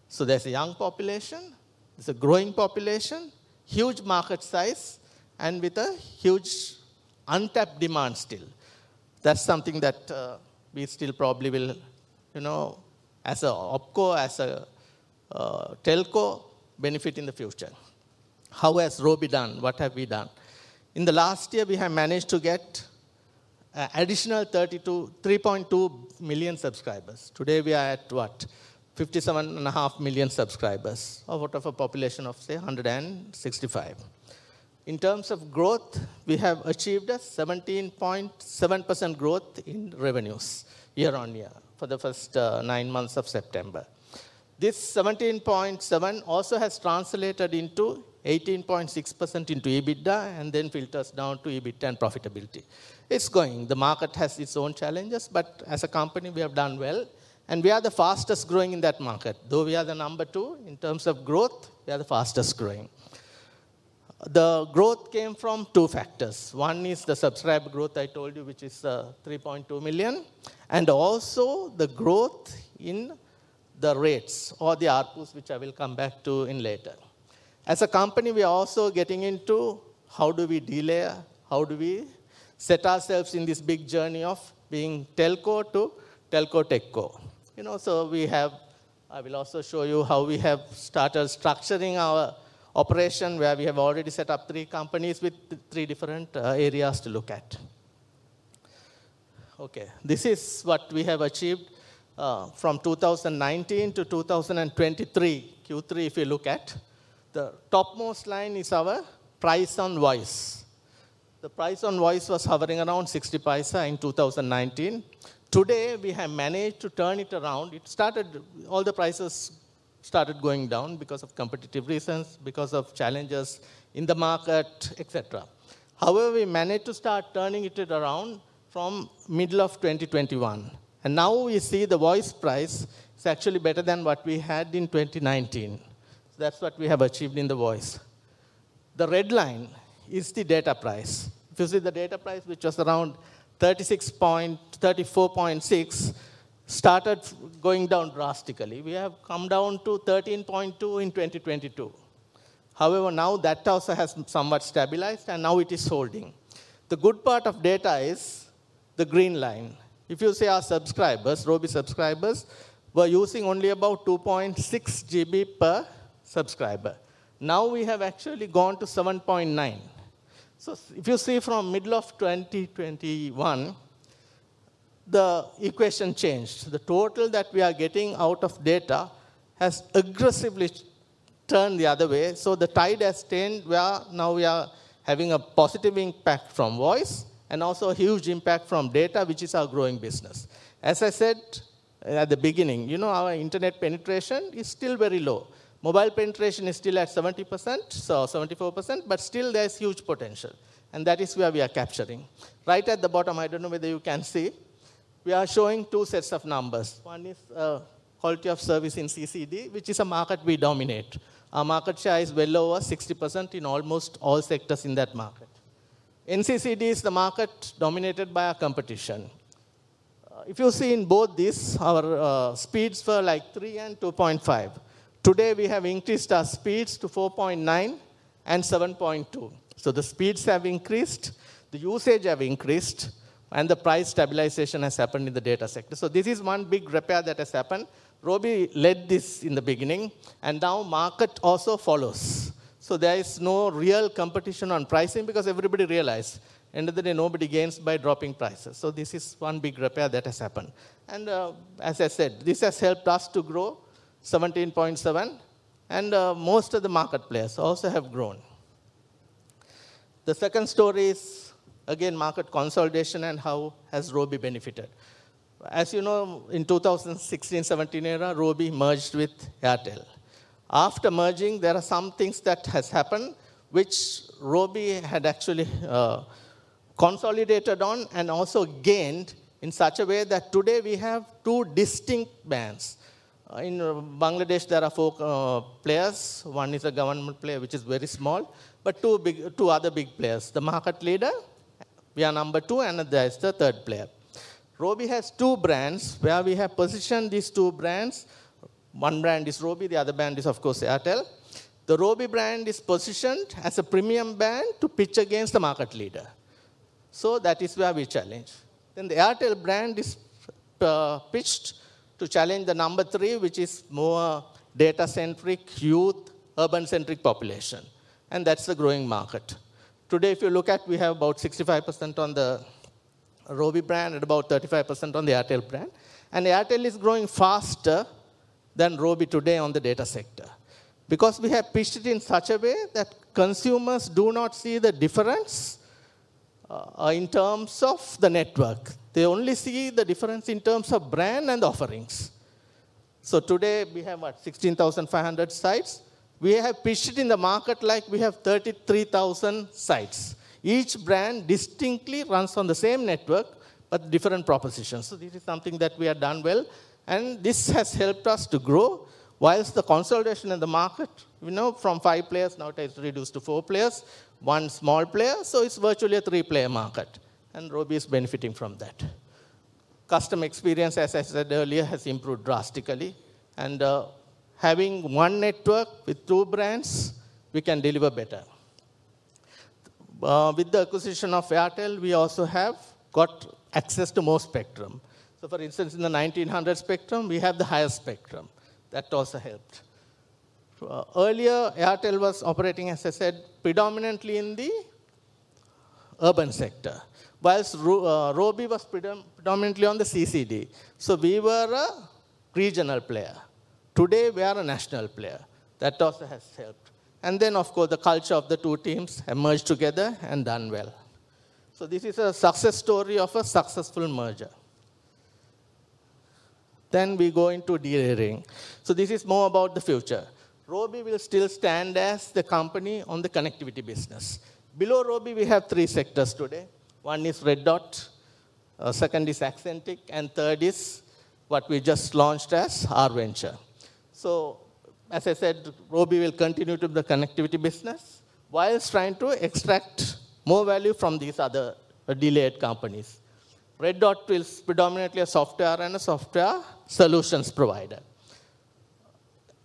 So there's a young population, there's a growing population, huge market size, and with a huge untapped demand still. That's something that we still probably will, you know, as an OpCo, as a telco, benefit in the future. How has Robi done? What have we done? In the last year, we have managed to get an additional 3.2 million subscribers. Today, we are at what? 57.5 million subscribers or whatever population of, say, 165. In terms of growth, we have achieved a 17.7% growth in revenues year on year for the first nine months of September. This 17.7% also has translated into 18.6% into EBITDA and then filters down to EBITDA and profitability. It's going. The market has its own challenges, but as a company, we have done well, and we are the fastest growing in that market. Though we are the number two in terms of growth, we are the fastest growing. The growth came from two factors. One is the subscriber growth I told you, which is 3.2 million, and also the growth in the rates or the RPUs, which I will come back to later. As a company, we are also getting into how do we de-layer, how do we set ourselves in this big journey of being telco to telco techco. You know, so we have, I will also show you how we have started structuring our operation, where we have already set up three companies with three different areas to look at. Okay, this is what we have achieved from 2019 to 2023, Q3, if you look at. The topmost line is our price on voice. The price on voice was hovering around 60 paisa in 2019. Today, we have managed to turn it around. It started, all the prices started going down because of competitive reasons, because of challenges in the market, etc. However, we managed to start turning it around from the middle of 2021. And now we see the voice price is actually better than what we had in 2019. So that's what we have achieved in the voice. The red line is the data price. If you see the data price, which was around 36 to 34.6, started going down drastically. We have come down to 13.2 in 2022. However, now that also has somewhat stabilized, and now it is holding. The good part of data is the green line. If you see our subscribers, Robi's subscribers, were using only about 2.6 GB per subscriber. Now we have actually gone to 7.9. So if you see from the middle of 2021, the equation changed. The total that we are getting out of data has aggressively turned the other way. So the tide has turned where now we are having a positive impact from voice and also a huge impact from data, which is our growing business. As I said at the beginning, you know, our internet penetration is still very low. Mobile penetration is still at 70%, so 74%, but still there's huge potential. And that is where we are capturing. Right at the bottom, I don't know whether you can see, we are showing two sets of numbers. One is quality of service in CCD, which is a market we dominate. Our market share is well over 60% in almost all sectors in that market. In CCD, it's the market dominated by our competition. If you see in both these, our speeds were like 3 and 2.5. Today, we have increased our speeds to 4.9 and 7.2. So the speeds have increased, the usage has increased, and the price stabilization has happened in the data sector. So this is one big repair that has happened. Robi led this in the beginning, and now market also follows. So there is no real competition on pricing because everybody realized at the end of the day, nobody gains by dropping prices. So this is one big repair that has happened. And as I said, this has helped us to grow 17.7, and most of the market players also have grown. The second story is, again, market consolidation and how has Robi benefited. As you know, in the 2016-2017 era, Robi merged with Airtel. After merging, there are some things that have happened which Robi had actually consolidated on and also gained in such a way that today we have two distinct brands. In Bangladesh, there are four players. One is a government player, which is very small, but two other big players. The market leader, we are number two, and there is the third player. Robi has two brands where we have positioned these two brands. One brand is Robi, the other brand is, of course, Airtel. The Robi brand is positioned as a premium brand to pitch against the market leader. That is where we challenge. The Airtel brand is pitched to challenge the number three, which is more data-centric, youth, urban-centric population. That's the growing market. Today, if you look at, we have about 65% on the Robi brand and about 35% on the Airtel brand. And Airtel is growing faster than Robi today on the data sector because we have pitched it in such a way that consumers do not see the difference in terms of the network. They only see the difference in terms of brand and offerings. So today we have what, 16,500 sites? We have pitched it in the market like we have 33,000 sites. Each brand distinctly runs on the same network, but different propositions. So this is something that we have done well. And this has helped us to grow while the consolidation in the market, you know, from five players nowadays reduced to four players, one small player. So it's virtually a three-player market. And Robi is benefiting from that. Customer experience, as I said earlier, has improved drastically. And having one network with two brands, we can deliver better. With the acquisition of Airtel, we also have got access to more spectrum. So for instance, in the 1900 spectrum, we have the higher spectrum. That also helped. Earlier, Airtel was operating, as I said, predominantly in the urban sector, while Robi was predominantly on the CCD. So we were a regional player. Today, we are a national player. That also has helped. And then, of course, the culture of the two teams has merged together and done well. So this is a success story of a successful merger. Then we go into delayering. So this is more about the future. Robi will still stand as the company on the connectivity business. Below Robi, we have three sectors today. One is Red Dot, second is Axentic, and third is what we just launched as our venture. So as I said, Robi will continue to be the connectivity business whilst trying to extract more value from these other de-layered companies. Red Dot is predominantly a software and a software solutions provider.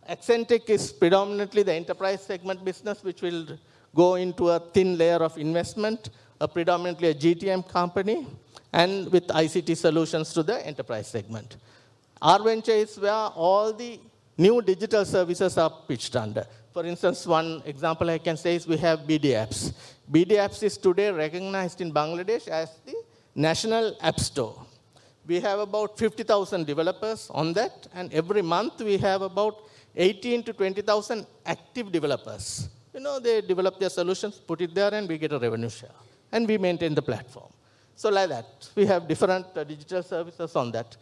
Axentic is predominantly the enterprise segment business, which will go into a thin layer of investment, predominantly a GTM company and with ICT solutions to the enterprise segment. Our venture is where all the new digital services are pitched under. For instance, one example I can say is we have BDApps. BDApps is today recognized in Bangladesh as the national app store. We have about 50,000 developers on that, and every month we have about 18-20,000 active developers. You know, they develop their solutions, put it there, and we get a revenue share, and we maintain the platform. So like that, we have different digital services on that.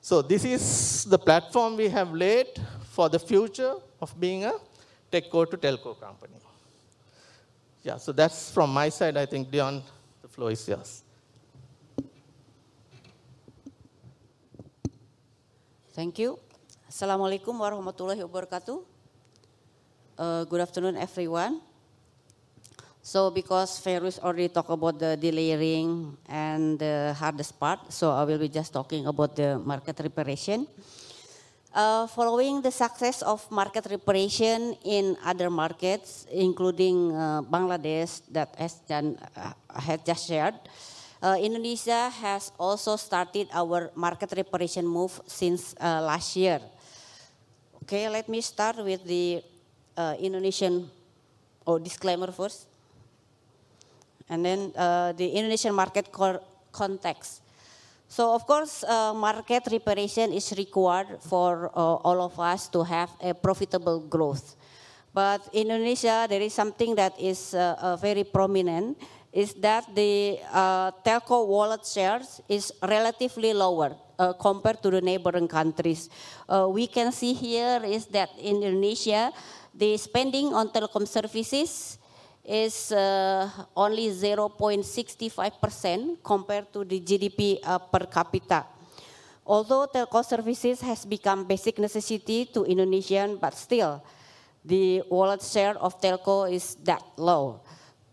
So this is the platform we have laid for the future of being a techco to telco company. Yeah, so that's from my side. I think Dian, the floor is yours. Thank you. Assalamualaikum warahmatullahi wabarakatuh. Good afternoon, everyone. So because Feiruz already talked about the delayering and the hardest part, so I will be just talking about the market repair. Following the success of market repair in other markets, including Bangladesh, that as Dan had just shared, Indonesia has also started our market repair move since last year. Okay, let me start with the Indonesian disclaimer first, and then the Indonesian market context. So of course, market repair is required for all of us to have a profitable growth. But in Indonesia, there is something that is very prominent, is that the telco wallet shares are relatively lower compared to the neighboring countries. We can see here is that in Indonesia, the spending on telecom services is only 0.65% compared to the GDP per capita. Although telco services have become a basic necessity to Indonesians, but still, the wallet share of telco is that low.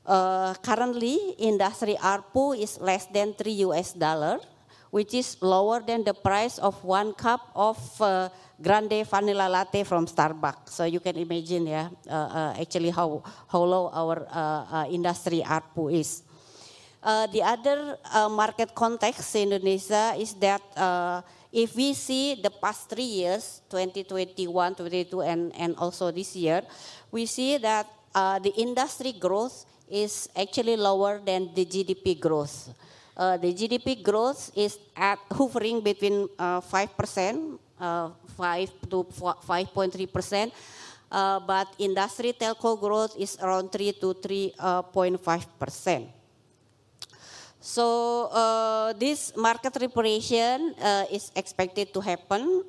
Currently, industry RPU is less than $3, which is lower than the price of one cup of Grande Vanilla Latte from Starbucks. So you can imagine, yeah, actually how low our industry RPU is. The other market context in Indonesia is that if we see the past three years, 2021, 2022, and also this year, we see that the industry growth is actually lower than the GDP growth. The GDP growth is at hovering between 5%-5.3%, but industry telco growth is around 3%-3.5%. So this market repair is expected to happen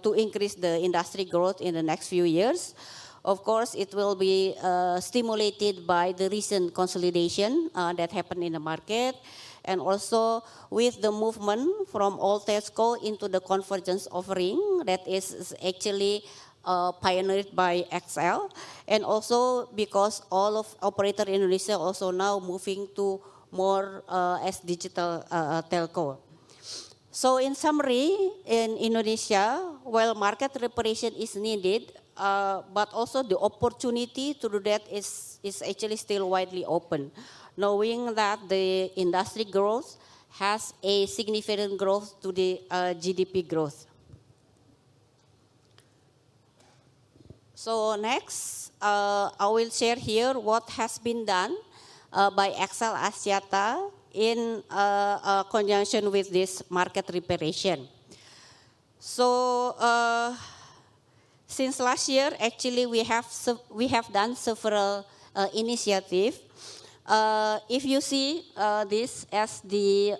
to increase the industry growth in the next few years. Of course, it will be stimulated by the recent consolidation that happened in the market and also with the movement from all telco into the convergence offering that is actually pioneered by XL and also because all operators in Indonesia also now moving to more as digital telco. In summary, in Indonesia, while market repair is needed, but also the opportunity to do that is actually still widely open, knowing that the industry growth has a significant growth to the GDP growth. Next, I will share here what has been done by XL Axiata in conjunction with this market repair. Since last year, actually we have done several initiatives. If you see this as the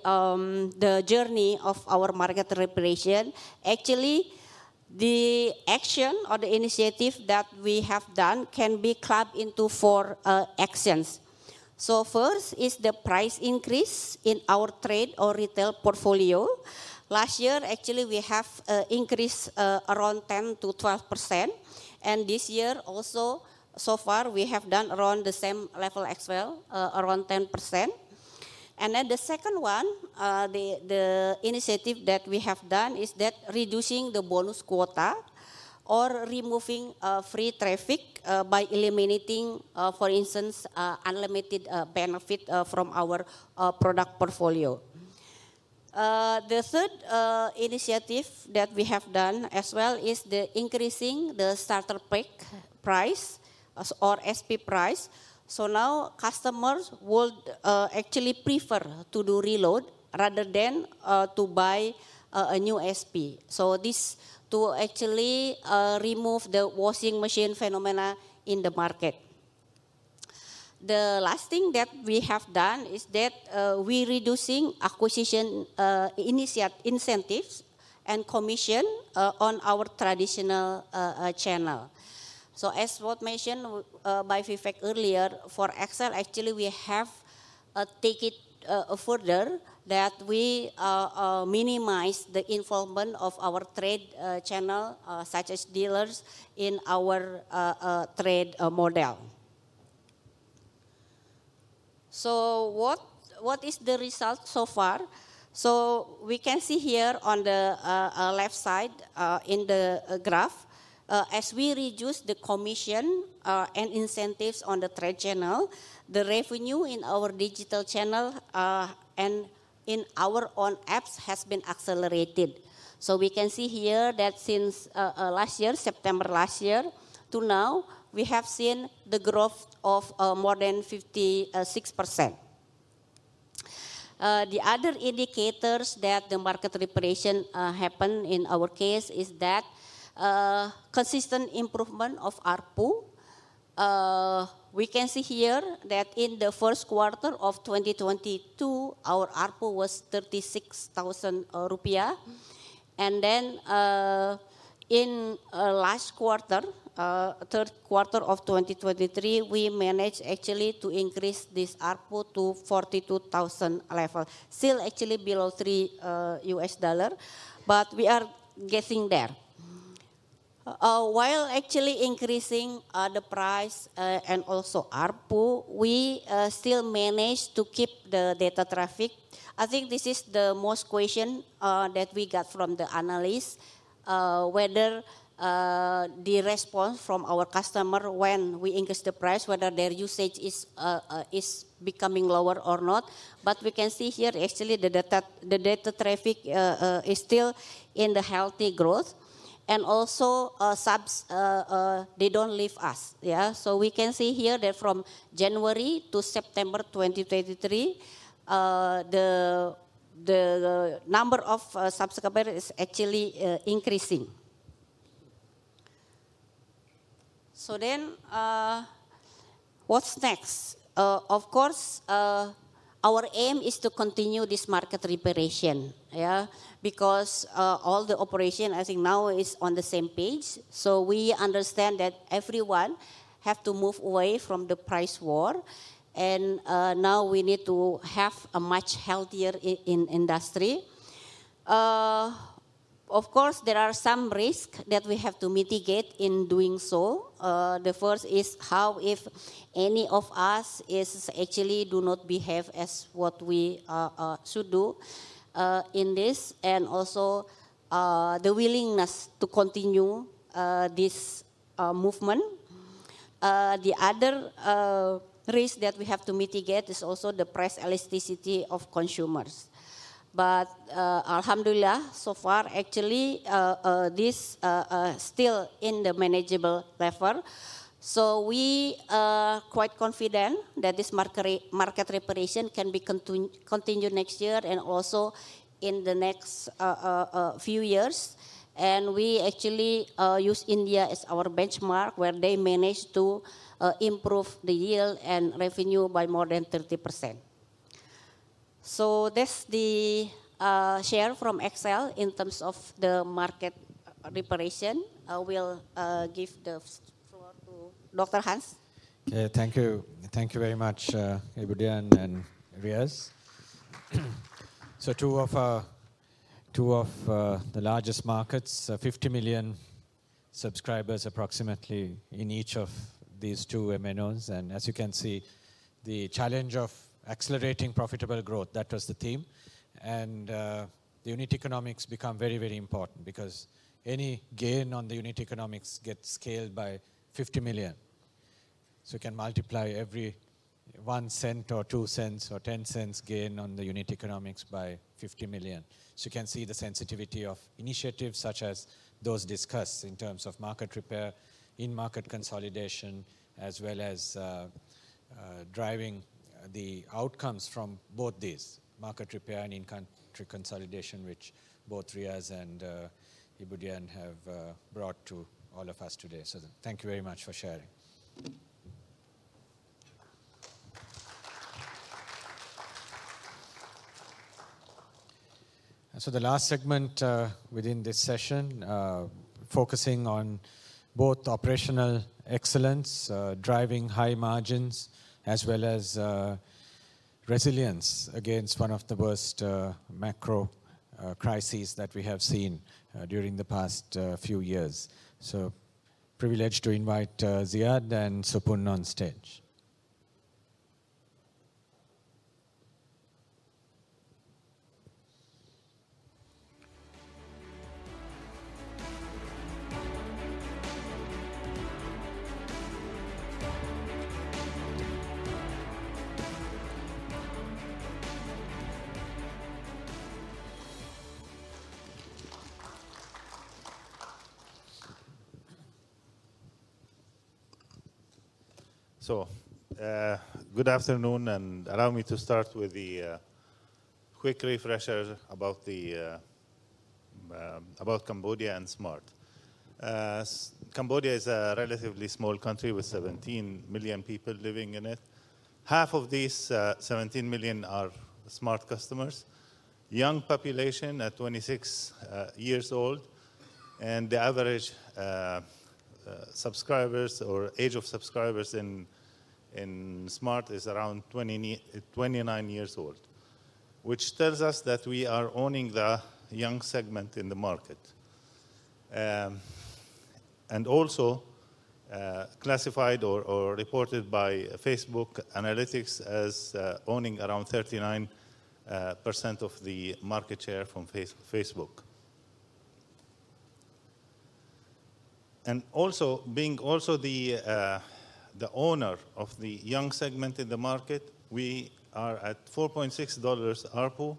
journey of our market repair, actually the action or the initiative that we have done can be clubbed into four actions. First is the price increase in our trade or retail portfolio. Last year, actually we have increased around 10%-12%, and this year also so far we have done around the same level as well, around 10%. And then the second one, the initiative that we have done is that reducing the bonus quota or removing free traffic by eliminating, for instance, unlimited benefit from our product portfolio. The third initiative that we have done as well is the increasing the starter pack price or SP price. So now customers would actually prefer to do reload rather than to buy a new SP. So this to actually remove the washing machine phenomenon in the market. The last thing that we have done is that we are reducing acquisition incentives and commission on our traditional channel. As what was mentioned by Vivek earlier, for XL actually we have taken it further that we minimize the involvement of our trade channel such as dealers in our trade model. What is the result so far? We can see here on the left side in the graph, as we reduce the commission and incentives on the trade channel, the revenue in our digital channel and in our own apps has been accelerated. We can see here that since last year, September last year to now, we have seen the growth of more than 56%. The other indicators that the market repair happened in our case is that consistent improvement of RPU. We can see here that in the first quarter of 2022, our RPU was 36,000 rupiah. Then in last quarter, third quarter of 2023, we managed actually to increase this RPU to 42,000 level, still actually below $3, but we are getting there. While actually increasing the price and also RPU, we still managed to keep the data traffic. I think this is the most question that we got from the analyst, whether the response from our customer when we increase the price, whether their usage is becoming lower or not. We can see here actually the data traffic is still in the healthy growth. Subs also, they don't leave us. We can see here that from January to September 2023, the number of subscribers is actually increasing. Then what's next? Of course, our aim is to continue this market repair because all the operation I think now is on the same page. So we understand that everyone has to move away from the price war, and now we need to have a much healthier industry. Of course, there are some risks that we have to mitigate in doing so. The first is how if any of us is actually do not behave as what we should do in this and also the willingness to continue this movement. The other risk that we have to mitigate is also the price elasticity of consumers. But alhamdulillah, so far actually this is still in the manageable level. So we are quite confident that this market repair can be continued next year and also in the next few years. And we actually use India as our benchmark where they managed to improve the yield and revenue by more than 30%. So that's the share from XL in terms of the market repair. I will give the floor to Dr. Hans. Yeah, thank you. Thank you very much, Ibu Dian and Riyaaz, so two of the largest markets, 50 million subscribers approximately in each of these two MNOs, and as you can see, the challenge of accelerating profitable growth, that was the theme, and the unit economics become very, very important because any gain on the unit economics gets scaled by 50 million, so you can multiply every one cent or two cents or 10 cents gain on the unit economics by 50 million, so you can see the sensitivity of initiatives such as those discussed in terms of market repair, in-market consolidation, as well as driving the outcomes from both these, market repair and in-country consolidation, which both Riyaaz and Ibu Dian have brought to all of us today. So thank you very much for sharing. So, the last segment within this session focusing on both operational excellence, driving high margins, as well as resilience against one of the worst macro crises that we have seen during the past few years. So, privileged to invite Ziad and Supun on stage. So, good afternoon, and allow me to start with the quick refresher about Cambodia and Smart. Cambodia is a relatively small country with 17 million people living in it. Half of these 17 million are Smart customers, young population at 26 years old, and the average subscribers or age of subscribers in Smart is around 29 years old, which tells us that we are owning the young segment in the market and also classified or reported by Facebook Analytics as owning around 39% of the market share from Facebook. And also being the owner of the young segment in the market, we are at $4.6 RPU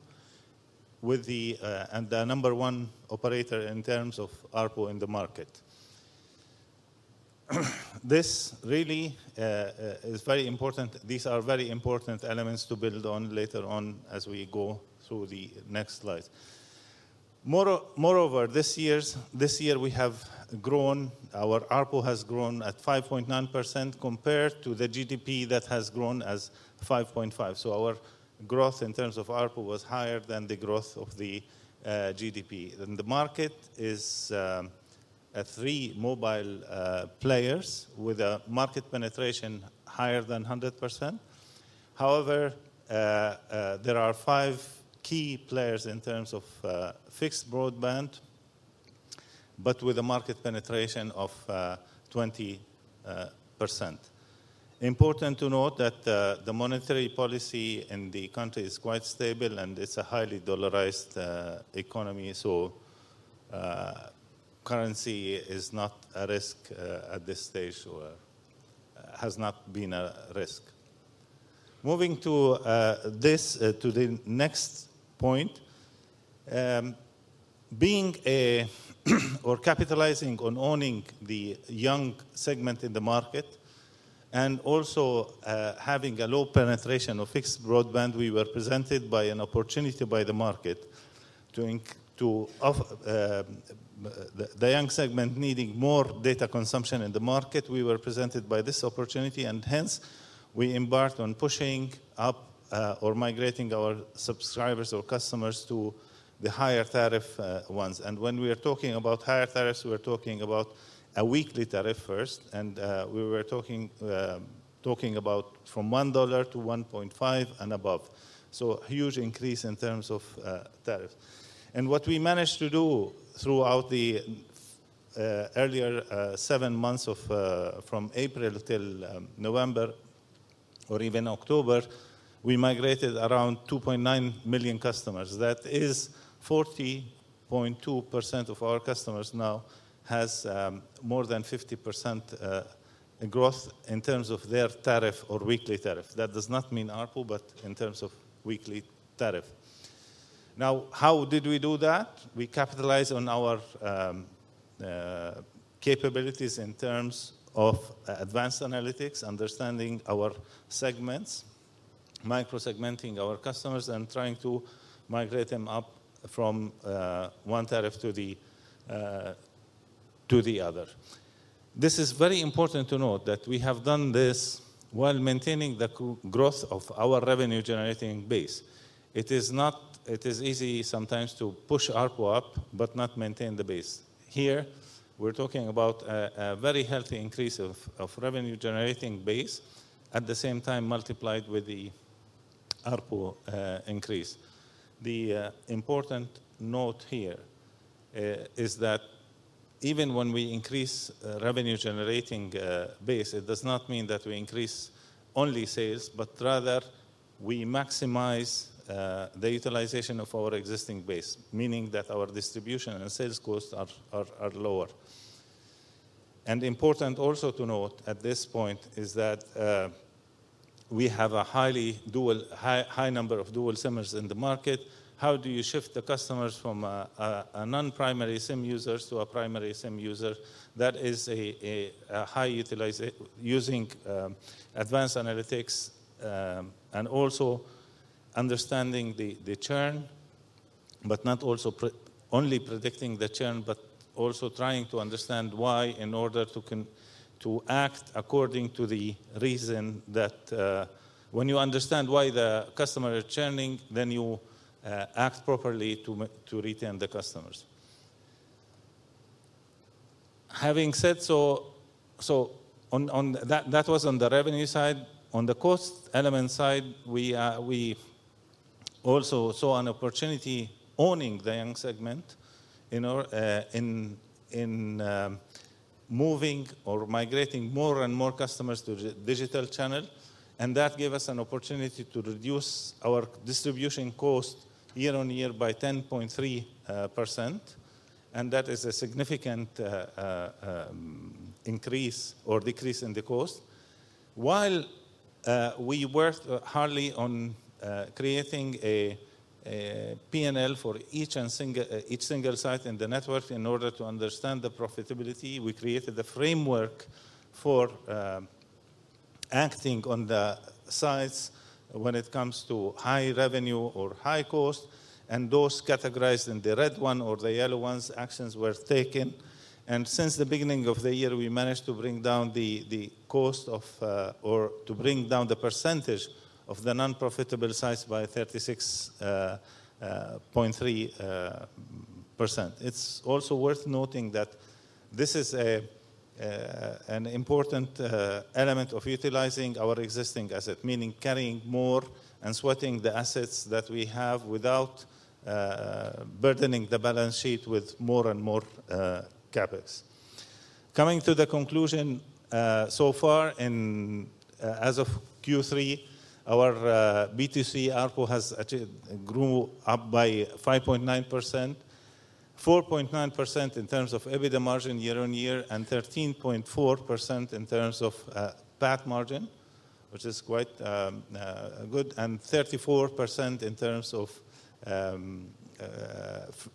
as the number one operator in terms of RPU in the market. This really is very important. These are very important elements to build on later on as we go through the next slides. Moreover, this year we have grown, our RPU has grown at 5.9% compared to the GDP that has grown at 5.5%. Our growth in terms of RPU was higher than the growth of the GDP. The market has three mobile players with a market penetration higher than 100%. However, there are five key players in terms of fixed broadband, but with a market penetration of 20%. Important to note that the monetary policy in the country is quite stable and it's a highly dollarized economy, so currency is not a risk at this stage or has not been a risk. Moving to this to the next point, being a or capitalizing on owning the young segment in the market and also having a low penetration of fixed broadband, we were presented by an opportunity by the market to the young segment needing more data consumption in the market. We were presented by this opportunity and hence we embarked on pushing up or migrating our subscribers or customers to the higher tariff ones, and when we are talking about higher tariffs, we are talking about a weekly tariff first and we were talking about from $1 to $1.5 and above, so huge increase in terms of tariff. What we managed to do throughout the earlier seven months from April till November or even October, we migrated around 2.9 million customers. That is 40.2% of our customers now has more than 50% growth in terms of their tariff or weekly tariff. That does not mean RPU, but in terms of weekly tariff. Now, how did we do that? We capitalized on our capabilities in terms of advanced analytics, understanding our segments, micro-segmenting our customers and trying to migrate them up from one tariff to the other. This is very important to note that we have done this while maintaining the growth of our revenue-generating base. It is not, it is easy sometimes to push RPU up, but not maintain the base. Here we're talking about a very healthy increase of revenue-generating base at the same time multiplied with the RPU increase. The important note here is that even when we increase revenue-generating base, it does not mean that we increase only sales, but rather we maximize the utilization of our existing base, meaning that our distribution and sales costs are lower. And important also to note at this point is that we have a high number of dual SIMs in the market. How do you shift the customers from non-primary SIM users to a primary SIM user? That is a high utilization using advanced analytics and also understanding the churn, but not also only predicting the churn, but also trying to understand why in order to act according to the reason that when you understand why the customer is churning, then you act properly to retain the customers. Having said so, on that was on the revenue side. On the cost element side, we also saw an opportunity owning the young segment in moving or migrating more and more customers to the digital channel. That gave us an opportunity to reduce our distribution cost year on year by 10.3%. That is a significant increase or decrease in the cost. While we worked hard on creating a P&L for each and single site in the network in order to understand the profitability, we created a framework for acting on the sites when it comes to high revenue or high cost. Those categorized in the red one or the yellow ones, actions were taken. Since the beginning of the year, we managed to bring down the percentage of the non-profitable sites by 36.3%. It's also worth noting that this is an important element of utilizing our existing asset, meaning carrying more and sweating the assets that we have without burdening the balance sheet with more and more capital. Coming to the conclusion so far in as of Q3, our B2C RPU has grew up by 5.9%, 4.9% in terms of EBITDA margin year on year, and 13.4% in terms of PAT margin, which is quite good, and 34% in terms of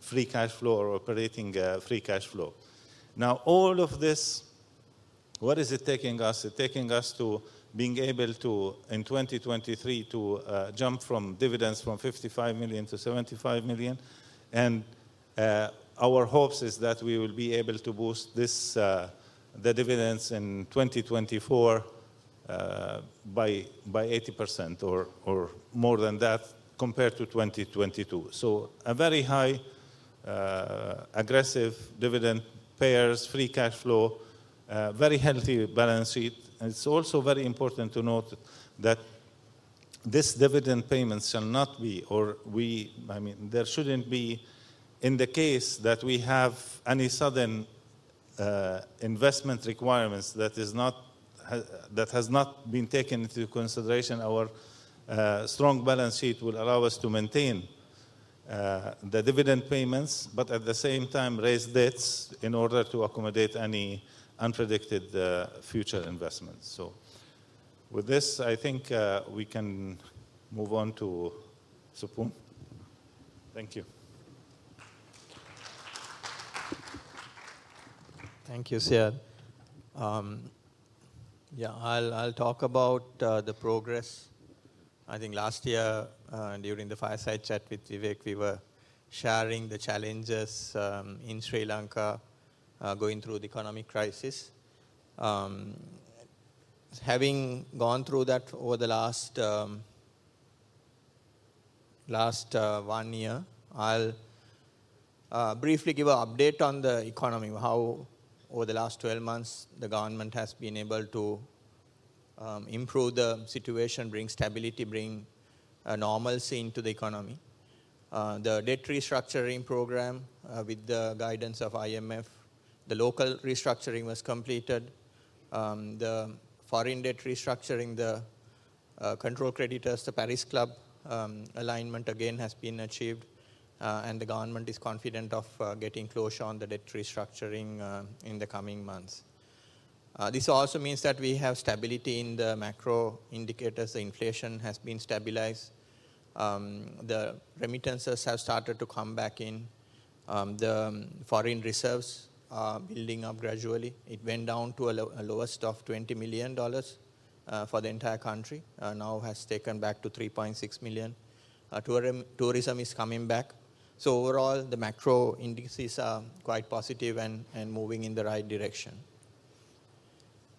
free cash flow or operating free cash flow. Now, all of this, what is it taking us? It's taking us to being able to, in 2023, to jump from dividends from 55 million to 75 million. And our hopes are that we will be able to boost the dividends in 2024 by 80% or more than that compared to 2022. So a very high aggressive dividend payers, free cash flow, very healthy balance sheet. And it's also very important to note that this dividend payment shall not be, or we, I mean, there shouldn't be in the case that we have any sudden investment requirements that has not been taken into consideration. Our strong balance sheet will allow us to maintain the dividend payments, but at the same time raise debts in order to accommodate any unpredicted future investments. So with this, I think we can move on to Supun. Thank you. Thank you, Sir. Yeah, I'll talk about the progress. I think last year during the fireside chat with Vivek, we were sharing the challenges in Sri Lanka going through the economic crisis. Having gone through that over the last one year, I'll briefly give an update on the economy, how over the last 12 months the government has been able to improve the situation, bring stability, bring normalcy into the economy. The debt restructuring program with the guidance of IMF, the local restructuring was completed. The foreign debt restructuring, the control creditors, the Paris Club alignment again has been achieved, and the government is confident of getting closure on the debt restructuring in the coming months. This also means that we have stability in the macro indicators. The inflation has been stabilized. The remittances have started to come back in. The foreign reserves are building up gradually. It went down to a lowest of $20 million for the entire country. Now has taken back to $3.6 million. Tourism is coming back. So overall, the macro indices are quite positive and moving in the right direction.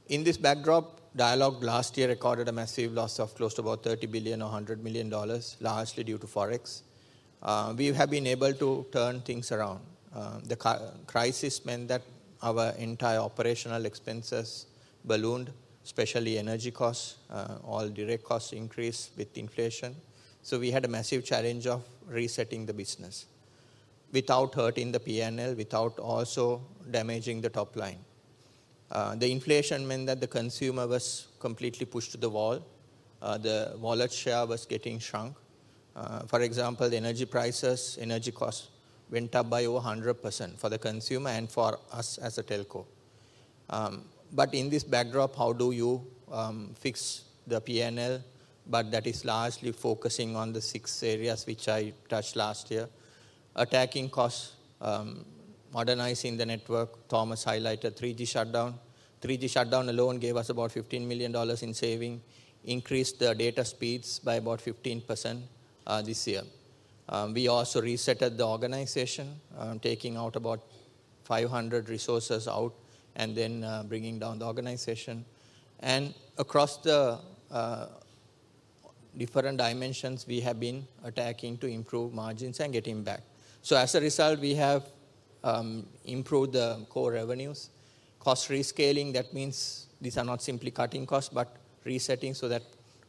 In this backdrop, Dialog last year recorded a massive loss of close to about 30 billion or $100 million, largely due to forex. We have been able to turn things around. The crisis meant that our entire operational expenses ballooned, especially energy costs, all direct costs increased with inflation. So we had a massive challenge of resetting the business without hurting the P&L, without also damaging the top line. The inflation meant that the consumer was completely pushed to the wall. The wallet share was getting shrunk. For example, the energy prices, energy costs went up by over 100% for the consumer and for us as a telco. But in this backdrop, how do you fix the P&L? But that is largely focusing on the six areas which I touched last year. Attacking costs, modernizing the network, Thomas highlighted 3G shutdown. 3G shutdown alone gave us about $15 million in savings, increased the data speeds by about 15% this year. We also resettled the organization, taking out about 500 resources out and then bringing down the organization. Across the different dimensions, we have been attacking to improve margins and getting back. So as a result, we have improved the core revenues. Cost rescaling, that means these are not simply cutting costs, but resetting so that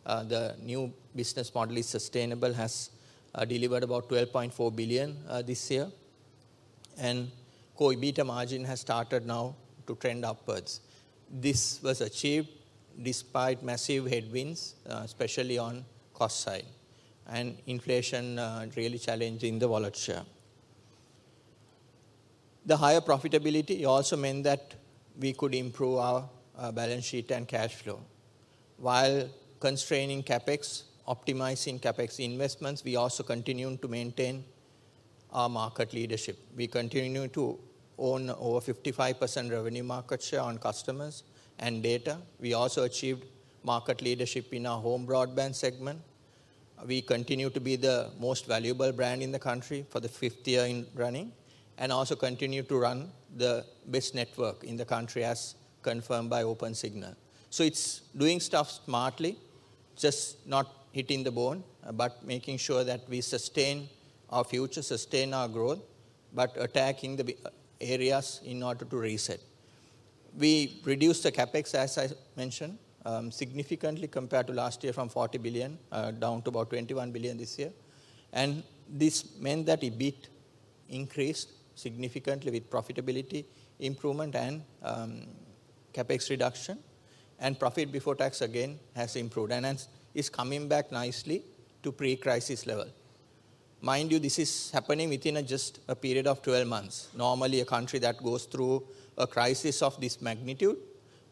the new business model is sustainable, has delivered about $12.4 billion this year, and core EBITDA margin has started now to trend upwards. This was achieved despite massive headwinds, especially on cost side and inflation really challenging the wallet share. The higher profitability also meant that we could improve our balance sheet and cash flow. While constraining CapEx, optimizing CapEx investments, we also continued to maintain our market leadership. We continue to own over 55% revenue market share on customers and data. We also achieved market leadership in our home broadband segment. We continue to be the most valuable brand in the country for the fifth year in a row and also continue to run the best network in the country as confirmed by OpenSignal. So it's doing stuff smartly, just not hitting the bone, but making sure that we sustain our future, sustain our growth, but attacking the areas in order to reset. We reduced the CapEx, as I mentioned, significantly compared to last year from 40 billion down to about 21 billion this year. And this meant that EBIT increased significantly with profitability improvement and CapEx reduction. And profit before tax again has improved and is coming back nicely to pre-crisis level. Mind you, this is happening within just a period of 12 months. Normally, a country that goes through a crisis of this magnitude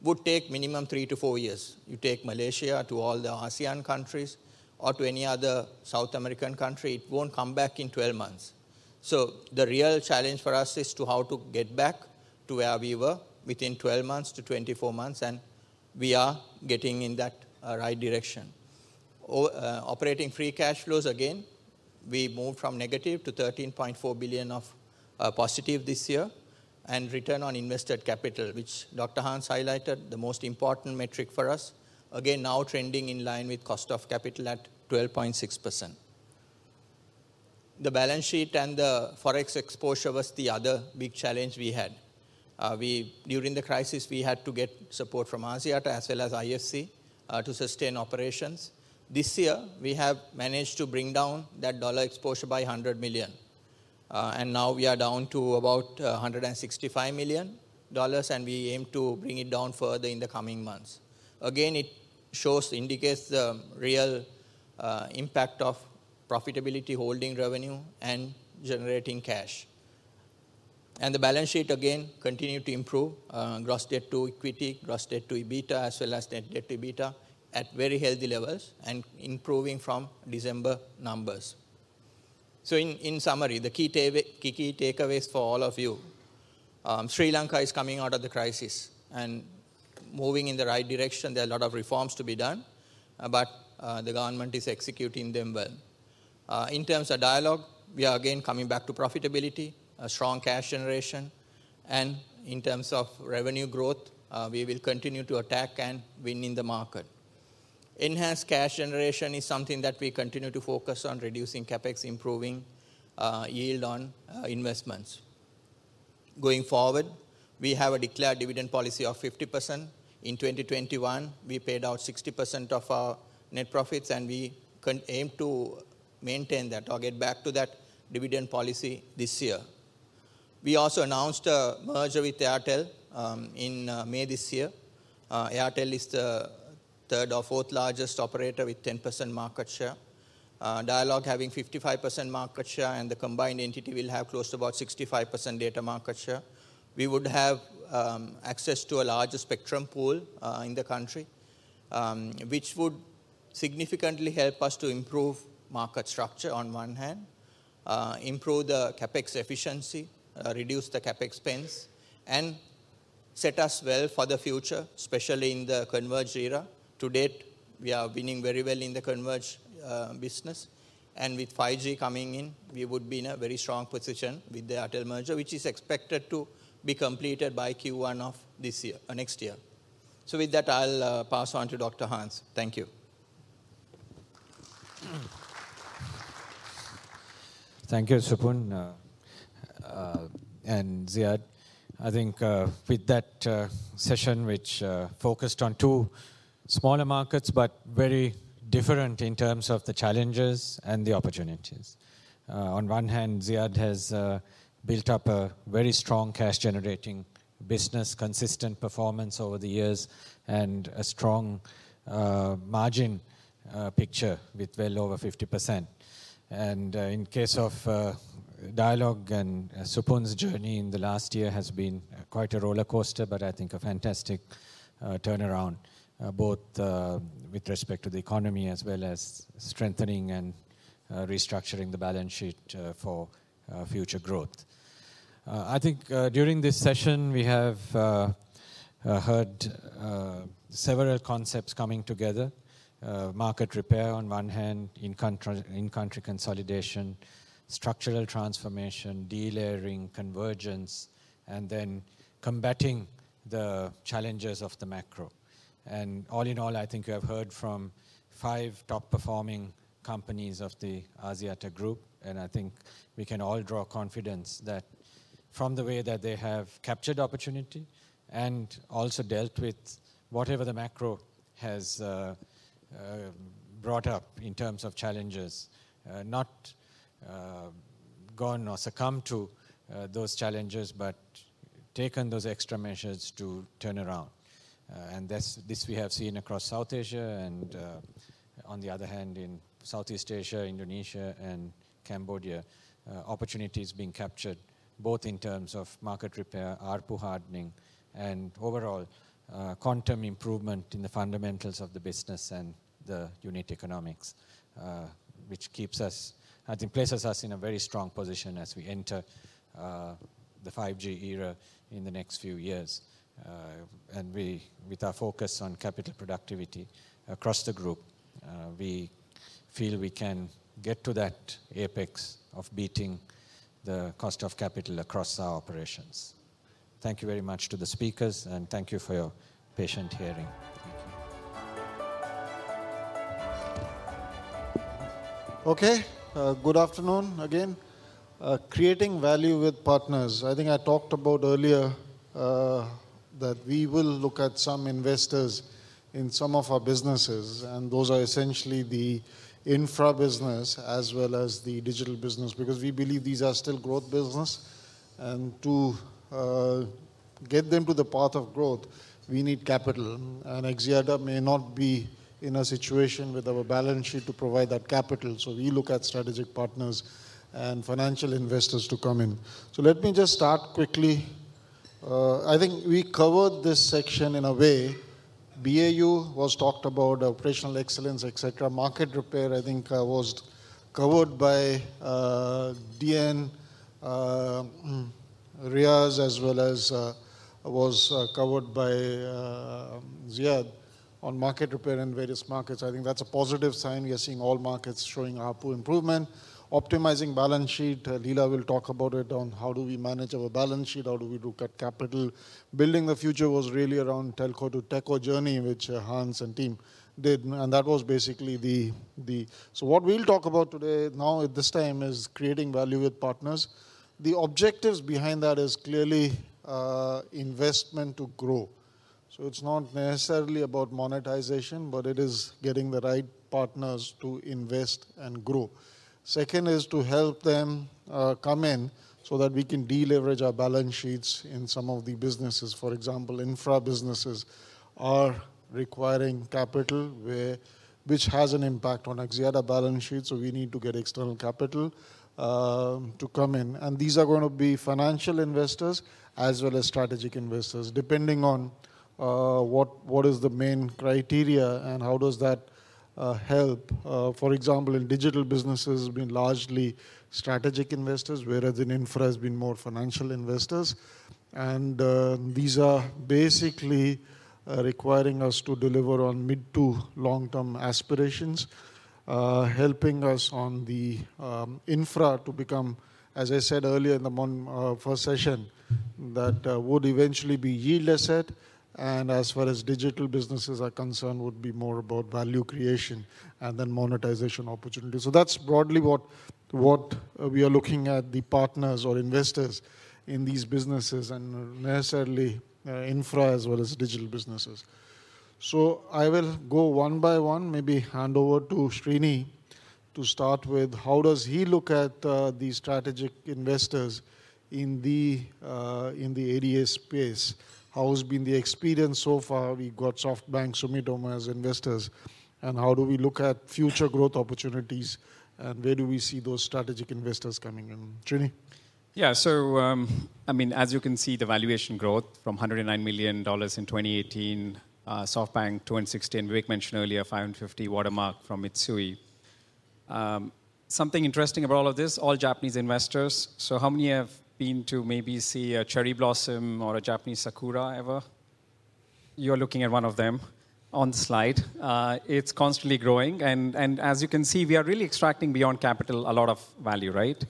would take minimum three to four years. You take Malaysia to all the ASEAN countries or to any other South American country, it won't come back in 12 months. So the real challenge for us is how to get back to where we were within 12 months to 24 months, and we are getting in that right direction. Operating free cash flows again, we moved from negative to 13.4 billion of positive this year and return on invested capital, which Dr. Hans highlighted, the most important metric for us. Again, now trending in line with cost of capital at 12.6%. The balance sheet and the forex exposure was the other big challenge we had. During the crisis, we had to get support from ASEAT as well as IFC to sustain operations. This year, we have managed to bring down that dollar exposure by $100 million, and now we are down to about $165 million, and we aim to bring it down further in the coming months. Again, it shows, indicates the real impact of profitability holding revenue and generating cash. And the balance sheet again continued to improve, gross debt to equity, gross debt to EBITDA as well as net debt to EBITDA at very healthy levels and improving from December numbers, so in summary, the key takeaways for all of you, Sri Lanka is coming out of the crisis and moving in the right direction. There are a lot of reforms to be done, but the government is executing them well. In terms of Dialog, we are again coming back to profitability, strong cash generation. In terms of revenue growth, we will continue to attack and win in the market. Enhanced cash generation is something that we continue to focus on, reducing CapEx, improving yield on investments. Going forward, we have a declared dividend policy of 50%. In 2021, we paid out 60% of our net profits, and we aim to maintain that or get back to that dividend policy this year. We also announced a merger with Airtel in May this year. Airtel is the third or fourth largest operator with 10% market share. Dialog having 55% market share and the combined entity will have close to about 65% data market share. We would have access to a larger spectrum pool in the country, which would significantly help us to improve market structure on one hand, improve the CapEx efficiency, reduce the CapEx spends, and set us well for the future, especially in the converged era. To date, we are winning very well in the converged business, and with 5G coming in, we would be in a very strong position with the Airtel merger, which is expected to be completed by Q1 of this year, next year, so with that, I'll pass on to Dr. Hans. Thank you. Thank you, Supun and Ziad. I think with that session, which focused on two smaller markets but very different in terms of the challenges and the opportunities. On one hand, Ziad has built up a very strong cash generating business, consistent performance over the years, and a strong margin picture with well over 50%. In the case of Dialog and Supun's journey in the last year has been quite a rollercoaster, but I think a fantastic turnaround both with respect to the economy as well as strengthening and restructuring the balance sheet for future growth. I think during this session, we have heard several concepts coming together, market repair on one hand, in-country consolidation, structural transformation, delayering, convergence, and then combating the challenges of the macro. All in all, I think you have heard from five top performing companies of the Axiata Group, and I think we can all draw confidence that from the way that they have captured opportunity and also dealt with whatever the macro has brought up in terms of challenges, not gone or succumbed to those challenges, but taken those extra measures to turn around. And this we have seen across South Asia, and on the other hand, in Southeast Asia, Indonesia, and Cambodia, opportunities being captured both in terms of market repair, ARPU hardening, and overall quantum improvement in the fundamentals of the business and the unit economics, which keeps us, I think, places us in a very strong position as we enter the 5G era in the next few years. And with our focus on capital productivity across the group, we feel we can get to that apex of beating the cost of capital across our operations. Thank you very much to the speakers, and thank you for your patience. Thank you. Okay, good afternoon again. Creating value with partners. I think I talked about earlier that we will look at some investors in some of our businesses, and those are essentially the infra business as well as the digital business, because we believe these are still growth business, and to get them to the path of growth, we need capital, and Axiata may not be in a situation with our balance sheet to provide that capital, so we look at strategic partners and financial investors to come in, so let me just start quickly. I think we covered this section in a way. BAU was talked about, operational excellence, et cetera. Market repair, I think, was covered by DN Riaz as well as was covered by Ziad on market repair in various markets. I think that's a positive sign. We are seeing all markets showing R2 improvement. Optimizing balance sheet, Lila will talk about it on how do we manage our balance sheet, how do we do cut capital. Building the future was really around telco to tech journey, which Hans and team did. And that was basically the... So what we'll talk about today now at this time is creating value with partners. The objectives behind that is clearly investment to grow. So it's not necessarily about monetization, but it is getting the right partners to invest and grow. Second is to help them come in so that we can deleverage our balance sheets in some of the businesses. For example, infra businesses are requiring capital, which has an impact on Axiata balance sheets. So we need to get external capital to come in. And these are going to be financial investors as well as strategic investors, depending on what is the main criteria and how does that help. For example, in digital businesses, we've been largely strategic investors, whereas in infra has been more financial investors. And these are basically requiring us to deliver on mid- to long-term aspirations, helping us on the infra to become, as I said earlier in the first session, that would eventually be yield asset. And as far as digital businesses are concerned, would be more about value creation and then monetization opportunity. So that's broadly what we are looking at, the partners or investors in these businesses and necessarily infra as well as digital businesses. So I will go one by one, maybe hand over to Srini to start with how does he look at the strategic investors in the ADA space? How has been the experience so far? We got SoftBank, Sumitomo as investors. And how do we look at future growth opportunities and where do we see those strategic investors coming in? Srini. Yeah, so I mean, as you can see, the valuation growth from $109 million in 2018, SoftBank, $216, Vivek mentioned earlier, $550 watermark from Mitsui. Something interesting about all of this, all Japanese investors. So how many have been to maybe see a cherry blossom or a Japanese sakura ever? You're looking at one of them on the slide. It's constantly growing. And as you can see, we are really extracting beyond capital a lot of value, right?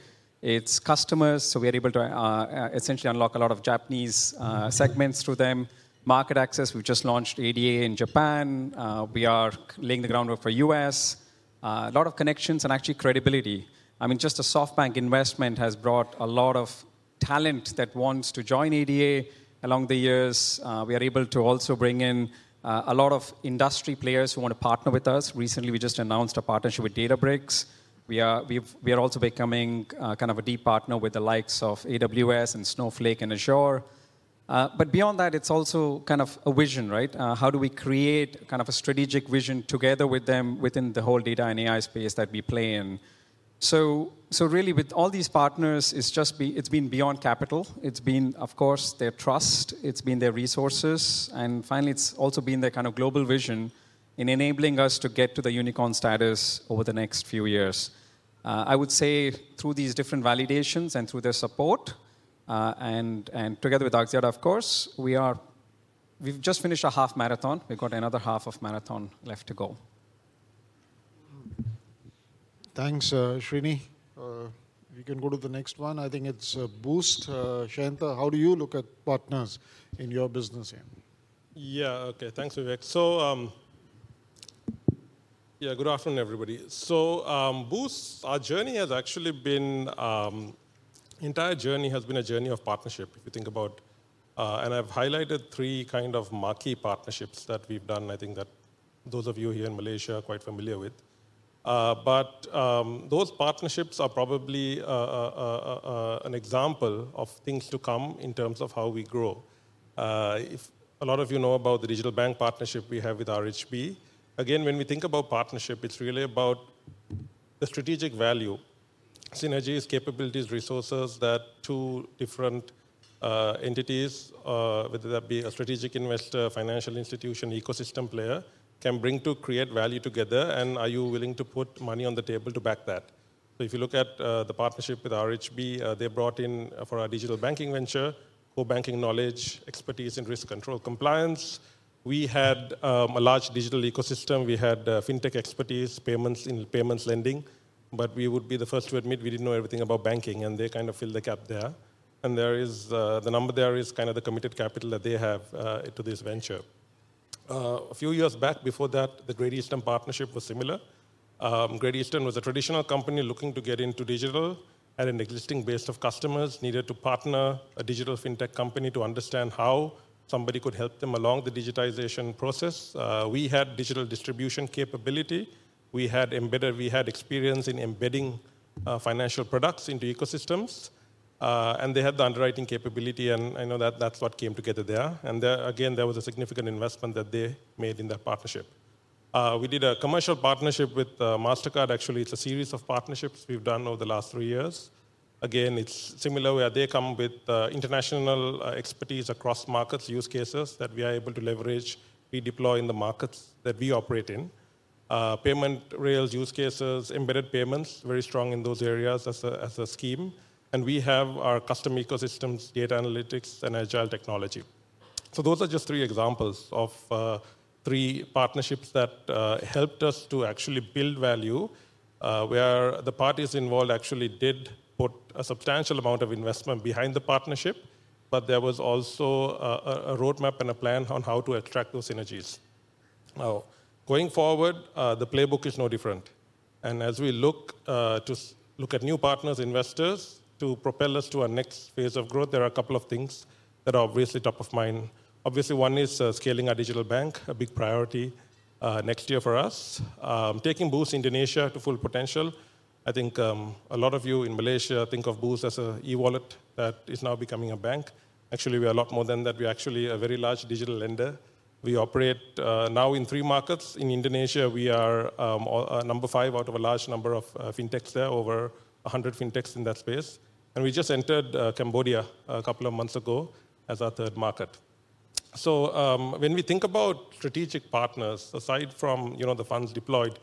It's customers. So we are able to essentially unlock a lot of Japanese segments through them. Market access, we've just launched ADA in Japan. We are laying the groundwork for U.S. A lot of connections and actually credibility. I mean, just a SoftBank investment has brought a lot of talent that wants to join ADA along the years. We are able to also bring in a lot of industry players who want to partner with us. Recently, we just announced a partnership with Databricks. We are also becoming kind of a deep partner with the likes of AWS and Snowflake and Azure. But beyond that, it's also kind of a vision, right? How do we create kind of a strategic vision together with them within the whole data and AI space that we play in? So really, with all these partners, it's been beyond capital. It's been, of course, their trust. It's been their resources. And finally, it's also been their kind of global vision in enabling us to get to the unicorn status over the next few years. I would say through these different validations and through their support and together with Axiata, of course, we've just finished a half marathon. We've got another half a marathon left to go. Thanks, Srini. You can go to the next one. I think it's Boost. Sheyantha, how do you look at partners in your business here? Yeah, okay. Thanks, Vivek. So yeah, good afternoon, everybody. So Boost, our journey has actually been, the entire journey has been a journey of partnership, if you think about. And I've highlighted three kind of marquee partnerships that we've done. I think that those of you here in Malaysia are quite familiar with. But those partnerships are probably an example of things to come in terms of how we grow. A lot of you know about the digital bank partnership we have with RHB. Again, when we think about partnership, it's really about the strategic value, synergies, capabilities, resources that two different entities, whether that be a strategic investor, financial institution, ecosystem player, can bring to create value together. And are you willing to put money on the table to back that? So if you look at the partnership with RHB, they brought in for our digital banking venture co-banking knowledge, expertise in risk control, compliance. We had a large digital ecosystem. We had fintech expertise, payments in payments lending. But we would be the first to admit we didn't know everything about banking, and they kind of filled the gap there. And the number there is kind of the committed capital that they have to this venture. A few years back before that, the Great Eastern Partnership was similar. Great Eastern was a traditional company looking to get into digital at an existing base of customers, needed to partner a digital fintech company to understand how somebody could help them along the digitization process. We had digital distribution capability. We had experience in embedding financial products into ecosystems. And they had the underwriting capability. And I know that's what came together there. And again, there was a significant investment that they made in that partnership. We did a commercial partnership with Mastercard. Actually, it's a series of partnerships we've done over the last three years. Again, it's similar where they come with international expertise across markets, use cases that we are able to leverage, redeploy in the markets that we operate in, payment rails use cases, embedded payments, very strong in those areas as a scheme. And we have our custom ecosystems, data analytics, and agile technology. So those are just three examples of three partnerships that helped us to actually build value, where the parties involved actually did put a substantial amount of investment behind the partnership, but there was also a roadmap and a plan on how to extract those synergies. Going forward, the playbook is no different. And as we look to new partners, investors to propel us to our next phase of growth, there are a couple of things that are obviously top of mind. Obviously, one is scaling our digital bank, a big priority next year for us, taking Boost Indonesia to full potential. I think a lot of you in Malaysia think of Boost as an e-wallet that is now becoming a bank. Actually, we are a lot more than that. We are actually a very large digital lender. We operate now in three markets. In Indonesia, we are number five out of a large number of fintechs there, over 100 fintechs in that space, and we just entered Cambodia a couple of months ago as our third market, so when we think about strategic partners, aside from the funds deployed,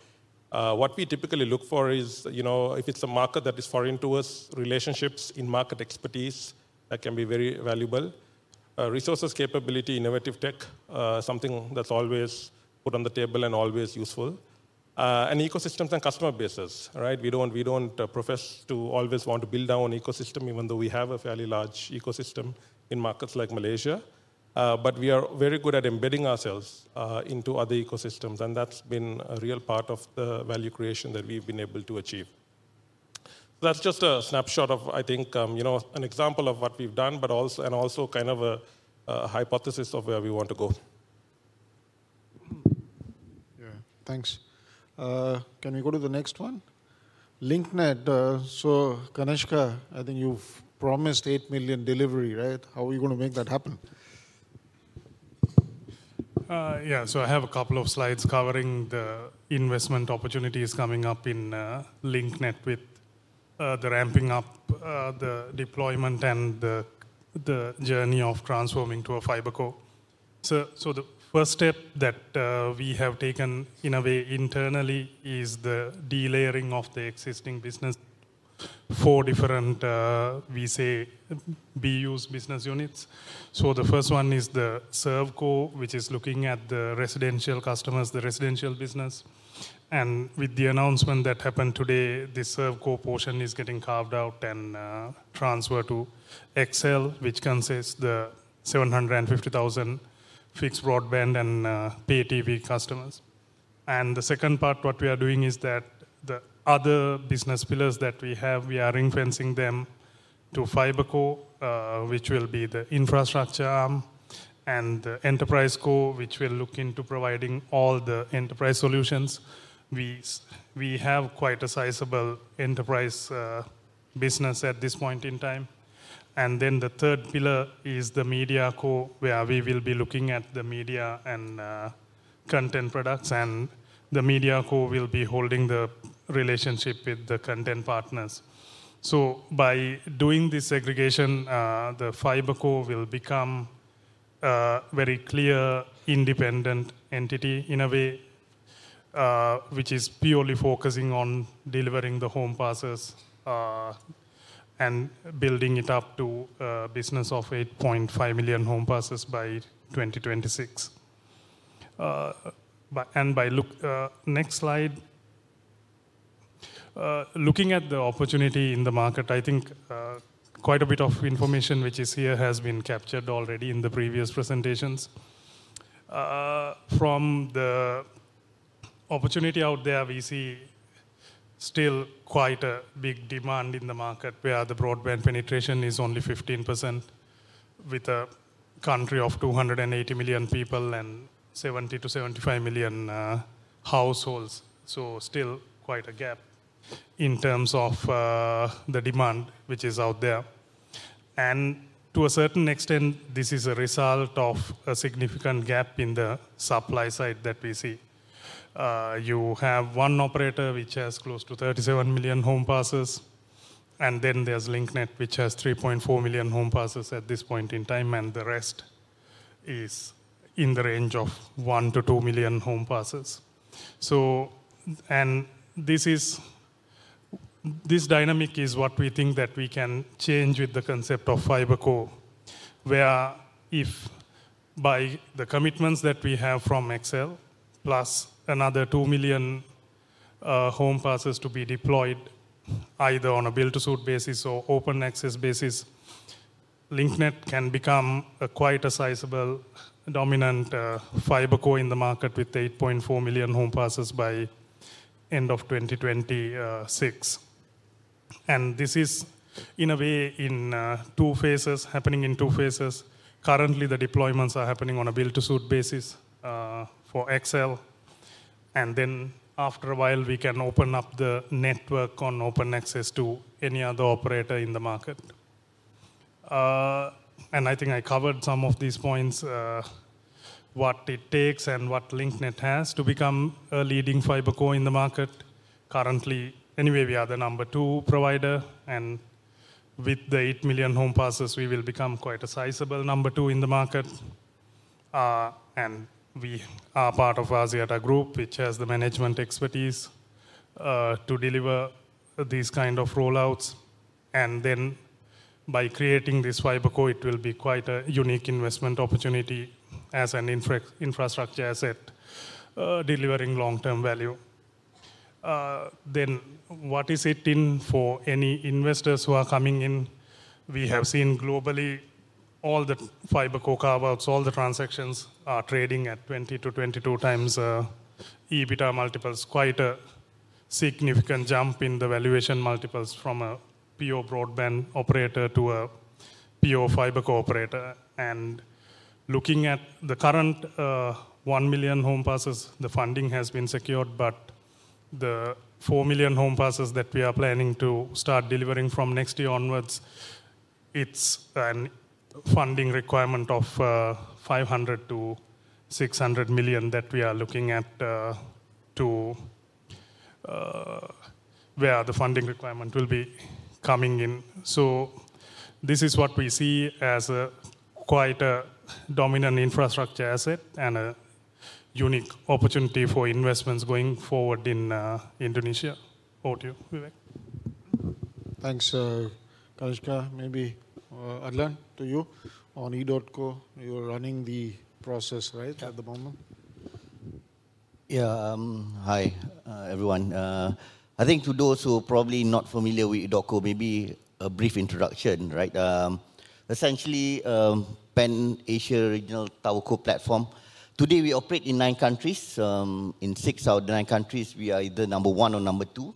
what we typically look for is if it's a market that is foreign to us, relationships in market expertise that can be very valuable, resources capability, innovative tech, something that's always put on the table and always useful, and ecosystems and customer bases. We don't profess to always want to build our own ecosystem, even though we have a fairly large ecosystem in markets like Malaysia, but we are very good at embedding ourselves into other ecosystems, and that's been a real part of the value creation that we've been able to achieve. So that's just a snapshot of, I think, an example of what we've done, but also kind of a hypothesis of where we want to go. Yeah, thanks. Can we go to the next one? Link Net. So Kanishka, I think you've promised 8 million delivery, right? Yeah, so I have a couple of slides covering the investment opportunities coming up in Link Net with the ramping up, the deployment, and the journey of transforming to a FiberCo. So the first step that we have taken in a way internally is the delayering of the existing business for different, we say, BUs business units. So the first one is the ServeCo, which is looking at the residential customers, the residential business. With the announcement that happened today, the ServeCo portion is getting carved out and transferred to XL, which consists of the 750,000 fixed broadband and pay TV customers. The second part, what we are doing is that the other business pillars that we have, we are influencing them to FiberCo, which will be the infrastructure arm, and the enterprise core, which will look into providing all the enterprise solutions. We have quite a sizable enterprise business at this point in time. The third pillar is the media core, where we will be looking at the media and content products. The media core will be holding the relationship with the content partners. By doing this segregation, the fiber core will become a very clear, independent entity in a way which is purely focusing on delivering the home passes and building it up to a business of 8.5 million home passes by 2026. And by looking at the next slide, looking at the opportunity in the market, I think quite a bit of information which is here has been captured already in the previous presentations. From the opportunity out there, we see still quite a big demand in the market, where the broadband penetration is only 15% with a country of 280 million people and 70-75 million households. So still quite a gap in terms of the demand which is out there. And to a certain extent, this is a result of a significant gap in the supply side that we see. You have one operator which has close to 37 million home passes. And then there's Link Net, which has 3.4 million home passes at this point in time. And the rest is in the range of one to two million home passes. And this dynamic is what we think that we can change with the concept of fiber core, where if by the commitments that we have from Excel plus another two million home passes to be deployed either on a build-to-suit basis or open access basis, Link Net can become quite a sizable dominant fiber core in the market with 8.4 million home passes by the end of 2026. And this is in a way in two phases, happening in two phases. Currently, the deployments are happening on a build-to-suit basis for Excel. Then after a while, we can open up the network on open access to any other operator in the market. I think I covered some of these points, what it takes and what Link Net has to become a leading FiberCo in the market. Currently, anyway, we are the number two provider. And with the 8 million home passes, we will become quite a sizable number two in the market. And we are part of Axiata Group, which has the management expertise to deliver these kind of rollouts. And then by creating this FiberCo, it will be quite a unique investment opportunity as an infrastructure asset, delivering long-term value. Then what is it in for any investors who are coming in? We have seen globally all the FiberCo carve-outs, all the transactions are trading at 20-22 times EBITDA multiples. Quite a significant jump in the valuation multiples from a pure-play broadband operator to a pure-play FiberCo operator. Looking at the current 1 million home passes, the funding has been secured. But the 4 million home passes that we are planning to start delivering from next year onwards, it's a funding requirement of $500 million-$600 million that we are looking at to where the funding requirement will be coming in. This is what we see as quite a dominant infrastructure asset and a unique opportunity for investments going forward in Indonesia. Over to you, Vivek. Thanks, Kanishka. Maybe Adlan, to you on Edotco, you're running the process, right, at the moment? Yeah, hi, everyone. I think to those who are probably not familiar with Edotco, maybe a brief introduction, right? Essentially, Pan-Asia Regional TowerCo Platform. Today, we operate in nine countries. In six out of the nine countries, we are either number one or number two.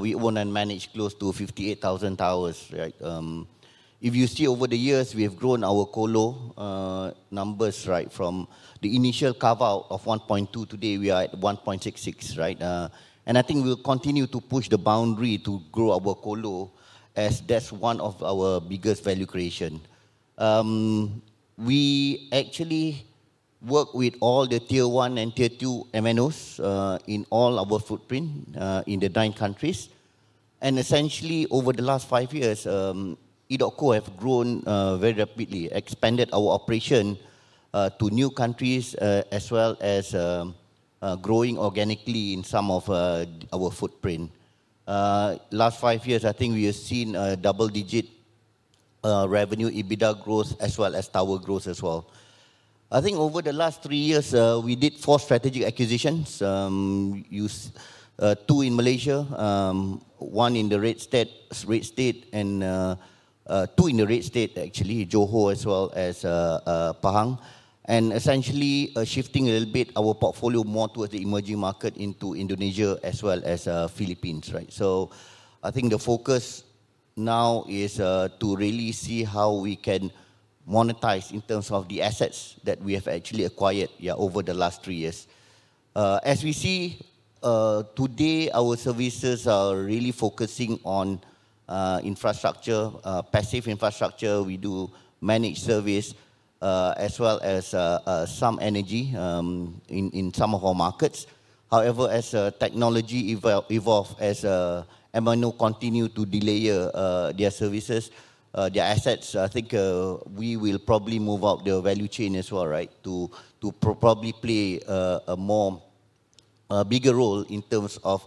We own and manage close to 58,000 towers. If you see over the years, we have grown our colo numbers from the initial carve-out of 1.2. Today, we are at 1.66, and I think we'll continue to push the boundary to grow our colo as that's one of our biggest value creation. We actually work with all the tier one and tier two MNOs in all our footprint in the nine countries. And essentially, over the last five years, EDOTCO has grown very rapidly, expanded our operation to new countries, as well as growing organically in some of our footprint. Last five years, I think we have seen a double-digit revenue EBITDA growth, as well as tower growth as well. I think over the last three years, we did four strategic acquisitions, two in Malaysia, one in the state, and two in the state, actually, Johor, as well as Pahang. And essentially, shifting a little bit our portfolio more towards the emerging market into Indonesia, as well as the Philippines. So I think the focus now is to really see how we can monetize in terms of the assets that we have actually acquired over the last three years. As we see today, our services are really focusing on infrastructure, passive infrastructure. We do managed service, as well as some energy in some of our markets. However, as technology evolves, as MNOs continue to deploy their services, their assets, I think we will probably move up the value chain as well to probably play a bigger role in terms of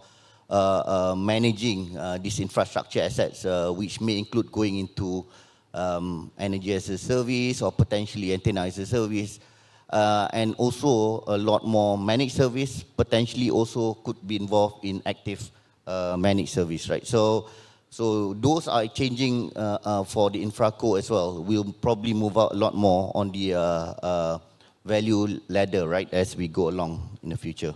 managing these infrastructure assets, which may include going into energy as a service or potentially antenna as a service. And also, a lot more managed service potentially also could be involved in active managed service. So those are changing for the InfraCo as well. We'll probably move up a lot more on the value ladder as we go along in the future.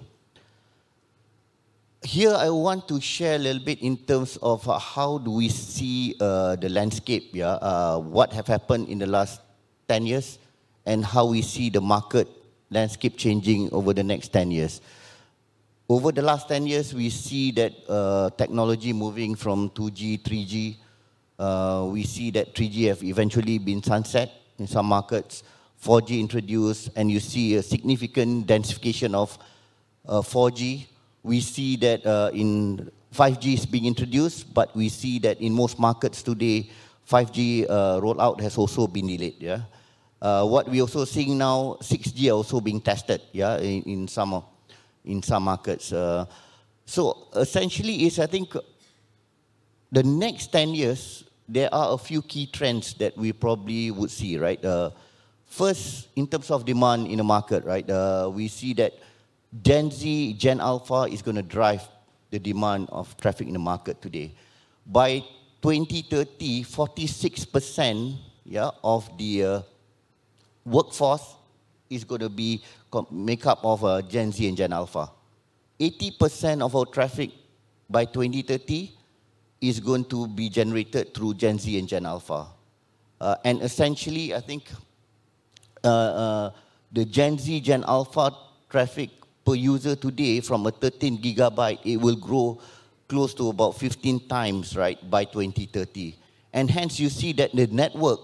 Here, I want to share a little bit in terms of how do we see the landscape, what has happened in the last 10 years, and how we see the market landscape changing over the next 10 years. Over the last 10 years, we see that technology moving from 2G, 3G. We see that 3G has eventually been sunset in some markets. 4G introduced, and you see a significant densification of 4G. We see that 5G is being introduced, but we see that in most markets today, 5G rollout has also been delayed. What we are also seeing now, 6G is also being tested in some markets. So essentially, I think the next 10 years, there are a few key trends that we probably would see. First, in terms of demand in the market, we see that Gen Z, Gen Alpha is going to drive the demand of traffic in the market today. By 2030, 46% of the workforce is going to be made up of Gen Z and Gen Alpha. 80% of our traffic by 2030 is going to be generated through Gen Z and Gen Alpha. Essentially, I think the Gen Z, Gen Alpha traffic per user today from a 13 gigabyte, it will grow close to about 15 times by 2030. Hence, you see that the network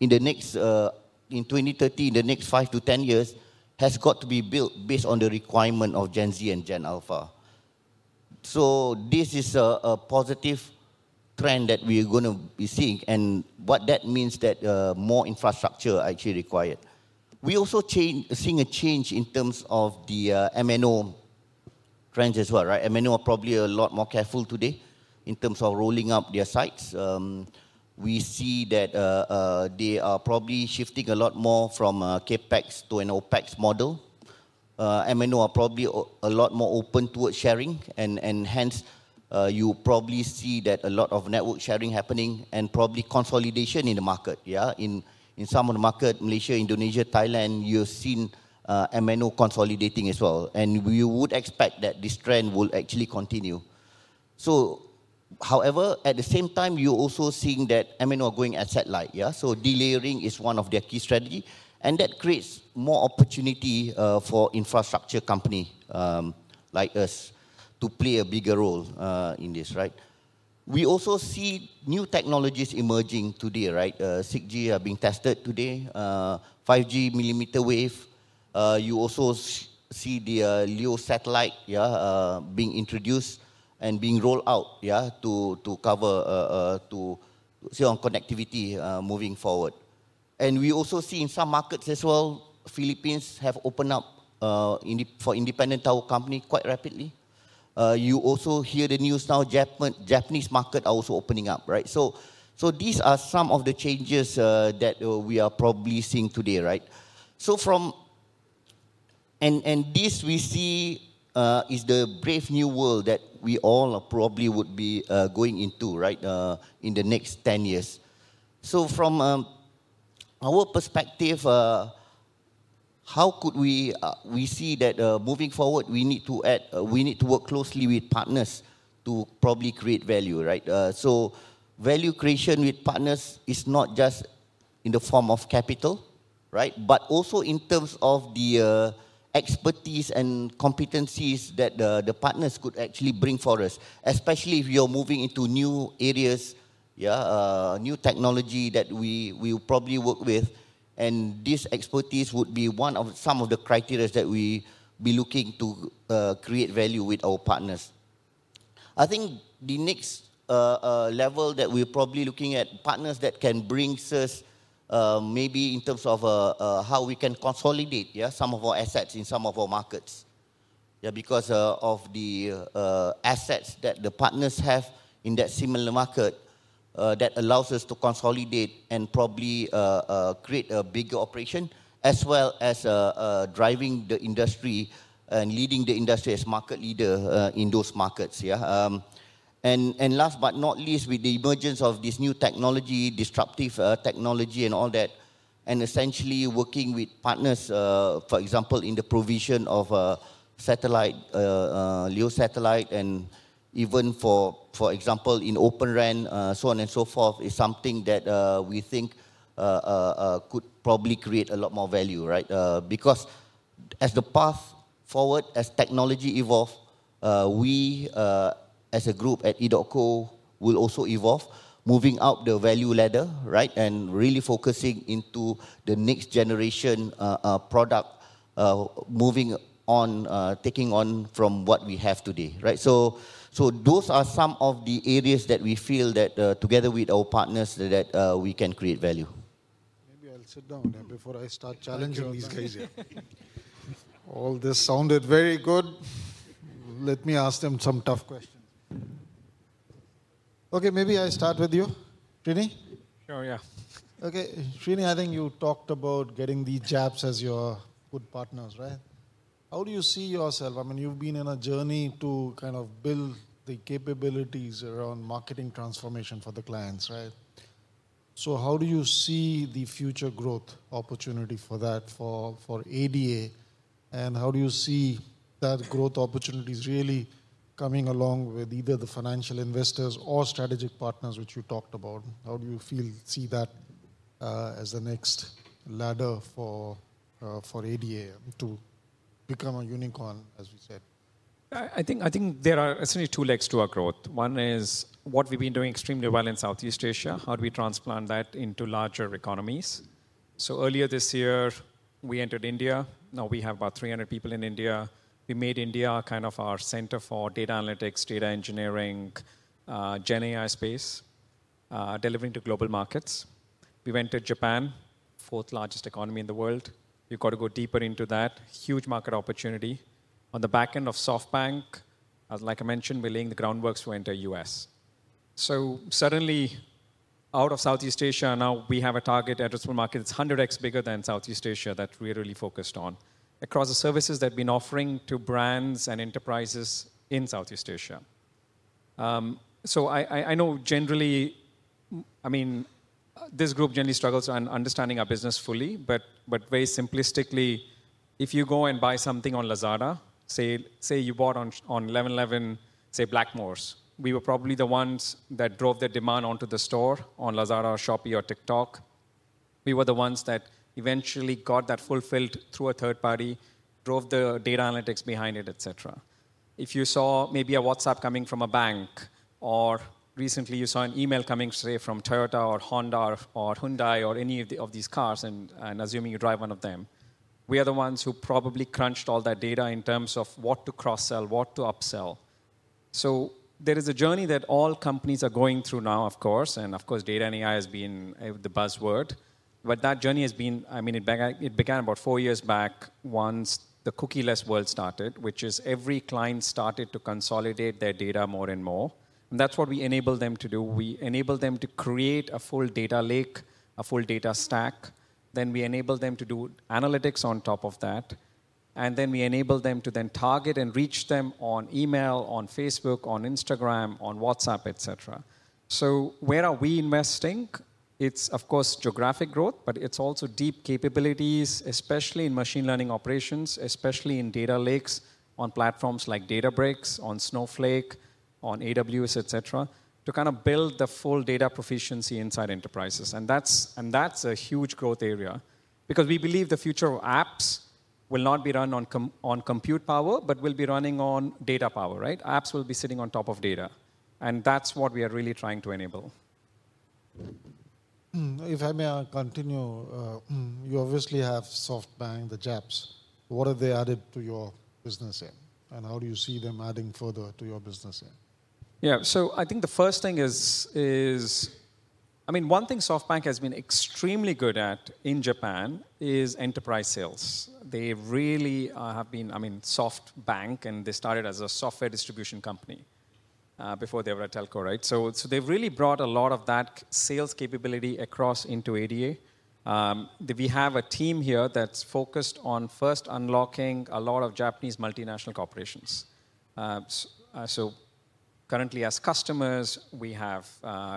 in 2030, in the next 5 to 10 years, has got to be built based on the requirement of Gen Z and Gen Alpha. This is a positive trend that we are going to be seeing. What that means is that more infrastructure is actually required. We also see a change in terms of the MNO trends as well. MNOs are probably a lot more careful today in terms of rolling out their sites. We see that they are probably shifting a lot more from a CapEx to an OpEx model. MNOs are probably a lot more open towards sharing. And hence, you probably see that a lot of network sharing happening and probably consolidation in the market. In some of the markets, Malaysia, Indonesia, Thailand, you've seen MNO consolidating as well. And we would expect that this trend will actually continue. So however, at the same time, you're also seeing that MNO are going at satellite. So delayering is one of their key strategies. And that creates more opportunity for infrastructure companies like us to play a bigger role in this. We also see new technologies emerging today. 6G are being tested today. 5G millimeter wave. You also see the LEO satellite being introduced and being rolled out to cover connectivity moving forward. And we also see in some markets as well, Philippines have opened up for independent tower companies quite rapidly. You also hear the news now, Japanese markets are also opening up. So these are some of the changes that we are probably seeing today. And this we see is the brave new world that we all probably would be going into in the next 10 years. So from our perspective, how could we see that moving forward, we need to work closely with partners to probably create value. So value creation with partners is not just in the form of capital, but also in terms of the expertise and competencies that the partners could actually bring for us, especially if you're moving into new areas, new technology that we will probably work with. And this expertise would be one of some of the criteria that we will be looking to create value with our partners. I think the next level that we're probably looking at partners that can bring us maybe in terms of how we can consolidate some of our assets in some of our markets. Because of the assets that the partners have in that similar market, that allows us to consolidate and probably create a bigger operation, as well as driving the industry and leading the industry as a market leader in those markets. Last but not least, with the emergence of this new technology, disruptive technology and all that, and essentially working with partners, for example, in the provision of satellite, LEO satellite, and even for example, in Open RAN, so on and so forth, is something that we think could probably create a lot more value. Because as the path forward, as technology evolves, we as a group at Edotco will also evolve, moving up the value ladder and really focusing into the next generation product, moving on, taking on from what we have today. So those are some of the areas that we feel that together with our partners, that we can create value. Maybe I'll sit down before I start challenging these guys. All this sounded very good. Let me ask them some tough questions. Okay, maybe I start with you, Trini. Sure, yeah. Okay, Trini, I think you talked about getting the Japs as your good partners, right? How do you see yourself? I mean, you've been in a journey to kind of build the capabilities around marketing transformation for the clients, right? So how do you see the future growth opportunity for that, for ADA? How do you see that growth opportunity is really coming along with either the financial investors or strategic partners, which you talked about? How do you see that as the next ladder for ADA to become a unicorn, as we said? I think there are essentially two legs to our growth. One is what we've been doing extremely well in Southeast Asia. How do we transplant that into larger economies? Earlier this year, we entered India. Now we have about 300 people in India. We made India kind of our center for data analytics, data engineering, Gen AI space, delivering to global markets. We went to Japan, fourth largest economy in the world. We've got to go deeper into that, huge market opportunity. On the back end of SoftBank, like I mentioned, we're laying the groundwork to enter the US. So suddenly, out of Southeast Asia, now we have a target addressable market that's 100x bigger than Southeast Asia that we're really focused on across the services that we've been offering to brands and enterprises in Southeast Asia. So I know generally, I mean, this group generally struggles on understanding our business fully, but very simplistically, if you go and buy something on Lazada, say you bought on 1111, say Blackmores, we were probably the ones that drove the demand onto the store on Lazada, Shopee, or TikTok. We were the ones that eventually got that fulfilled through a third party, drove the data analytics behind it, et cetera. If you saw maybe a WhatsApp coming from a bank, or recently you saw an email coming straight from Toyota or Honda or Hyundai or any of these cars, and assuming you drive one of them, we are the ones who probably crunched all that data in terms of what to cross-sell, what to upsell. So there is a journey that all companies are going through now, of course, and of course, data and AI has been the buzzword. But that journey has been, I mean, it began about four years back once the cookieless world started, which is every client started to consolidate their data more and more. And that's what we enable them to do. We enable them to create a full data lake, a full data stack. Then we enable them to do analytics on top of that. Then we enable them to then target and reach them on email, on Facebook, on Instagram, on WhatsApp, et cetera. Where are we investing? It's, of course, geographic growth, but it's also deep capabilities, especially in machine learning operations, especially in data lakes on platforms like Databricks, on Snowflake, on AWS, et cetera, to kind of build the full data proficiency inside enterprises. That's a huge growth area because we believe the future of apps will not be run on compute power, but will be running on data power. Apps will be sitting on top of data. That's what we are really trying to enable. If I may continue, you obviously have SoftBank, the Japs. What have they added to your business? How do you see them adding further to your business? Yeah, so I think the first thing is, I mean, one thing SoftBank has been extremely good at in Japan is enterprise sales. They really have been, I mean, SoftBank, and they started as a software distribution company before they were a telco. So they've really brought a lot of that sales capability across into ADA. We have a team here that's focused on first unlocking a lot of Japanese multinational corporations. So currently, as customers, we have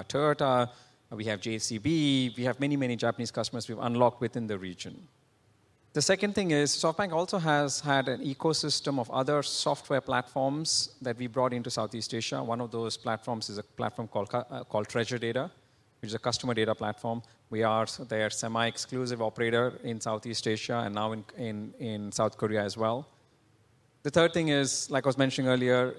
Toyota, we have JCB, we have many, many Japanese customers we've unlocked within the region. The second thing is SoftBank also has had an ecosystem of other software platforms that we brought into Southeast Asia. One of those platforms is a platform called Treasure Data, which is a customer data platform. We are their semi-exclusive operator in Southeast Asia and now in South Korea as well. The third thing is, like I was mentioning earlier,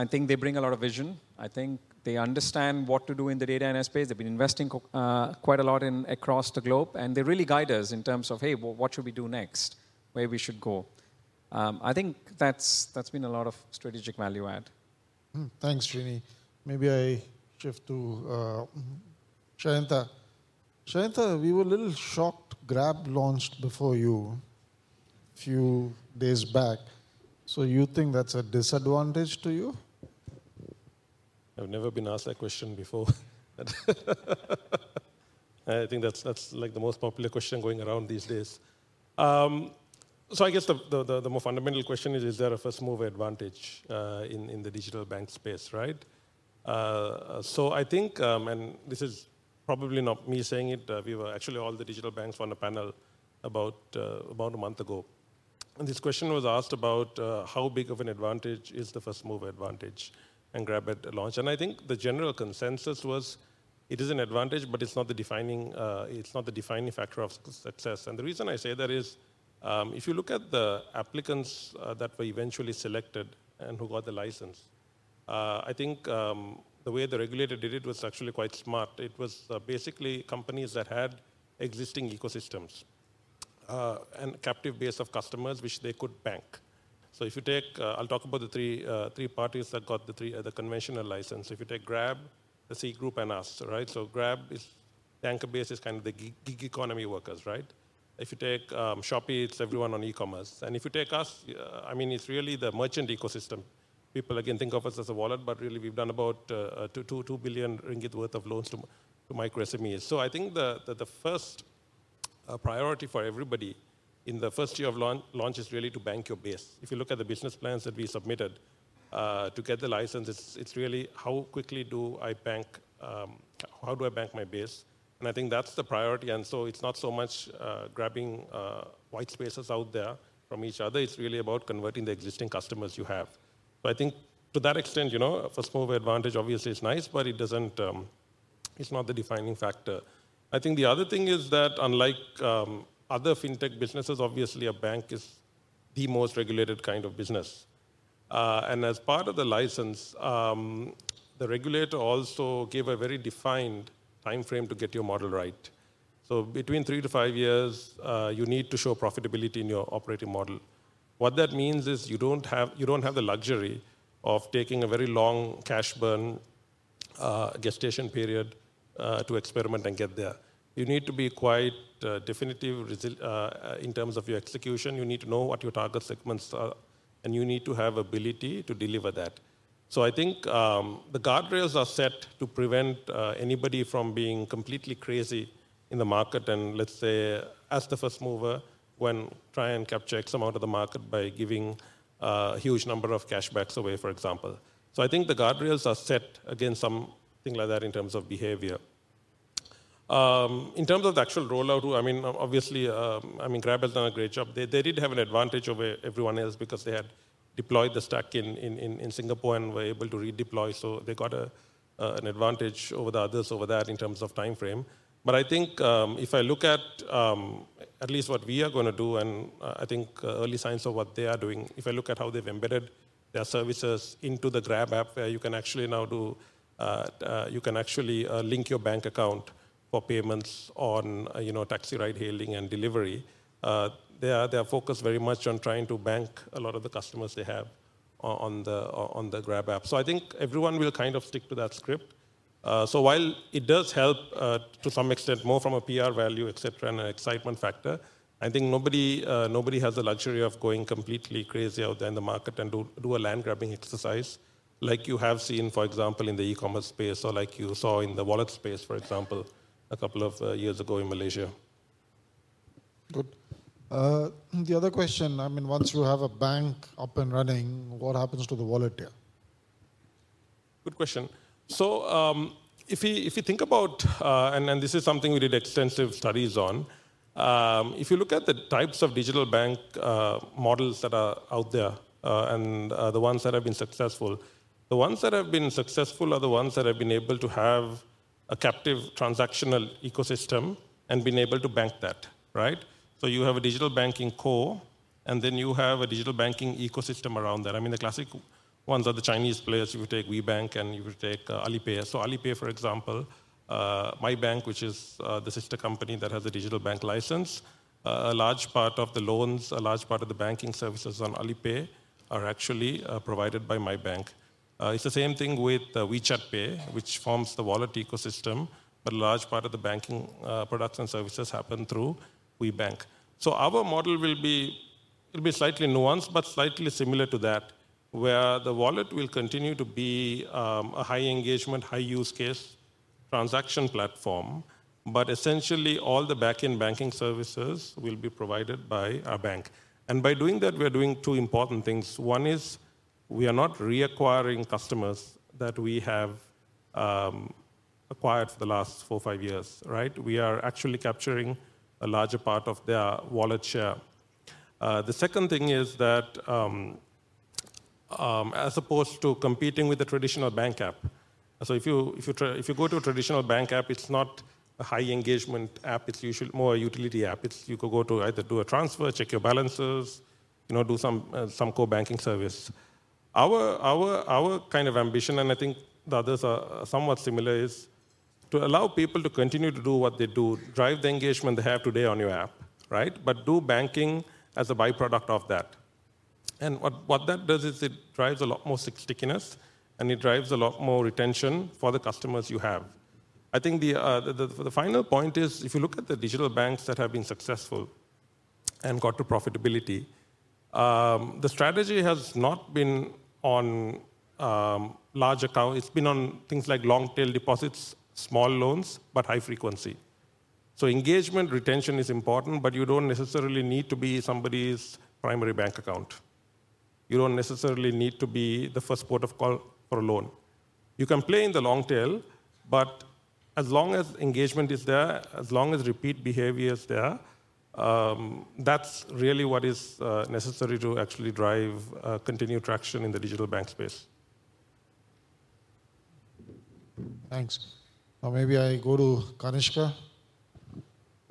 I think they bring a lot of vision. I think they understand what to do in the data and space. They've been investing quite a lot across the globe. And they really guide us in terms of, hey, what should we do next? Where we should go? I think that's been a lot of strategic value add. Thanks, Trini. Maybe I shift to Sheyantha. Sheyantha, we were a little shocked Grab launched before you a few days back. So you think that's a disadvantage to you? I've never been asked that question before. I think that's like the most popular question going around these days. So I guess the more fundamental question is, is there a first move advantage in the digital bank space? I think, and this is probably not me saying it, we were actually all the digital banks on a panel about a month ago. This question was asked about how big of an advantage is the first move advantage and Grab launched. I think the general consensus was it is an advantage, but it's not the defining factor of success. The reason I say that is if you look at the applicants that were eventually selected and who got the license, I think the way the regulator did it was actually quite smart. It was basically companies that had existing ecosystems and captive base of customers, which they could bank. If you take, I'll talk about the three parties that got the conventional license. If you take Grab, the Sea Group and us. Grab, the anchor base is kind of the gig economy workers. If you take Shopee, it's everyone on e-commerce. And if you take us, I mean, it's really the merchant ecosystem. People again think of us as a wallet, but really we've done about 2 billion ringgit worth of loans to micro SMEs. So I think the first priority for everybody in the first year of launch is really to bank your base. If you look at the business plans that we submitted to get the license, it's really how quickly do I bank, how do I bank my base? And I think that's the priority. And so it's not so much grabbing white spaces out there from each other. It's really about converting the existing customers you have. So I think to that extent, first move advantage obviously is nice, but it's not the defining factor. I think the other thing is that unlike other fintech businesses, obviously a bank is the most regulated kind of business. And as part of the license, the regulator also gave a very defined time frame to get your model right. So between three to five years, you need to show profitability in your operating model. What that means is you don't have the luxury of taking a very long cash burn gestation period to experiment and get there. You need to be quite definitive in terms of your execution. You need to know what your target segments are, and you need to have ability to deliver that. I think the guardrails are set to prevent anybody from being completely crazy in the market and let's say as the first mover when trying to capture X amount of the market by giving a huge number of cash backs away, for example. So I think the guardrails are set against something like that in terms of behavior. In terms of the actual rollout, I mean, obviously, Grab has done a great job. They did have an advantage over everyone else because they had deployed the stack in Singapore and were able to redeploy. So they got an advantage over the others over that in terms of time frame. But I think if I look at least what we are going to do and I think early signs of what they are doing, if I look at how they've embedded their services into the Grab app where you can actually now do, you can actually link your bank account for payments on taxi ride hailing and delivery. They are focused very much on trying to bank a lot of the customers they have on the Grab app. So I think everyone will kind of stick to that script. So while it does help to some extent more from a PR value, et cetera, and an excitement factor, I think nobody has the luxury of going completely crazy out there in the market and do a land grabbing exercise like you have seen, for example, in the e-commerce space or like you saw in the wallet space, for example, a couple of years ago in Malaysia. Good. The other question, I mean, once you have a bank up and running, what happens to the wallet here? Good question. So if you think about, and this is something we did extensive studies on, if you look at the types of digital bank models that are out there and the ones that have been successful, the ones that have been successful are the ones that have been able to have a captive transactional ecosystem and been able to bank that. So you have a digital banking core, and then you have a digital banking ecosystem around that. I mean, the classic ones are the Chinese players. You would take WeBank and you would take Alipay. So Alipay, for example, my bank, which is the sister company that has a digital bank license, a large part of the loans, a large part of the banking services on Alipay are actually provided by my bank. It's the same thing with WeChat Pay, which forms the wallet ecosystem, but a large part of the banking products and services happen through WeBank. So our model will be slightly nuanced, but slightly similar to that, where the wallet will continue to be a high engagement, high use case transaction platform, but essentially all the backend banking services will be provided by our bank, and by doing that, we are doing two important things. One is we are not reacquiring customers that we have acquired for the last four, five years. We are actually capturing a larger part of their wallet share. The second thing is that as opposed to competing with a traditional bank app, so if you go to a traditional bank app, it's not a high engagement app, it's usually more a utility app. You could go to either do a transfer, check your balances, do some co-banking service. Our kind of ambition, and I think the others are somewhat similar, is to allow people to continue to do what they do, drive the engagement they have today on your app, but do banking as a byproduct of that. And what that does is it drives a lot more stickiness, and it drives a lot more retention for the customers you have. I think the final point is if you look at the digital banks that have been successful and got to profitability, the strategy has not been on large accounts. It's been on things like long-tail deposits, small loans, but high frequency. So engagement retention is important, but you don't necessarily need to be somebody's primary bank account. You don't necessarily need to be the first port of call for a loan. You can play in the long tail, but as long as engagement is there, as long as repeat behavior is there, that's really what is necessary to actually drive continued traction in the digital bank space. Thanks. Now maybe I go to Kanishka.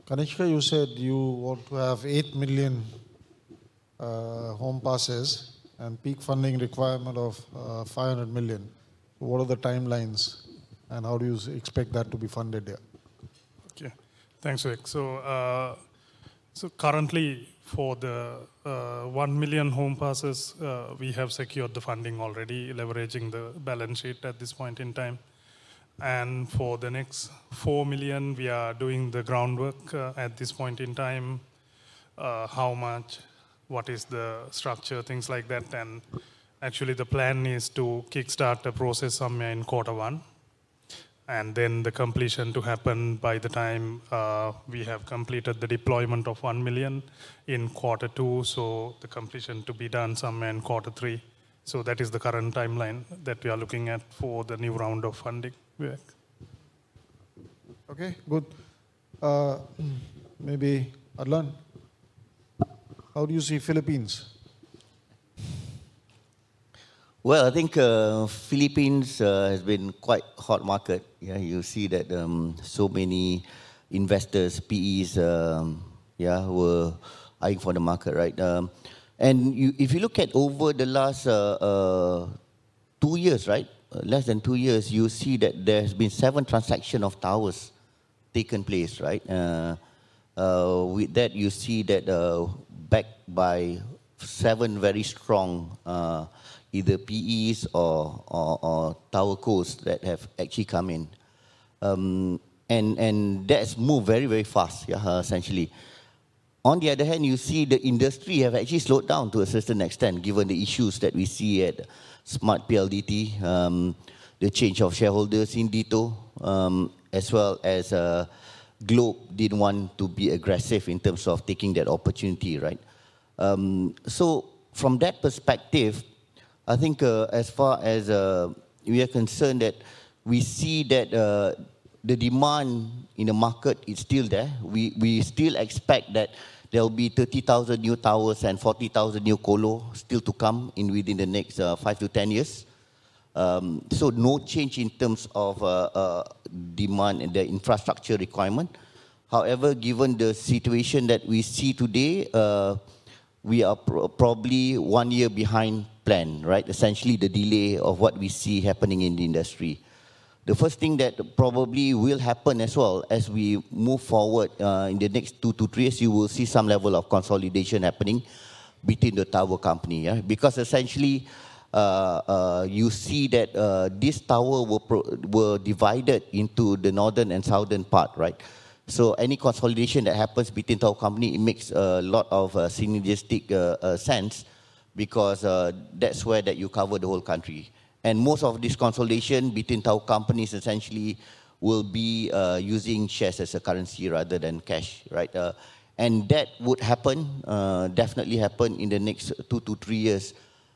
Kanishka, you said you want to have eight million home passes and peak funding requirement of 500 million. What are the timelines and how do you expect that to be funded there? Thanks, Vivek. So currently for the one million home passes, we have secured the funding already, leveraging the balance sheet at this point in time. And for the next four million, we are doing the groundwork at this point in time. How much, what is the structure, things like that. And actually the plan is to kickstart the process somewhere in quarter one. And then the completion to happen by the time we have completed the deployment of one million in quarter two. So the completion to be done somewhere in quarter three. So that is the current timeline that we are looking at for the new round of funding. Okay, good. Maybe Adlan, how do you see Philippines? Well, I think Philippines has been quite a hot market. You see that so many investors, PEs, were eyeing for the market. And if you look at over the last two years, less than two years, you see that there's been seven transactions of towers taken place. With that, you see that backed by seven very strong either PEs or tower cos that have actually come in. And that's moved very, very fast, essentially. On the other hand, you see the industry has actually slowed down to a certain extent given the issues that we see at Smart, PLDT, the change of shareholders in Dito, as well as Globe didn't want to be aggressive in terms of taking that opportunity. So from that perspective, I think as far as we are concerned, that we see that the demand in the market is still there. We still expect that there will be 30,000 new towers and 40,000 new colos still to come within the next 5 to 10 years. So, no change in terms of demand and the infrastructure requirement. However, given the situation that we see today, we are probably one year behind plan, essentially the delay of what we see happening in the industry. The first thing that probably will happen as well as we move forward in the next two to three years, you will see some level of consolidation happening between the tower company. Because essentially you see that this tower will be divided into the northern and southern part, so any consolidation that happens between tower companies, it makes a lot of synergistic sense because that's where you cover the whole country, and most of this consolidation between tower companies essentially will be using shares as a currency rather than cash. And that would happen, definitely happen in the next two to three years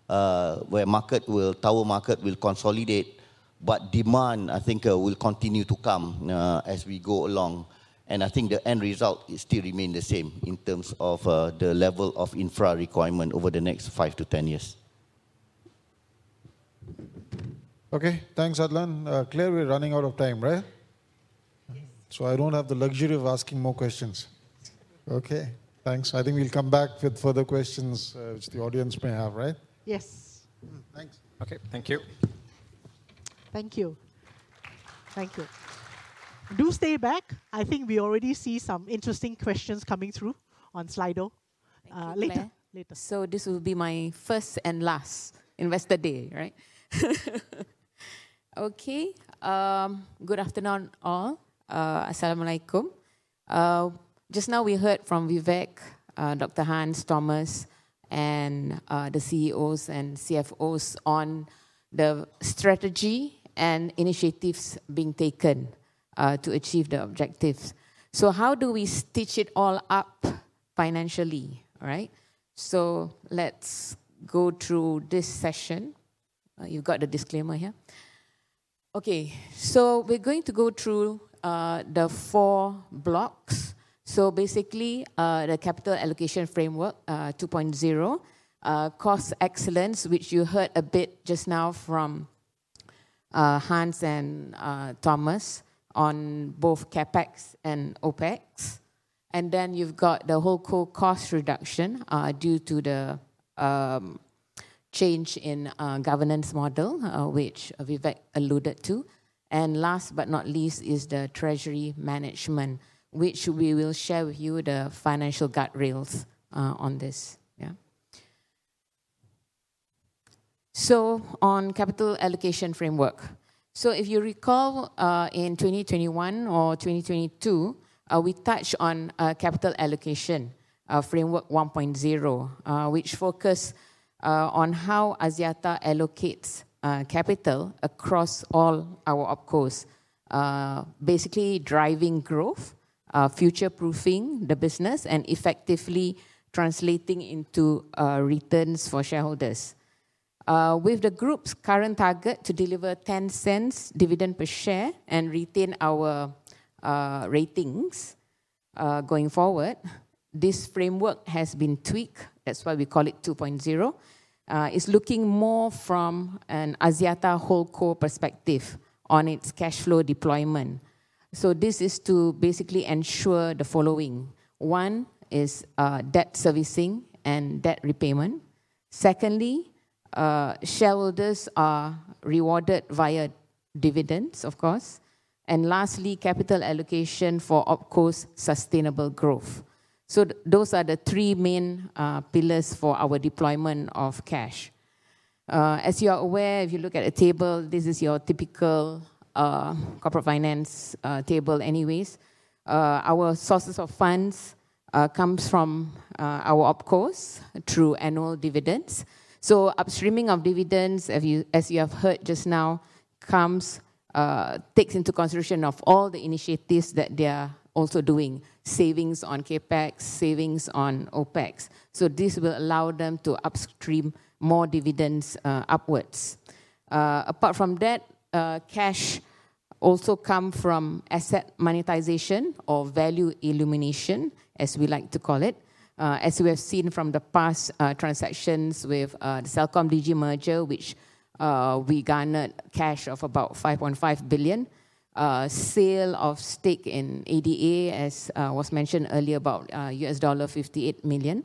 where market, tower market will consolidate, but demand I think will continue to come as we go along. And I think the end result still remains the same in terms of the level of infra requirement over the next 5-10 years. Okay, thanks Adlan. Claire, we're running out of time, right? So I don't have the luxury of asking more questions. Okay, thanks. I think we'll come back with further questions which the audience may have, right? Yes. Thanks. Okay, thank you. Thank you. Thank you. Do stay back. I think we already see some interesting questions coming through on Slido. Later. So this will be my first and last investor day, right? Okay, good afternoon all. Assalamualaikum. Just now we heard from Vivek, Dr. Hans, Thomas, and the CEOs and CFOs on the strategy and initiatives being taken to achieve the objectives. So how do we stitch it all up financially? So let's go through this session. You've got the disclaimer here. Okay, so we're going to go through the four blocks. So basically the capital allocation framework 2.0, cost excellence, which you heard a bit just now from Hans and Thomas on both CapEx and OpEx. And then you've got the whole core cost reduction due to the change in governance model, which Vivek alluded to. And last but not least is the treasury management, which we will share with you the financial guardrails on this. On capital allocation framework, so if you recall in 2021 or 2022, we touched on capital allocation framework 1.0, which focused on how Axiata allocates capital across all our OpCos, basically driving growth, future-proofing the business, and effectively translating into returns for shareholders. With the group's current target to deliver 0.10 dividend per share and retain our ratings going forward, this framework has been tweaked. That's why we call it 2.0. It's looking more from an Axiata HoldCo perspective on its cash flow deployment. So this is to basically ensure the following. One is debt servicing and debt repayment. Secondly, shareholders are rewarded via dividends, of course. And lastly, capital allocation for OpCos sustainable growth. So those are the three main pillars for our deployment of cash. As you are aware, if you look at a table, this is your typical corporate finance table anyways. Our sources of funds come from our OpCos through annual dividends. So upstreaming of dividends, as you have heard just now, takes into consideration of all the initiatives that they are also doing, savings on CapEx, savings on OpEx. So this will allow them to upstream more dividends upwards. Apart from that, cash also comes from asset monetization or value realization, as we like to call it, as we have seen from the past transactions with the CelcomDigi merger, which we garnered cash of about 5.5 billion, sale of stake in ADA, as was mentioned earlier about $58 million.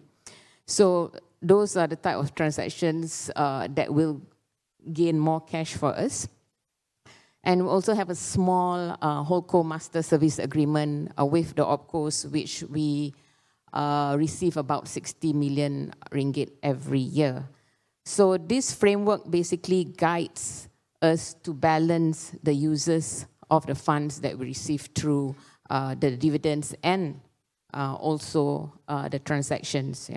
So those are the types of transactions that will gain more cash for us. And we also have a small HoldCo-master service agreement with the OpCos, which we receive about 60 million ringgit every year. So this framework basically guides us to balance the users of the funds that we receive through the dividends and also the transactions.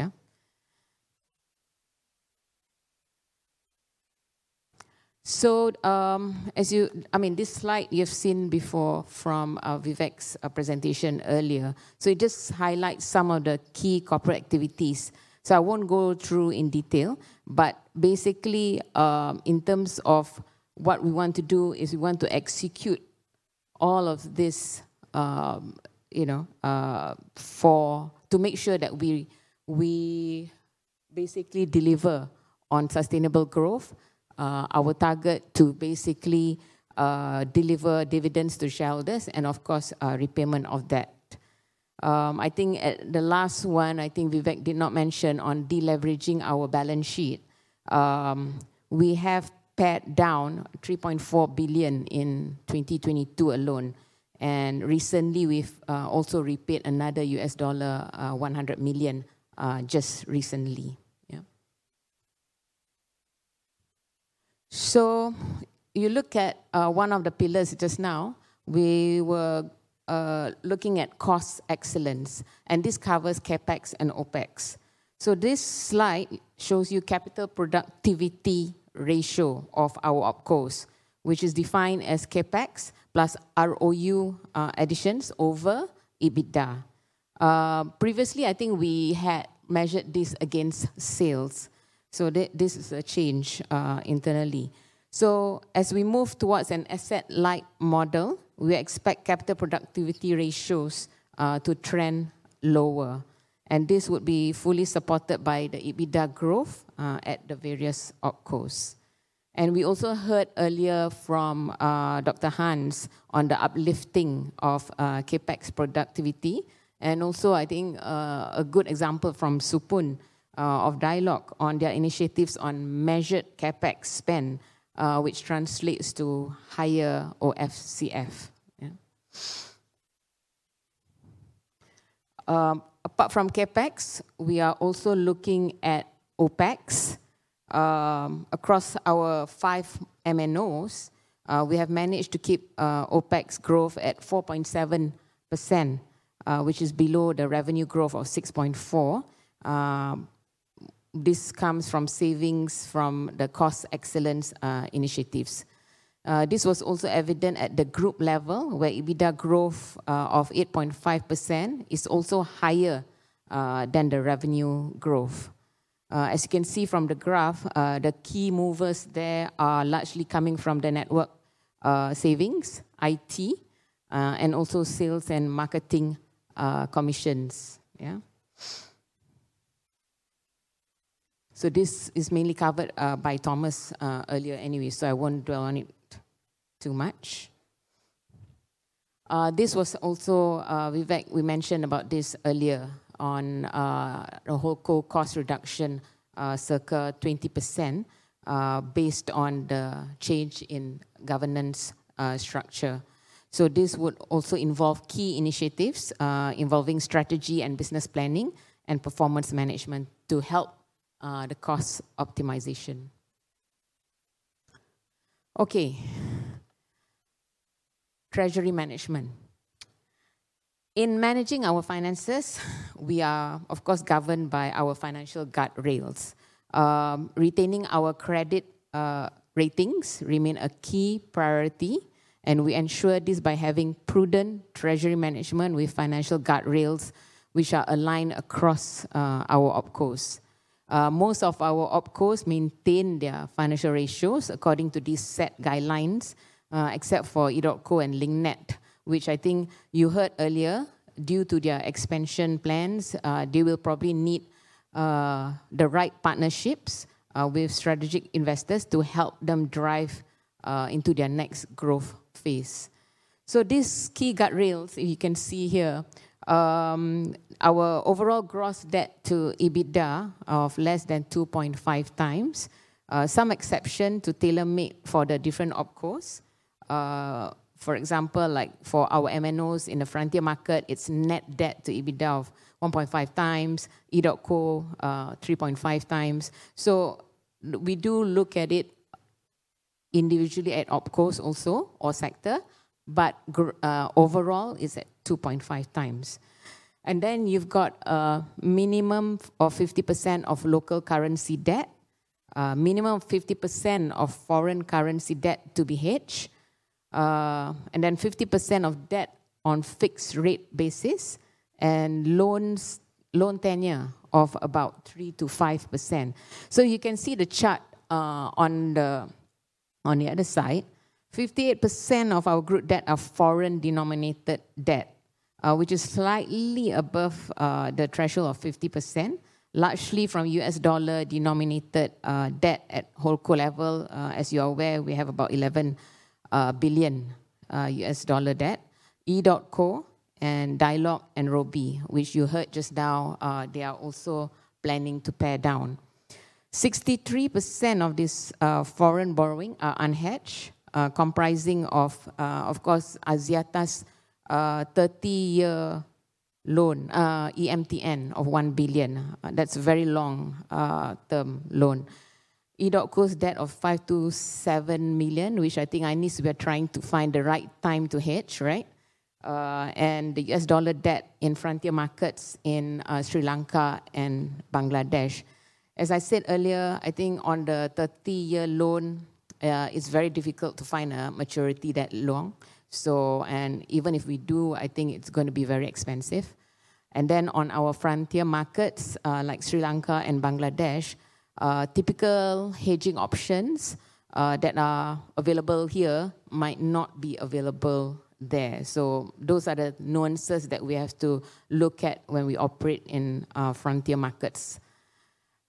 So I mean, this slide you've seen before from Vivek's presentation earlier. So it just highlights some of the key corporate activities. So I won't go through in detail, but basically in terms of what we want to do is we want to execute all of this to make sure that we basically deliver on sustainable growth, our target to basically deliver dividends to shareholders and of course repayment of that. I think the last one I think Vivek did not mention on deleveraging our balance sheet. We have pared down $3.4 billion in 2022 alone. And recently we've also repaid another $100 million just recently. So you look at one of the pillars just now, we were looking at cost excellence. This covers CapEx and OpEx. So this slide shows you capital productivity ratio of our OpCos, which is defined as CapEx plus ROU additions over EBITDA. Previously, I think we had measured this against sales. So this is a change internally. So as we move towards an asset-like model, we expect capital productivity ratios to trend lower. And this would be fully supported by the EBITDA growth at the various OpCos. And we also heard earlier from Dr. Hans on the uplifting of CapEx productivity. And also I think a good example from Supun of Dialog on their initiatives on measured CapEx spend, which translates to higher OFCF. Apart from CapEx, we are also looking at OpEx. Across our five MNOs, we have managed to keep OpEx growth at 4.7%, which is below the revenue growth of 6.4%. This comes from savings from the cost excellence initiatives. This was also evident at the group level where EBITDA growth of 8.5% is also higher than the revenue growth. As you can see from the graph, the key movers there are largely coming from the network savings, IT, and also sales and marketing commissions. So this is mainly covered by Thomas earlier anyway, so I won't dwell on it too much. This was also, Vivek, we mentioned about this earlier on the HoldCo cost reduction circa 20% based on the change in governance structure. So this would also involve key initiatives involving strategy and business planning and performance management to help the cost optimization. Okay, treasury management. In managing our finances, we are of course governed by our financial guardrails. Retaining our credit ratings remains a key priority, and we ensure this by having prudent treasury management with financial guardrails which are aligned across our opcos. Most of our OpCos maintain their financial ratios according to these set guidelines, except for Edotco and Link Net, which I think you heard earlier, due to their expansion plans, they will probably need the right partnerships with strategic investors to help them drive into their next growth phase, so these key guardrails, you can see here, our overall gross debt to EBITDA of less than 2.5 times, some exception to tailor-made for the different OpCos. For example, like for our MNOs in the frontier market, it's net debt to EBITDA of 1.5 times, Edotco 3.5 times, so we do look at it individually at OpCos also or sector, but overall it's at 2.5 times. And then you've got a minimum of 50% of local currency debt, minimum of 50% of foreign currency debt to be hedged, and then 50% of debt on fixed rate basis and loan tenure of about 3%-5%. So you can see the chart on the other side, 58% of our group debt are foreign denominated debt, which is slightly above the threshold of 50%, largely from US dollar denominated debt at HoldCo level. As you are aware, we have about $11 billion debt, Edotco and Dialog and Robi, which you heard just now, they are also planning to pare down. 63% of this foreign borrowing are unhedged, comprising of, of course, Axiata's 30-year loan, EMTN of $1 billion. That's a very long-term loan. Edotco's debt of $5 million-$7 million, which I think in essence we are trying to find the right time to hedge, right? And the U.S. dollar debt in frontier markets in Sri Lanka and Bangladesh. As I said earlier, I think on the 30-year loan, it's very difficult to find a maturity that long. And even if we do, I think it's going to be very expensive. And then on our frontier markets like Sri Lanka and Bangladesh, typical hedging options that are available here might not be available there. So those are the nuances that we have to look at when we operate in frontier markets.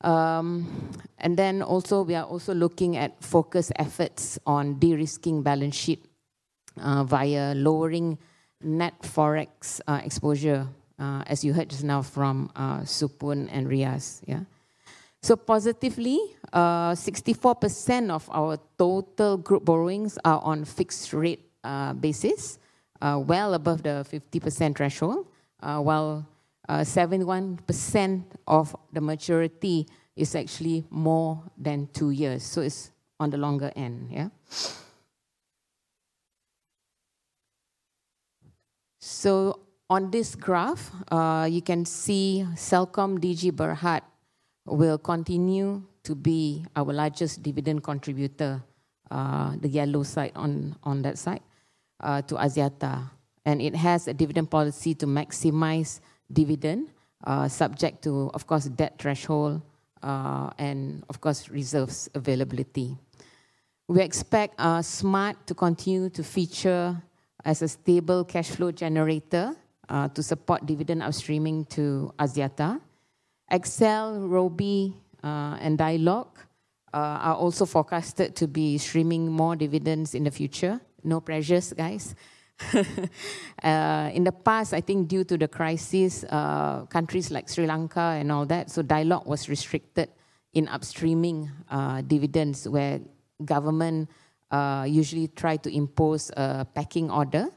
And then also we are also looking at focus efforts on de-risking balance sheet via lowering net forex exposure, as you heard just now from Supun and Riaz. So positively, 64% of our total group borrowings are on fixed rate basis, well above the 50% threshold, while 71% of the maturity is actually more than two years. So it's on the longer end. On this graph, you can see CelcomDigi Berhad will continue to be our largest dividend contributor, the yellow side on that side to Axiata. It has a dividend policy to maximize dividend subject to, of course, debt threshold and of course reserves availability. We expect Smart to continue to feature as a stable cash flow generator to support dividend upstreaming to Axiata. XL, Robi, and Dialog are also forecasted to be streaming more dividends in the future. No pressures, guys. In the past, I think due to the crisis, countries like Sri Lanka and all that, so Dialog was restricted in upstreaming dividends where government usually tried to impose a pecking order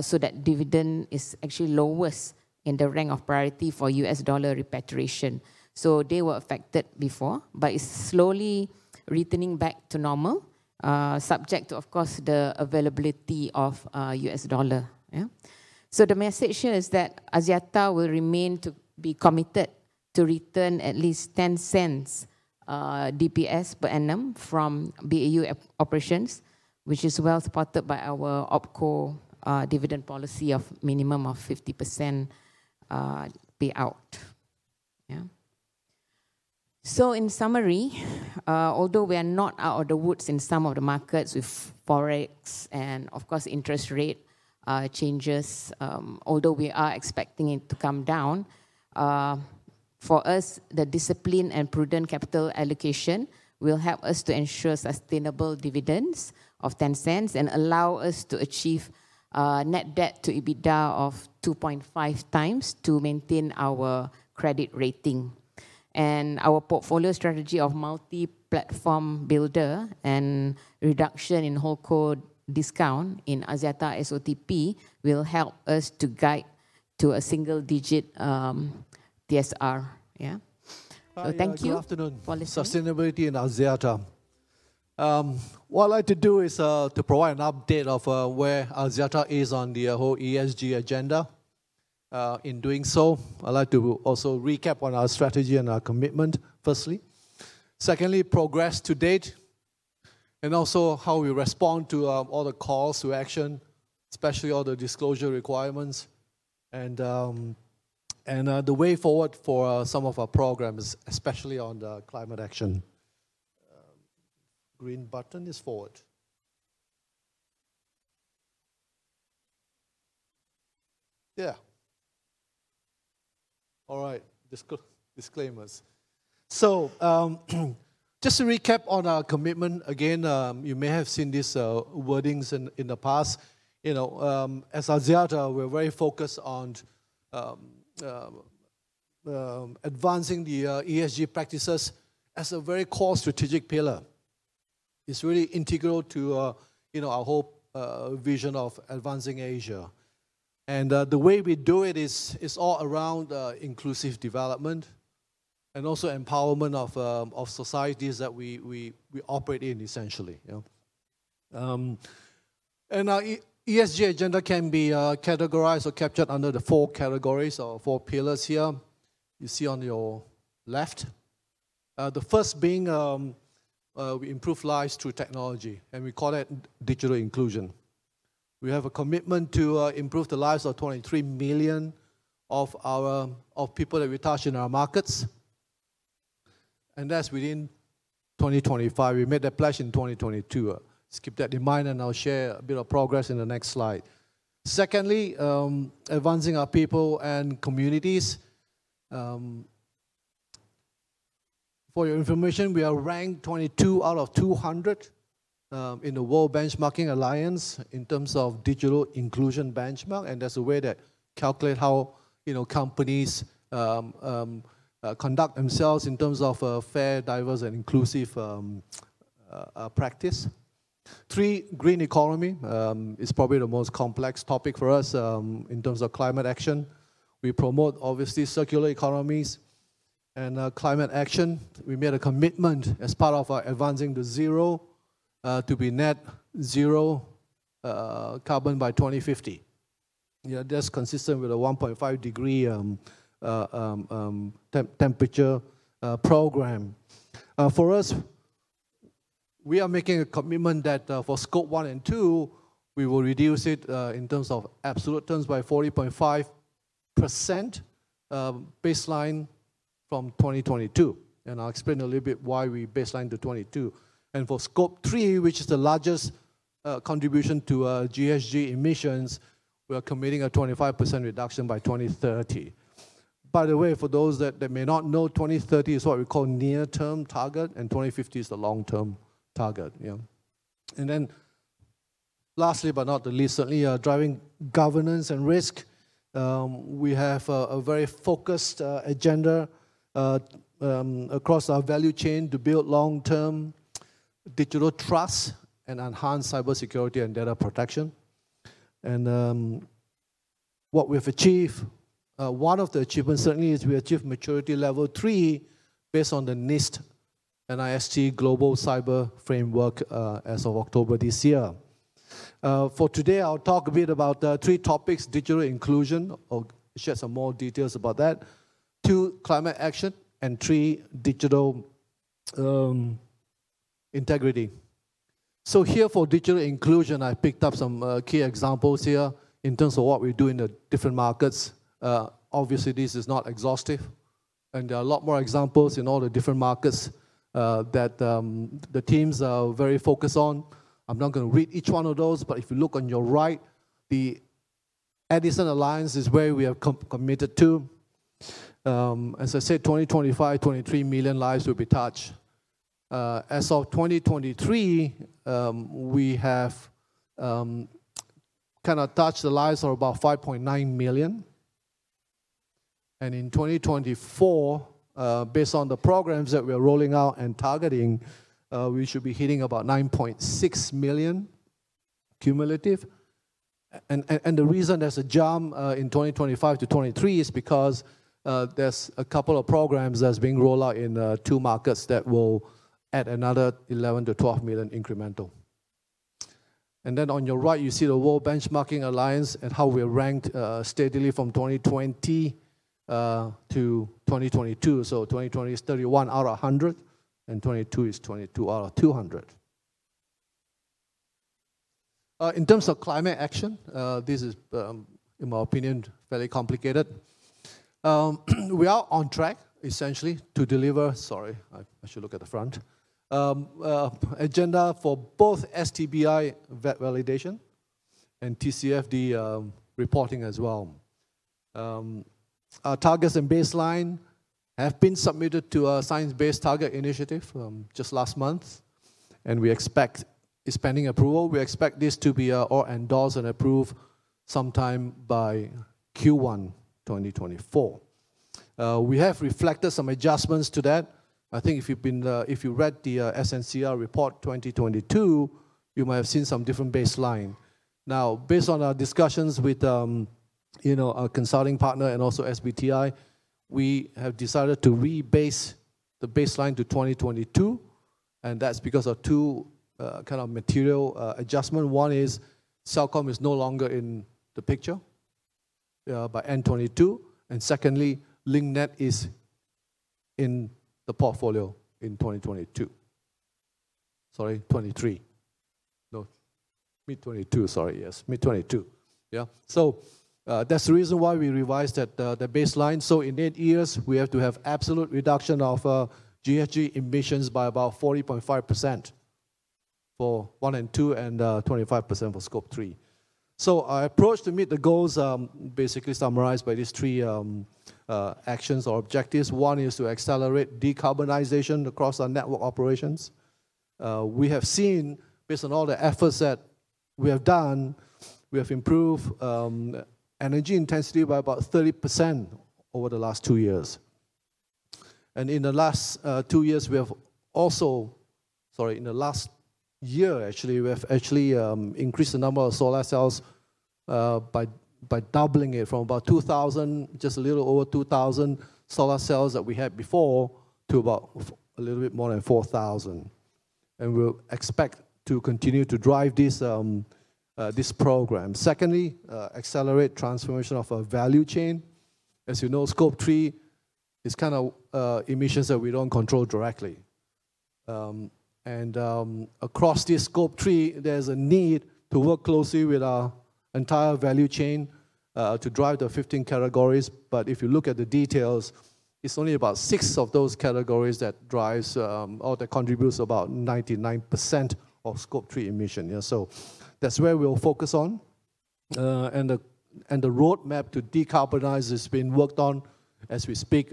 so that dividend is actually lowest in the rank of priority for US dollar repatriation. So they were affected before, but it's slowly returning back to normal subject to, of course, the availability of US dollar. So the message here is that Axiata will remain to be committed to return at least $0.10 DPS per annum from BAU operations, which is well supported by our OpCo dividend policy of minimum of 50% payout. So in summary, although we are not out of the woods in some of the markets with forex and of course interest rate changes, although we are expecting it to come down, for us, the discipline and prudent capital allocation will help us to ensure sustainable dividends of $0.10 and allow us to achieve net debt to EBITDA of 2.5 times to maintain our credit rating. Our portfolio strategy of multi-platform builder and reduction in HoldCo discount in Axiata SOTP will help us to guide to a single digit TSR. So thank you. Good afternoon. Sustainability in Axiata. What I like to do is to provide an update of where Axiata is on the whole ESG agenda. In doing so, I'd like to also recap on our strategy and our commitment, firstly. Secondly, progress to date, and also how we respond to all the calls to action, especially all the disclosure requirements, and the way forward for some of our programs, especially on the climate action. Green button is forward. Yeah. All right. Disclaimers. So just to recap on our commitment, again, you may have seen these wordings in the past. As Axiata, we're very focused on advancing the ESG practices as a very core strategic pillar. It's really integral to our whole vision of advancing Asia, and the way we do it is all around inclusive development and also empowerment of societies that we operate in, essentially, and our ESG agenda can be categorized or captured under the four categories or four pillars here. You see on your left. The first being we improve lives through technology, and we call that digital inclusion. We have a commitment to improve the lives of 23 million of people that we touch in our markets, and that's within 2025. We made that pledge in 2022. Keep that in mind, and I'll share a bit of progress in the next slide. Secondly, advancing our people and communities. For your information, we are ranked 22 out of 200 in the World Benchmarking Alliance in terms of digital inclusion benchmark. That's a way that calculates how companies conduct themselves in terms of fair, diverse, and inclusive practice. Three, green economy is probably the most complex topic for us in terms of climate action. We promote, obviously, circular economies and climate action. We made a commitment as part of our advancing to zero to be net zero carbon by 2050. That's consistent with a 1.5 degree temperature program. For us, we are making a commitment that for Scope 1 and 2, we will reduce it in terms of absolute terms by 40.5% baseline from 2022. And I'll explain a little bit why we baseline to 22. And for Scope 3, which is the largest contribution to ESG emissions, we are committing a 25% reduction by 2030. By the way, for those that may not know, 2030 is what we call near-term target, and 2050 is the long-term target. Then lastly, but not the least, certainly driving governance and risk, we have a very focused agenda across our value chain to build long-term digital trust and enhance cybersecurity and data protection. What we've achieved, one of the achievements certainly is we achieved maturity level three based on the NIST, NIST Global Cyber Framework as of October this year. For today, I'll talk a bit about three topics: digital inclusion, which has more details about that, two, climate action, and three, digital integrity. Here for digital inclusion, I picked up some key examples here in terms of what we do in the different markets. Obviously, this is not exhaustive, and there are a lot more examples in all the different markets that the teams are very focused on. I'm not going to read each one of those, but if you look on your right, the Edison Alliance is where we are committed to. As I said, 2025, 23 million lives will be touched. As of 2023, we have kind of touched the lives of about 5.9 million. And in 2024, based on the programs that we are rolling out and targeting, we should be hitting about 9.6 million cumulative. And the reason there's a jump in 2025 to 2023 is because there's a couple of programs that are being rolled out in two markets that will add another 11 to 12 million incremental. And then on your right, you see the World Benchmarking Alliance and how we are ranked steadily from 2020 to 2022. So 2020 is 31 out of 100, and 2022 is 22 out of 200. In terms of climate action, this is, in my opinion, fairly complicated. We are on track, essentially, to deliver, sorry, I should look at the front, agenda for both SBTI validation and TCFD reporting as well. Our targets and baseline have been submitted to a science-based target initiative just last month, and we expect spending approval. We expect this to be endorsed and approved sometime by Q1 2024. We have reflected some adjustments to that. I think if you've read the SNCR report 2022, you might have seen some different baseline. Now, based on our discussions with our consulting partner and also SBTI, we have decided to rebase the baseline to 2022. And that's because of two kind of material adjustments. One is Celcom is no longer in the picture by end 2022. And secondly, Link Net is in the portfolio in 2022. Sorry, 2023. No, mid-2022, sorry. Yes, mid-2022. That's the reason why we revised the baseline. In eight years, we have to have absolute reduction of GHG emissions by about 40.5% for Scope 1 and 2 and 25% for Scope 3. Our approach to meet the goals basically summarized by these three actions or objectives. One is to accelerate decarbonization across our network operations. We have seen, based on all the efforts that we have done, we have improved energy intensity by about 30% over the last two years. In the last two years, we have also, sorry, in the last year, actually, we have actually increased the number of solar cells by doubling it from about 2,000, just a little over 2,000 solar cells that we had before to about a little bit more than 4,000. We'll expect to continue to drive this program. Secondly, accelerate transformation of our value chain. As you know, Scope 3 is kind of emissions that we don't control directly. And across this Scope 3, there's a need to work closely with our entire value chain to drive the 15 categories. But if you look at the details, it's only about six of those categories that drives or that contributes about 99% of Scope 3 emission. So that's where we'll focus on. And the roadmap to decarbonize has been worked on as we speak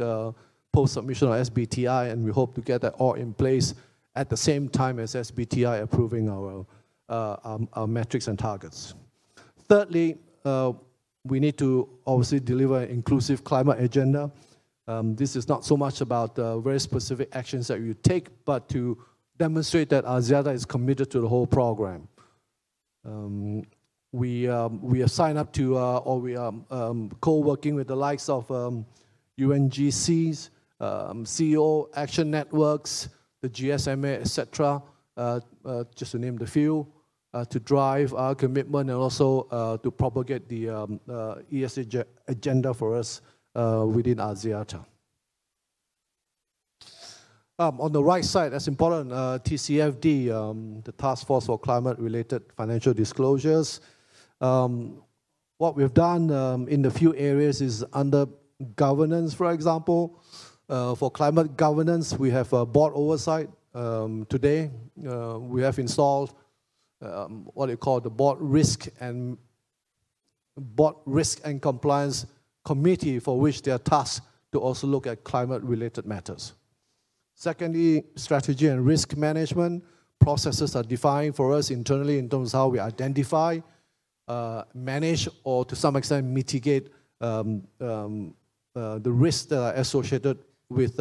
post-submission of SBTI, and we hope to get that all in place at the same time as SBTI approving our metrics and targets. Thirdly, we need to obviously deliver an inclusive climate agenda. This is not so much about very specific actions that you take, but to demonstrate that Axiata is committed to the whole program. We are signed up to, or we are co-working with the likes of UNGCs, CEO Action Networks, the GSMA, etc., just to name a few, to drive our commitment and also to propagate the ESG agenda for us within Axiata. On the right side, that's important, TCFD, the Task Force for Climate-Related Financial Disclosures. What we've done in a few areas is under governance, for example. For climate governance, we have board oversight. Today, we have installed what we call the Board Risk and Compliance Committee, for which they are tasked to also look at climate-related matters. Secondly, strategy and risk management processes are defined for us internally in terms of how we identify, manage, or to some extent mitigate the risks that are associated with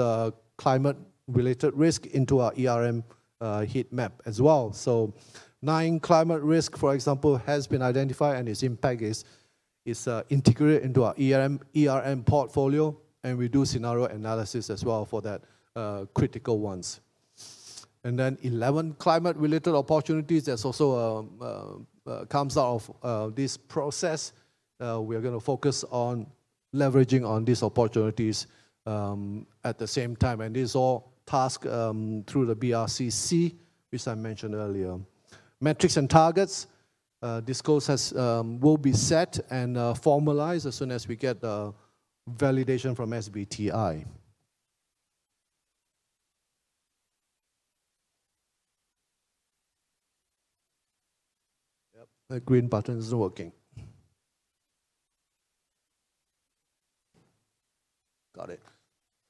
climate-related risk into our heat map as well. So nine climate risks, for example, have been identified, and its impact is integrated into our portfolio, and we do scenario analysis as well for that critical ones. And then 11 climate-related opportunities that also come out of this process. We are going to focus on leveraging these opportunities at the same time. And these are all tasked through the BRCC, which I mentioned earlier. Metrics and targets. This goal will be set and formalized as soon as we get validation from SBTI. Yep, the green button isn't working. Got it.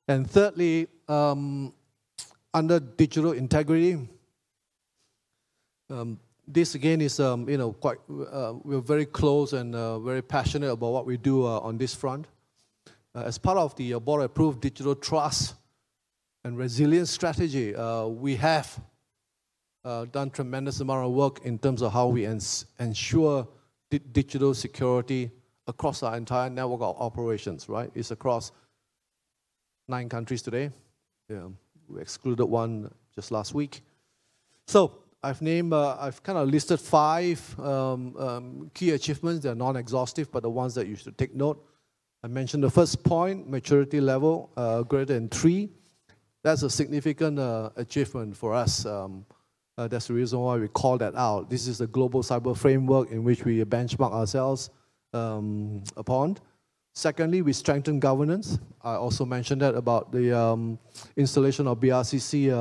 And thirdly, under digital integrity, this again is quite. We're very close and very passionate about what we do on this front. As part of the Board Approved Digital Trust and Resilience Strategy, we have done a tremendous amount of work in terms of how we ensure digital security across our entire network of operations. It's across nine countries today. We excluded one just last week. So I've kind of listed five key achievements. They're non-exhaustive, but the ones that you should take note. I mentioned the first point, maturity level greater than three. That's a significant achievement for us. That's the reason why we call that out. This is the global cyber framework in which we benchmark ourselves upon. Secondly, we strengthen governance. I also mentioned that about the installation of BRCC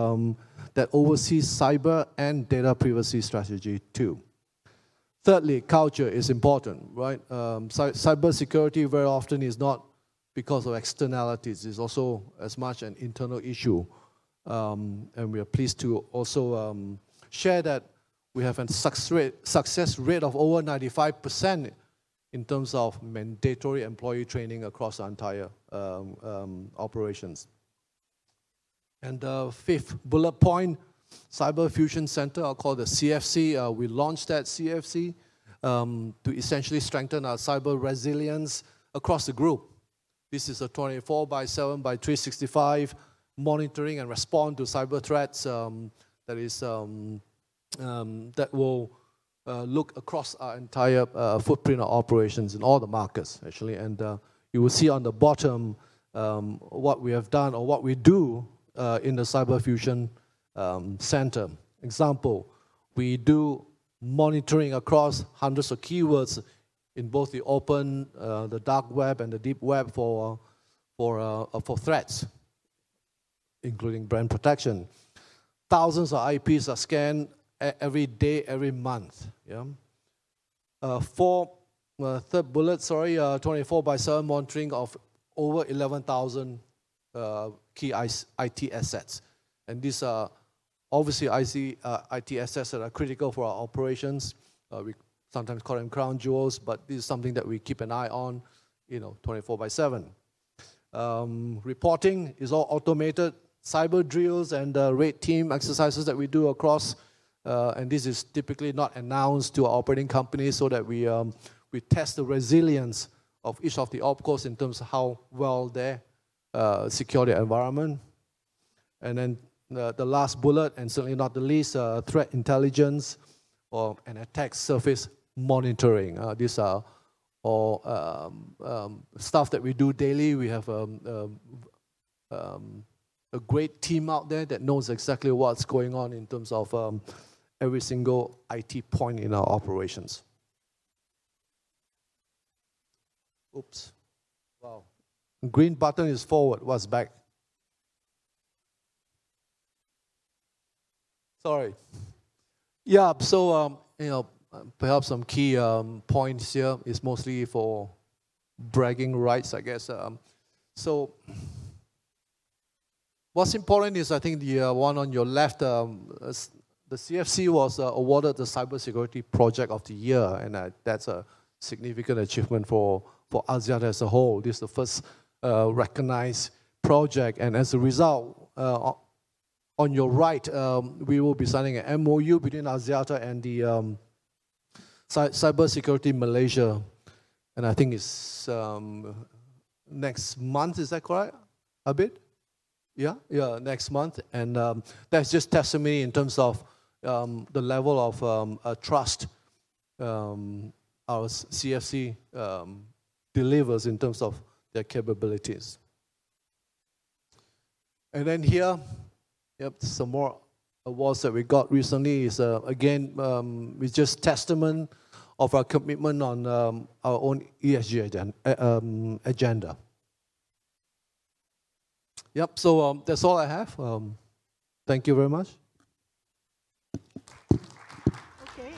that oversees cyber and data privacy strategy too. Thirdly, culture is important. Cybersecurity very often is not because of externalities. It's also as much an internal issue. And we are pleased to also share that we have a success rate of over 95% in terms of mandatory employee training across our entire operations. And the fifth bullet point, Cyber Fusion Center, I'll call the CFC. We launched that CFC to essentially strengthen our cyber resilience across the group. This is a 24 by 7 by 365 monitoring and response to cyber threats that will look across our entire footprint of operations in all the markets, actually. And you will see on the bottom what we have done or what we do in the Cyber Fusion Center. Example, we do monitoring across hundreds of keywords in both the open, the dark web, and the deep web for threats, including brand protection. Thousands of IPs are scanned every day, every month. Fourth bullet, sorry, 24 by 7 monitoring of over 11,000 key IT assets. And these are obviously IT assets that are critical for our operations. We sometimes call them crown jewels, but this is something that we keep an eye on 24 by 7. Reporting is all automated. Cyber drills and rate team exercises that we do across, and this is typically not announced to our operating companies so that we test the resilience of each of the opcos in terms of how well they secure their environment. And then the last bullet, and certainly not the least, threat intelligence or an attack surface monitoring. These are all stuff that we do daily. We have a great team out there that knows exactly what's going on in terms of every single IT point in our operations. Oops. Wow. Green button is forward. What's back? Sorry. Yeah. So perhaps some key points here is mostly for bragging rights, I guess. So what's important is, I think the one on your left, the CFC was awarded the Cybersecurity Project of the Year, and that's a significant achievement for Axiata as a whole. This is the first recognized project. And as a result, on your right, we will be signing an MOU between Axiata and Cybersecurity Malaysia. And I think it's next month, is that correct? A bit? Yeah? Yeah, next month. And that's just a testament in terms of the level of trust our CFC delivers in terms of their capabilities. And then here, yep, some more awards that we got recently is, again, it's just a testament of our commitment on our own ESG agenda. Yep. So that's all I have. Thank you very much. Okay.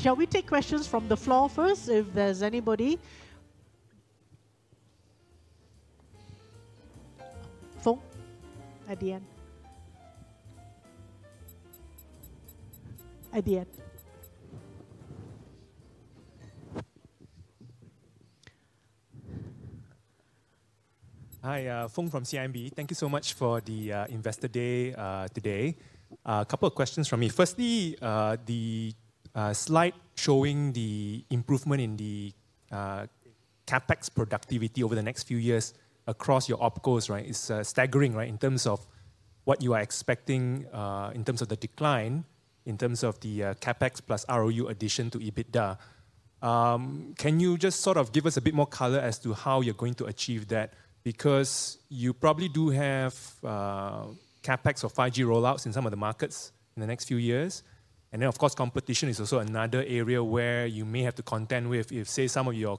Shall we take questions from the floor first, if there's anybody? Phone at the end. At the end. Hi, Phong from CIMB. Thank you so much for the Investor Day today. A couple of questions from me. Firstly, the slide showing the improvement in the CapEx productivity over the next few years across your OpCos, right, is staggering, right, in terms of what you are expecting in terms of the decline, in terms of the CapEx plus ROU addition to EBITDA. Can you just sort of give us a bit more color as to how you're going to achieve that? Because you probably do have CapEx or 5G rollouts in some of the markets in the next few years. And then, of course, competition is also another area where you may have to contend with if, say, some of your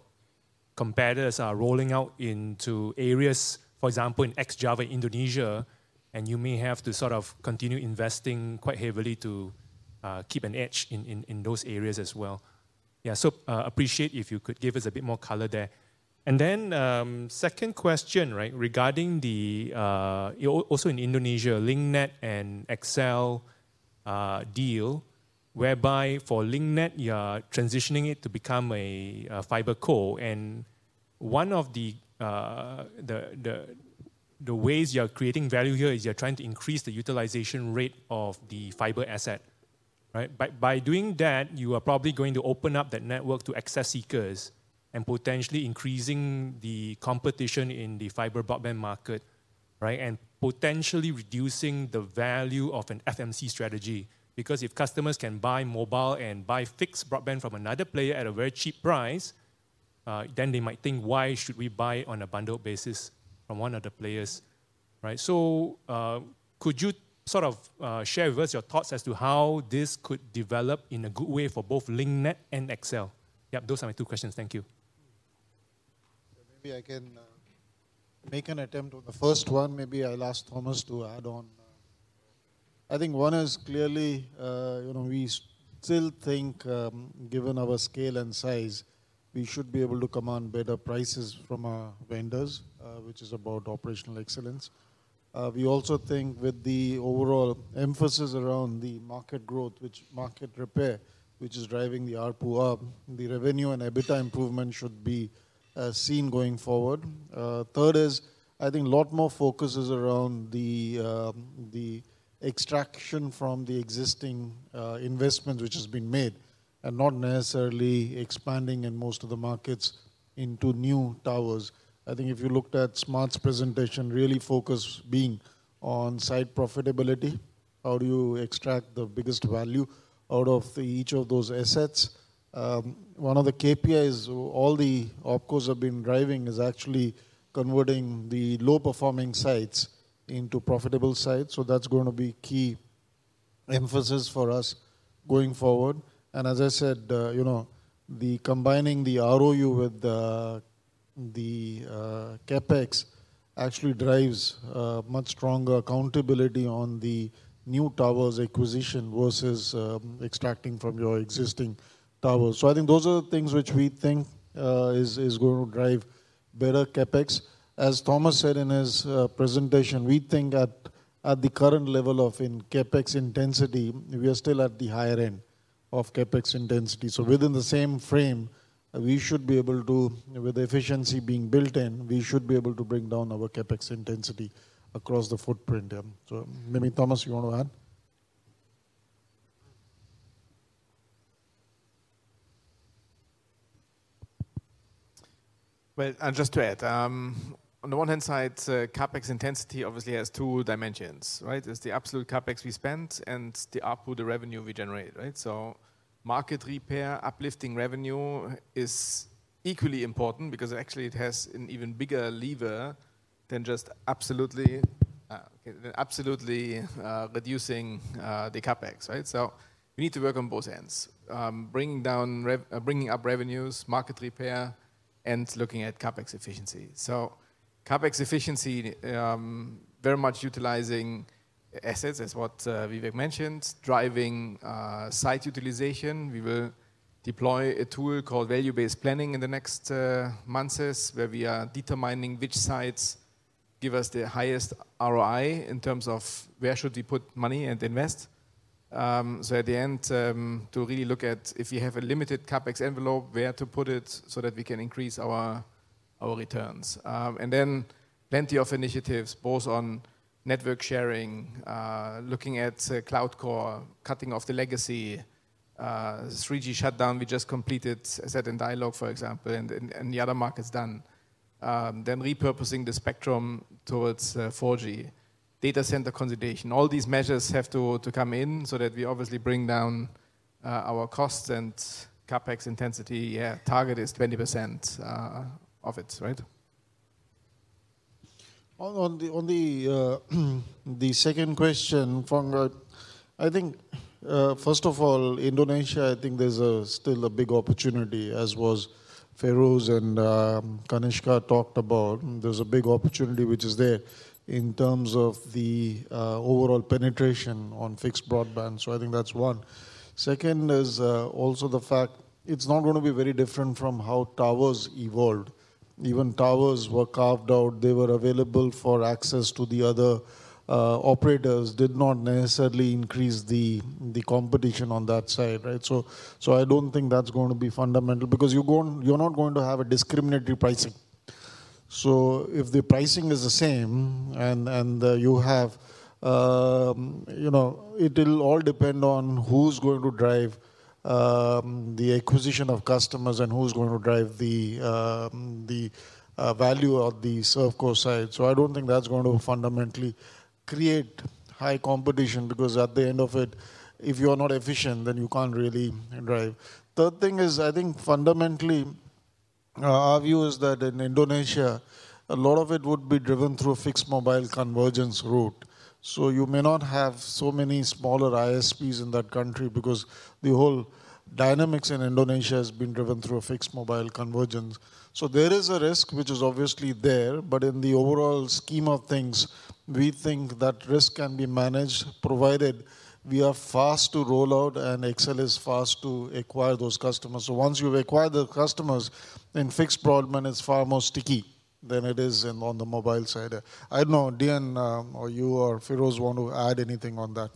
competitors are rolling out into areas, for example, in West Java in Indonesia, and you may have to sort of continue investing quite heavily to keep an edge in those areas as well. Yeah. So appreciate if you could give us a bit more color there. Then the second question, right, regarding also in Indonesia, the Link Net and XL deal, whereby for Link Net, you are transitioning it to become a fiber co. One of the ways you are creating value here is you are trying to increase the utilization rate of the fiber asset, right? By doing that, you are probably going to open up that network to access seekers and potentially increasing the competition in the fiber broadband market, right, and potentially reducing the value of an FMC strategy. Because if customers can buy mobile and buy fixed broadband from another player at a very cheap price, then they might think, "Why should we buy on a bundled basis from one of the players?" Right? So could you sort of share with us your thoughts as to how this could develop in a good way for both Link Net and XL? Yep. Those are my two questions. Thank you. So maybe I can make an attempt on the first one. Maybe I'll ask Thomas to add on. I think one is clearly we still think, given our scale and size, we should be able to command better prices from our vendors, which is about operational excellence. We also think with the overall emphasis around the market growth, which market repair, which is driving the ARPU, the revenue and EBITDA improvement should be seen going forward. Third is, I think a lot more focus is around the extraction from the existing investment which has been made and not necessarily expanding in most of the markets into new towers. I think if you looked at Smart's presentation, really focus being on site profitability, how do you extract the biggest value out of each of those assets? One of the KPIs all the OpCos have been driving is actually converting the low-performing sites into profitable sites. So that's going to be key emphasis for us going forward. As I said, the combining the ROU with the CapEx actually drives much stronger accountability on the new towers acquisition versus extracting from your existing towers. So I think those are the things which we think is going to drive better CapEx. As Thomas said in his presentation, we think at the current level of CapEx intensity, we are still at the higher end of CapEx intensity. So within the same frame, we should be able to, with the efficiency being built in, we should be able to bring down our CapEx intensity across the footprint. So maybe Thomas, you want to add? I'm just to add, on the one hand side, CapEx intensity obviously has two dimensions, right? It's the absolute CapEx we spend and the output, the revenue we generate, right? So market repair, uplifting revenue is equally important because actually it has an even bigger lever than just absolutely reducing the CapEx, right? So we need to work on both ends, bringing up revenues, market repair, and looking at CapEx efficiency. So CapEx efficiency, very much utilizing assets is what Vivek mentioned, driving site utilization. We will deploy a tool called Value-Based Planning in the next months where we are determining which sites give us the highest ROI in terms of where should we put money and invest. So at the end, to really look at if we have a limited CapEx envelope, where to put it so that we can increase our returns. And then plenty of initiatives, both on network sharing, looking at Cloud Core, cutting off the legacy, 3G shutdown we just completed, as said in Dialog for example, and the other markets done. Then repurposing the spectrum towards 4G, data center consolidation. All these measures have to come in so that we obviously bring down our costs and CapEx intensity. Yeah, target is 20% of it, right? On the second question, Phong, I think first of all, Indonesia, I think there's still a big opportunity, as Feiruz and Kanishka talked about. There's a big opportunity which is there in terms of the overall penetration on fixed broadband. So I think that's one. Second is also the fact it's not going to be very different from how towers evolved. Even towers were carved out. They were available for access to the other operators, did not necessarily increase the competition on that side, right? So I don't think that's going to be fundamental because you're not going to have a discriminatory pricing. So if the pricing is the same and you have, it'll all depend on who's going to drive the acquisition of customers and who's going to drive the value of the ServeCo side. So I don't think that's going to fundamentally create high competition because at the end of it, if you are not efficient, then you can't really drive. Third thing is, I think fundamentally, our view is that in Indonesia, a lot of it would be driven through a fixed-mobile convergence route. So you may not have so many smaller ISPs in that country because the whole dynamics in Indonesia has been driven through a fixed-mobile convergence. So there is a risk which is obviously there, but in the overall scheme of things, we think that risk can be managed provided we are fast to rollout and XL is fast to acquire those customers. So once you've acquired the customers, then fixed broadband is far more sticky than it is on the mobile side. I don't know, Dian, or you, or Feiruz want to add anything on that?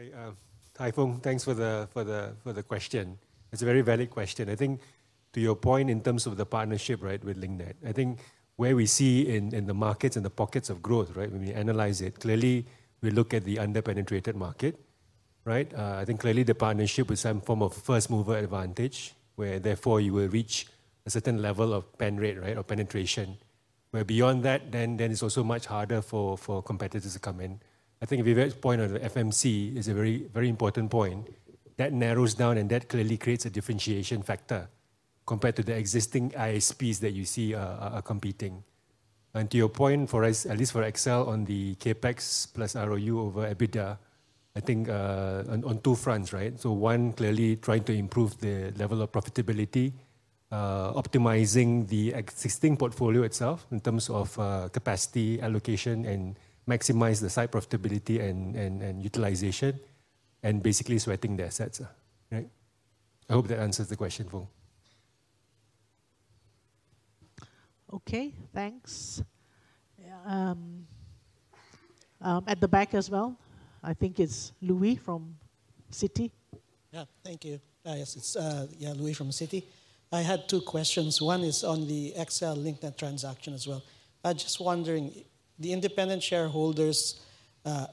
Yeah. Hi, Phong. Thanks for the question. It's a very valid question. I think to your point in terms of the partnership, right, with Link Net, I think where we see in the markets and the pockets of growth, right, when we analyze it, clearly we look at the under-penetrated market, right? I think clearly the partnership with some form of first mover advantage where therefore you will reach a certain level of pen rate, right, or penetration. Where beyond that, then it's also much harder for competitors to come in. I think Vivek's point on the FMC is a very important point. That narrows down and that clearly creates a differentiation factor compared to the existing ISPs that you see are competing. And to your point, at least for XL on the CapEx plus ROU over EBITDA, I think on two fronts, right? So one, clearly trying to improve the level of profitability, optimizing the existing portfolio itself in terms of capacity allocation and maximize the site profitability and utilization, and basically sweating the assets, right? I hope that answers the question, Phong. Okay. Thanks. At the back as well, I think it's Louis from Citi. Yeah. Thank you. Yes. Yeah, Louis from Citi. I had two questions. One is on the XL Link Net transaction as well. I'm just wondering, the independent shareholders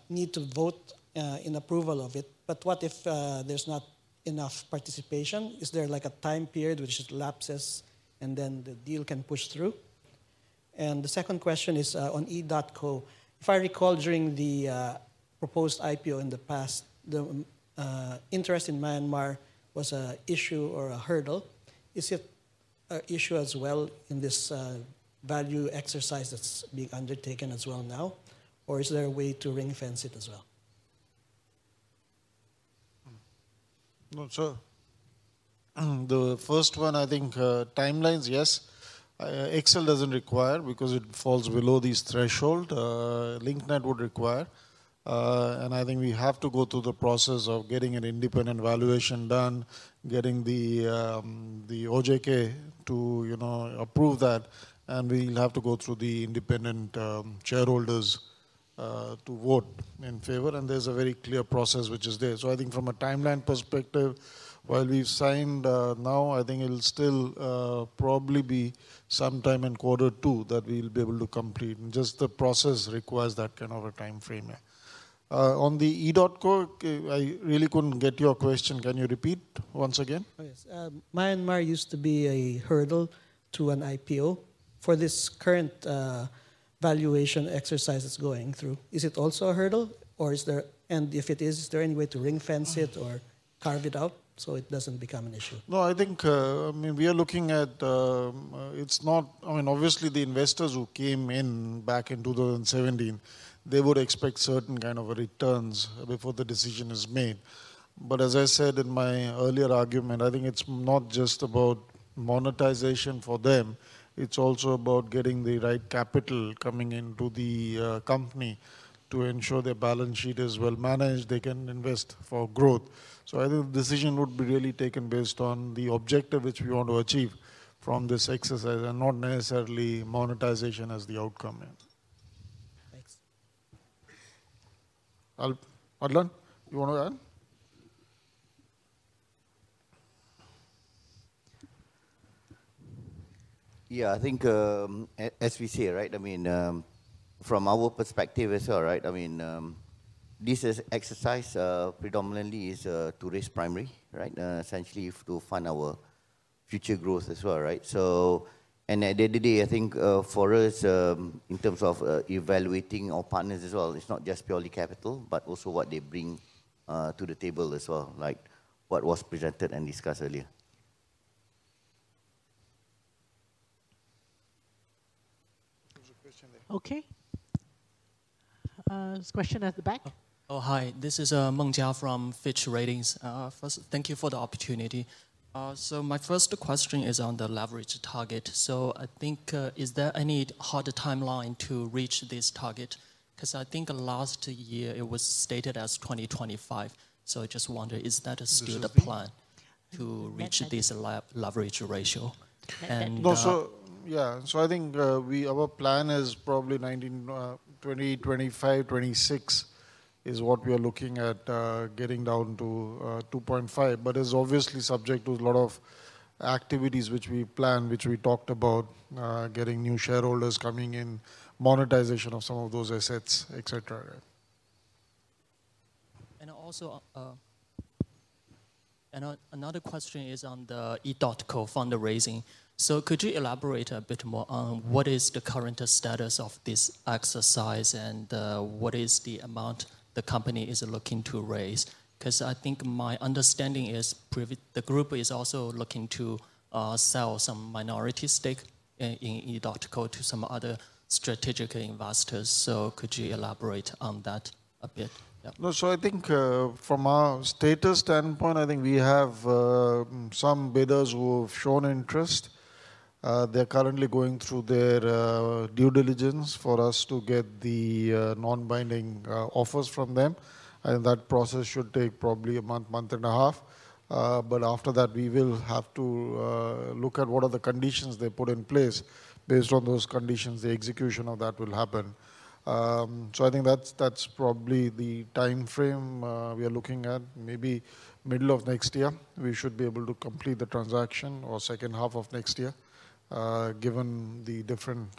need to vote in approval of it, but what if there's not enough participation? Is there like a time period which elapses and then the deal can push through? And the second question is on EDOTCO. If I recall during the proposed IPO in the past, the interest in Myanmar was an issue or a hurdle. Is it an issue as well in this value exercise that's being undertaken as well now? Or is there a way to ring-fence it as well? No, sir. The first one, I think timelines, yes. XL doesn't require because it falls below these threshold. Link Net would require. And I think we have to go through the process of getting an independent valuation done, getting the OJK to approve that, and we'll have to go through the independent shareholders to vote in favor. There's a very clear process which is there. I think from a timeline perspective, while we've signed now, I think it'll still probably be sometime in quarter two that we'll be able to complete. Just the process requires that kind of a timeframe. On the Edotco, I really couldn't get your question. Can you repeat once again? Oh, yes. Myanmar used to be a hurdle to an IPO for this current valuation exercise that's going through. Is it also a hurdle? Or is there, and if it is, is there any way to ring-fence it or carve it out so it doesn't become an issue? No, I think, I mean, we are looking at, it's not, I mean, obviously the investors who came in back in 2017, they would expect certain kind of returns before the decision is made. But as I said in my earlier argument, I think it's not just about monetization for them. It's also about getting the right capital coming into the company to ensure their balance sheet is well managed, they can invest for growth. So I think the decision would be really taken based on the objective which we want to achieve from this exercise and not necessarily monetization as the outcome. Thanks. Adlan, you want to add? Yeah, I think as we say, right, I mean, from our perspective as well, right, I mean, this exercise predominantly is to raise primary, right, essentially to fund our future growth as well, right? So, and at the end of the day, I think for us, in terms of evaluating our partners as well, it's not just purely capital, but also what they bring to the table as well, like what was presented and discussed earlier. There's a question there. Okay. There's a question at the back. Oh, hi. This is Mengjiao from Fitch Ratings. First, thank you for the opportunity. So my first question is on the leverage target. So I think, is there any harder timeline to reach this target? Because I think last year it was stated as 2025. So I just wonder, is that still the plan to reach this leverage ratio? And no, so, yeah. I think our plan is probably 2025, 26 is what we are looking at getting down to 2.5, but it's obviously subject to a lot of activities which we plan, which we talked about, getting new shareholders coming in, monetization of some of those assets, et cetera. Another question is on the Edotco fundraising. Could you elaborate a bit more on what is the current status of this exercise and what is the amount the company is looking to raise? Because I think my understanding is the group is also looking to sell some minority stake in Edotco to some other strategic investors. Could you elaborate on that a bit? Yeah. No, so I think from our status standpoint, I think we have some bidders who have shown interest. They're currently going through their due diligence for us to get the non-binding offers from them. And that process should take probably a month, month and a half. But after that, we will have to look at what are the conditions they put in place. Based on those conditions, the execution of that will happen. So I think that's probably the timeframe we are looking at. Maybe middle of next year, we should be able to complete the transaction or second half of next year, given the different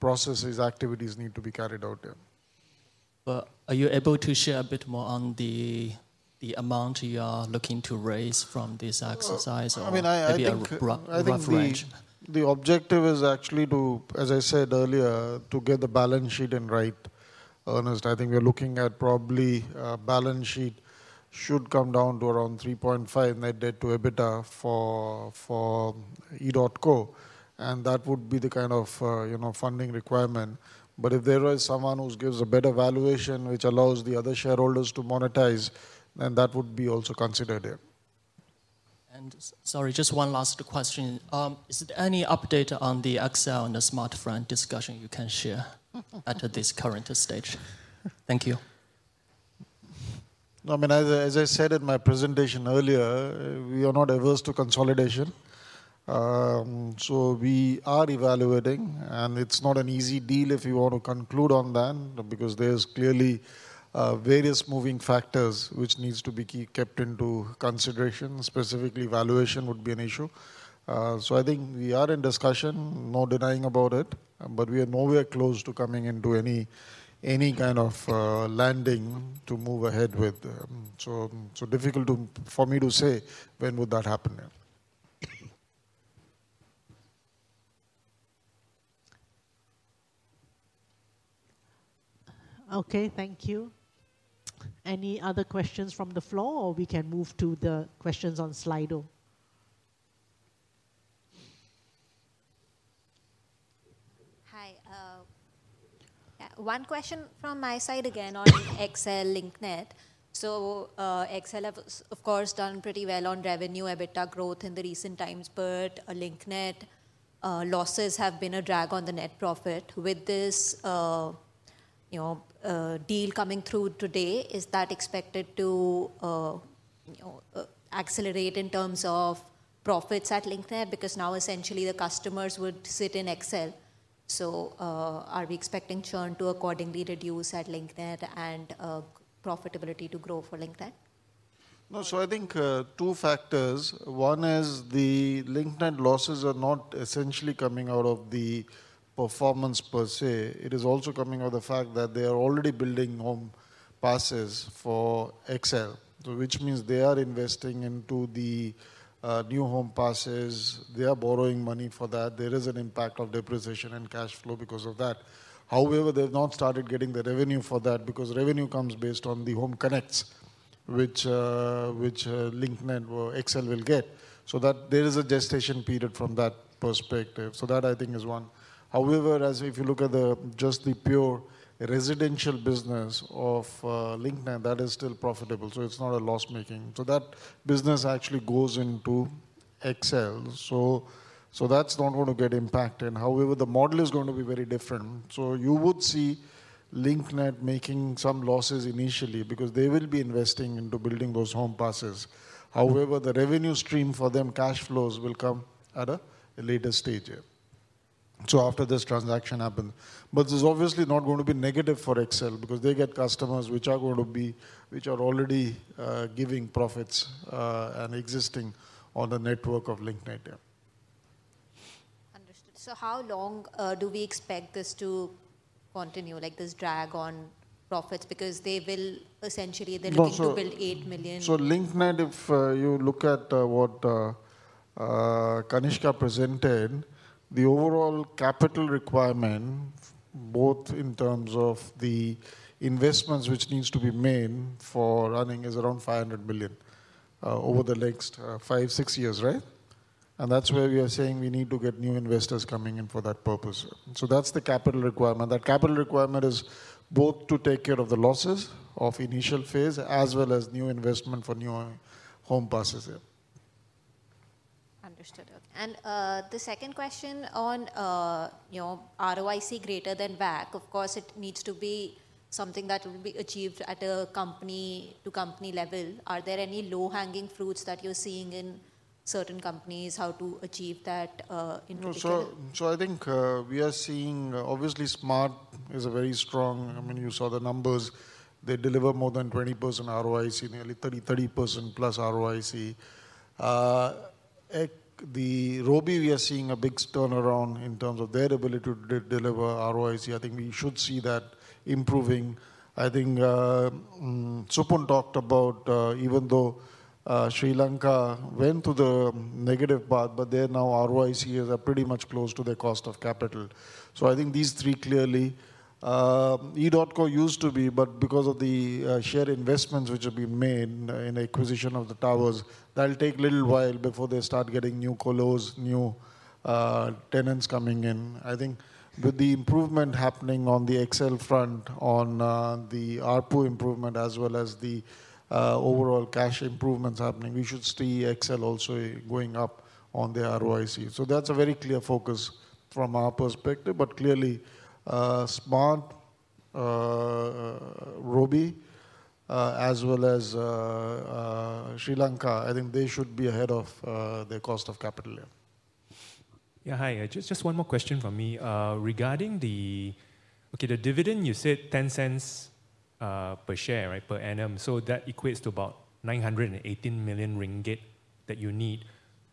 processes, activities need to be carried out here. Are you able to share a bit more on the amount you are looking to raise from this exercise or beyond? I think the objective is actually to, as I said earlier, to get the balance sheet in right. Honestly, I think we're looking at probably balance sheet should come down to around 3.5 net debt to EBITDA for EDOTCO. And that would be the kind of funding requirement. But if there is someone who gives a better valuation, which allows the other shareholders to monetize, then that would be also considered here. And sorry, just one last question. Is there any update on the XL and the Smart front discussion you can share at this current stage? Thank you. No, I mean, as I said in my presentation earlier, we are not averse to consolidation. So we are evaluating, and it's not an easy deal if you want to conclude on that because there's clearly various moving factors which need to be kept into consideration. Specifically, valuation would be an issue. So I think we are in discussion, no denying about it, but we are nowhere close to coming into any kind of landing to move ahead with. So difficult for me to say when would that happen. Okay. Thank you. Any other questions from the floor, or we can move to the questions on Slido? Hi. One question from my side again on XL, Link Net. So XL has, of course, done pretty well on revenue, EBITDA growth in the recent times, but Link Net losses have been a drag on the net profit. With this deal coming through today, is that expected to accelerate in terms of profits at Link Net? Because now essentially the customers would sit in XL. So are we expecting churn to accordingly reduce at Link Net and profitability to grow for Link Net? No. So I think two factors. One is the Link Net losses are not essentially coming out of the performance per se. It is also coming out of the fact that they are already building home passes for XL, which means they are investing into the new home passes. They are borrowing money for that. There is an impact of depreciation and cash flow because of that. However, they've not started getting the revenue for that because revenue comes based on the home connects which Link Net or XL will get. So there is a gestation period from that perspective. So that I think is one. However, if you look at just the pure residential business of Link Net, that is still profitable. So it's not a loss-making. So that business actually goes into XL. So that's not going to get impacted. However, the model is going to be very different. So you would see Link Net making some losses initially because they will be investing into building those home passes. However, the revenue stream for them, cash flows will come at a later stage here. So after this transaction happens. But this is obviously not going to be negative for XL because they get customers which are going to be, which are already giving profits and existing on the network of Link Net here. Understood. So how long do we expect this to continue, like this drag on profits? Because they will essentially, they're looking to build 8 million. So Link Net, if you look at what Kanishka presented, the overall capital requirement, both in terms of the investments which needs to be made for running is around 500 million over the next five, six years, right? And that's where we are saying we need to get new investors coming in for that purpose. So that's the capital requirement. That capital requirement is both to take care of the losses of initial phase as well as new investment for new home passes here. Understood. The second question on ROIC greater than WACC, of course, it needs to be something that will be achieved at a company-to-company level. Are there any low-hanging fruits that you're seeing in certain companies? How to achieve that in particular? I think we are seeing, obviously, Smart is a very strong. I mean, you saw the numbers. They deliver more than 20% ROIC, nearly 30% plus ROIC. The Robi, we are seeing a big turnaround in terms of their ability to deliver ROIC. I think we should see that improving. I think Supun talked about, even though Sri Lanka went through the negative part, but their ROIC is now pretty much close to their cost of capital. So I think these three clearly, Edotco used to be, but because of the share investments which have been made in acquisition of the towers, that'll take a little while before they start getting new colos, new tenants coming in. I think with the improvement happening on the XL front, on the ARPU improvement as well as the overall cash improvements happening, we should see XL also going up on their ROIC. So that's a very clear focus from our perspective. But clearly, Smart, Robi, as well as Sri Lanka, I think they should be ahead of their cost of capital here. Yeah, hi. Just one more question from me regarding the, okay, the dividend, you said 0.10 per share, right, per annum. So that equates to about 918 million ringgit that you need.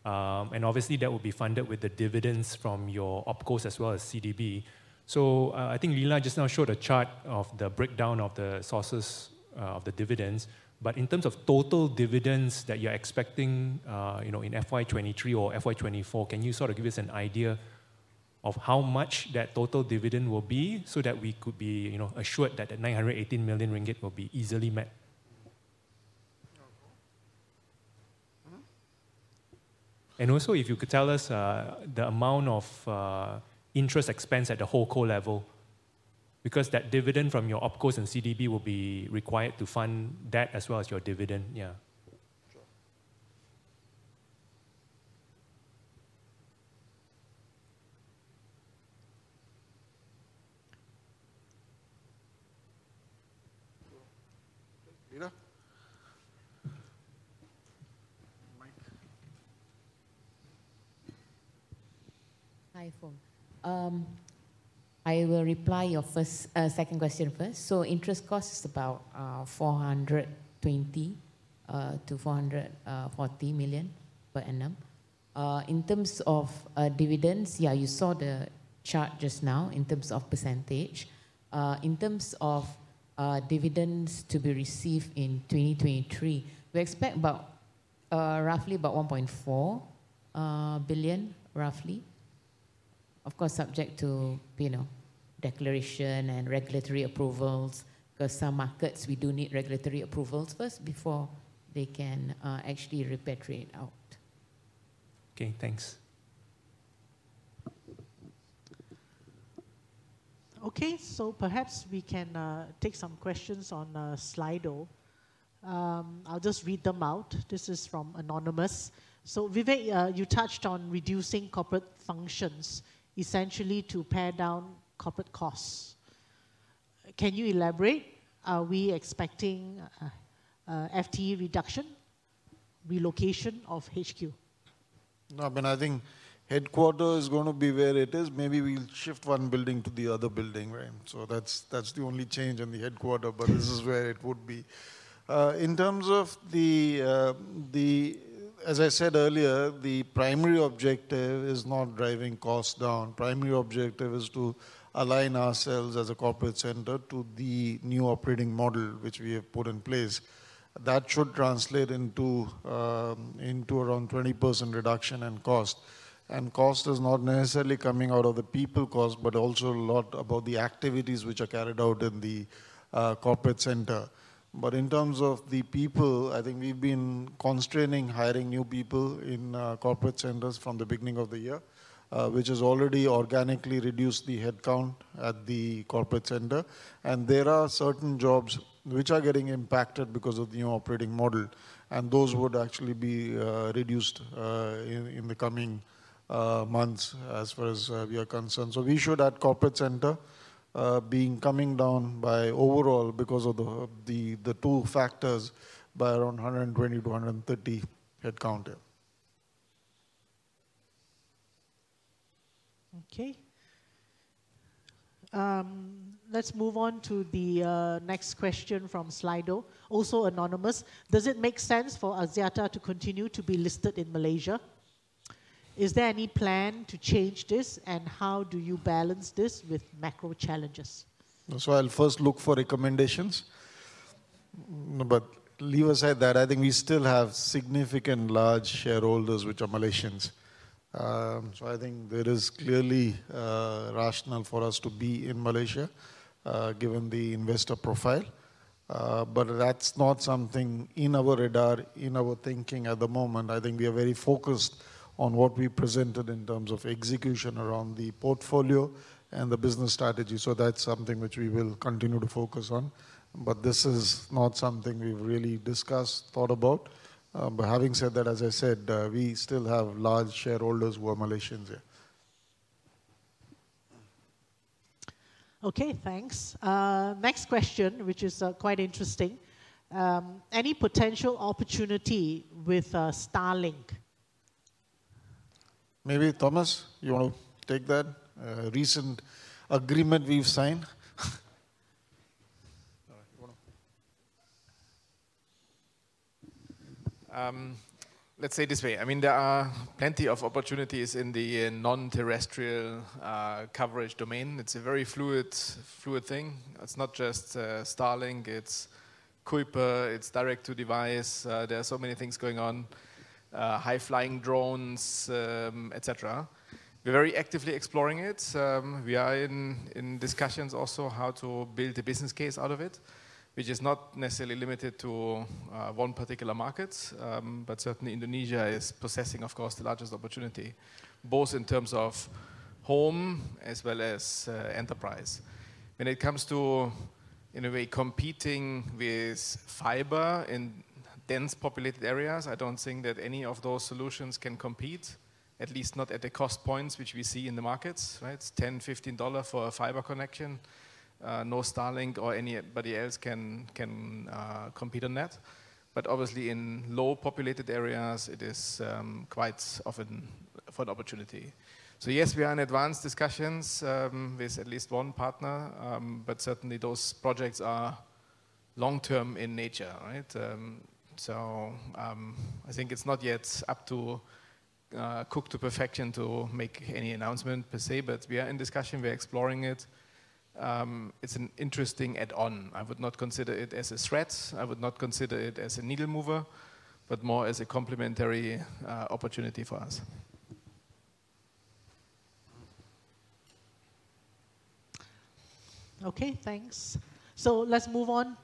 Obviously, that will be funded with the dividends from your OpCos as well as CelcomDigi. So I think Lila just now showed a chart of the breakdown of the sources of the dividends. But in terms of total dividends that you're expecting in FY 2023 or FY 2024, can you sort of give us an idea of how much that total dividend will be so that we could be assured that the 918 million ringgit will be easily met? And also, if you could tell us the amount of interest expense at the HoldCo level, because that dividend from your OpCos and CelcomDigi will be required to fund that as well as your dividend. Yeah. Hi, I will reply your second question first. So interest cost is about 420-440 million per annum. In terms of dividends, yeah, you saw the chart just now in terms of percentage. In terms of dividends to be received in 2023, we expect roughly about 1.4 billion, roughly. Of course, subject to declaration and regulatory approvals, because some markets, we do need regulatory approvals first before they can actually repatriate out. Okay, thanks. Okay, so perhaps we can take some questions on Slido. I'll just read them out. This is from Anonymous. So Vivek, you touched on reducing corporate functions, essentially to pare down corporate costs. Can you elaborate? Are we expecting FTE reduction, relocation of HQ? No, I mean, I think headquarters is going to be where it is. Maybe we'll shift one building to the other building, right? So that's the only change in the headquarters, but this is where it would be. In terms of the, as I said earlier, the primary objective is not driving costs down. Primary objective is to align ourselves as a corporate center to the new operating model, which we have put in place. That should translate into around 20% reduction in cost. And cost is not necessarily coming out of the people cost, but also a lot about the activities which are carried out in the corporate center. But in terms of the people, I think we've been constraining hiring new people in corporate centers from the beginning of the year, which has already organically reduced the headcount at the corporate center. And there are certain jobs which are getting impacted because of the new operating model. And those would actually be reduced in the coming months as far as we are concerned. So we should see the corporate center headcount coming down overall because of the two factors by around 120 to 130 headcount here. Okay. Let's move on to the next question from Slido, also Anonymous. Does it make sense for Axiata to continue to be listed in Malaysia? Is there any plan to change this? And how do you balance this with macro challenges? So I'll first look for recommendations. But leave aside that, I think we still have significant large shareholders which are Malaysians. So I think there is clearly rationale for us to be in Malaysia given the investor profile. But that's not something in our radar, in our thinking at the moment. I think we are very focused on what we presented in terms of execution around the portfolio and the business strategy. So that's something which we will continue to focus on. But this is not something we've really discussed, thought about. But having said that, as I said, we still have large shareholders who are Malaysians here. Okay, thanks. Next question, which is quite interesting. Any potential opportunity with Starlink? Maybe Thomas, you want to take that? Recent agreement we've signed. Let's say it this way. I mean, there are plenty of opportunities in the non-terrestrial coverage domain. It's a very fluid thing. It's not just Starlink, it's Kuiper, it's direct-to-device. There are so many things going on, high-flying drones, etc. We're very actively exploring it. We are in discussions also how to build a business case out of it, which is not necessarily limited to one particular market. But certainly, Indonesia is possessing, of course, the largest opportunity, both in terms of home as well as enterprise. When it comes to, in a way, competing with fiber in densely populated areas, I don't think that any of those solutions can compete, at least not at the cost points which we see in the markets, right? It's $10, $15 for a fiber connection. No Starlink or anybody else can compete on that. But obviously, in low populated areas, it is quite often for an opportunity. So yes, we are in advanced discussions with at least one partner, but certainly those projects are long-term in nature, right? So I think it's not yet cooked to perfection to make any announcement per se, but we are in discussion, we're exploring it. It's an interesting add-on. I would not consider it as a threat. I would not consider it as a needle mover, but more as a complementary opportunity for us. Okay, thanks. So let's move on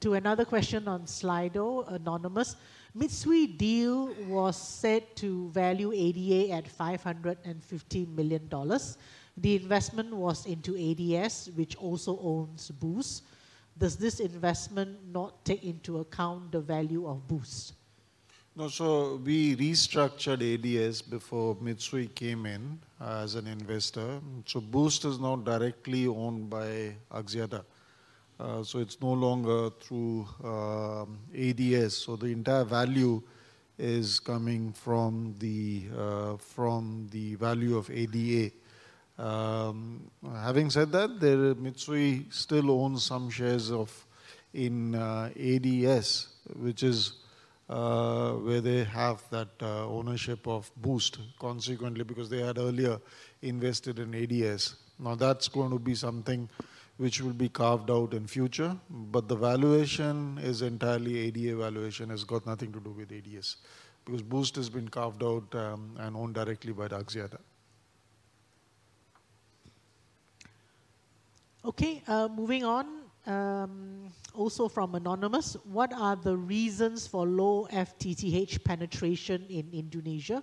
to another question on Slido, Anonymous. Mitsui Deal was set to value ADA at $550 million. The investment was into ADS, which also owns Boost. Does this investment not take into account the value of Boost? No, so we restructured ADS before MidSuite came in as an investor. Boost is now directly owned by Axiata. It's no longer through ADS. The entire value is coming from the value of ADA. Having said that, MidSuite still owns some shares in ADS, which is where they have that ownership of Boost consequently because they had earlier invested in ADS. Now that's going to be something which will be carved out in future, but the valuation is entirely ADA valuation has got nothing to do with ADS because Boost has been carved out and owned directly by Axiata. Okay, moving on. Also from Anonymous, what are the reasons for low FTTH penetration in Indonesia?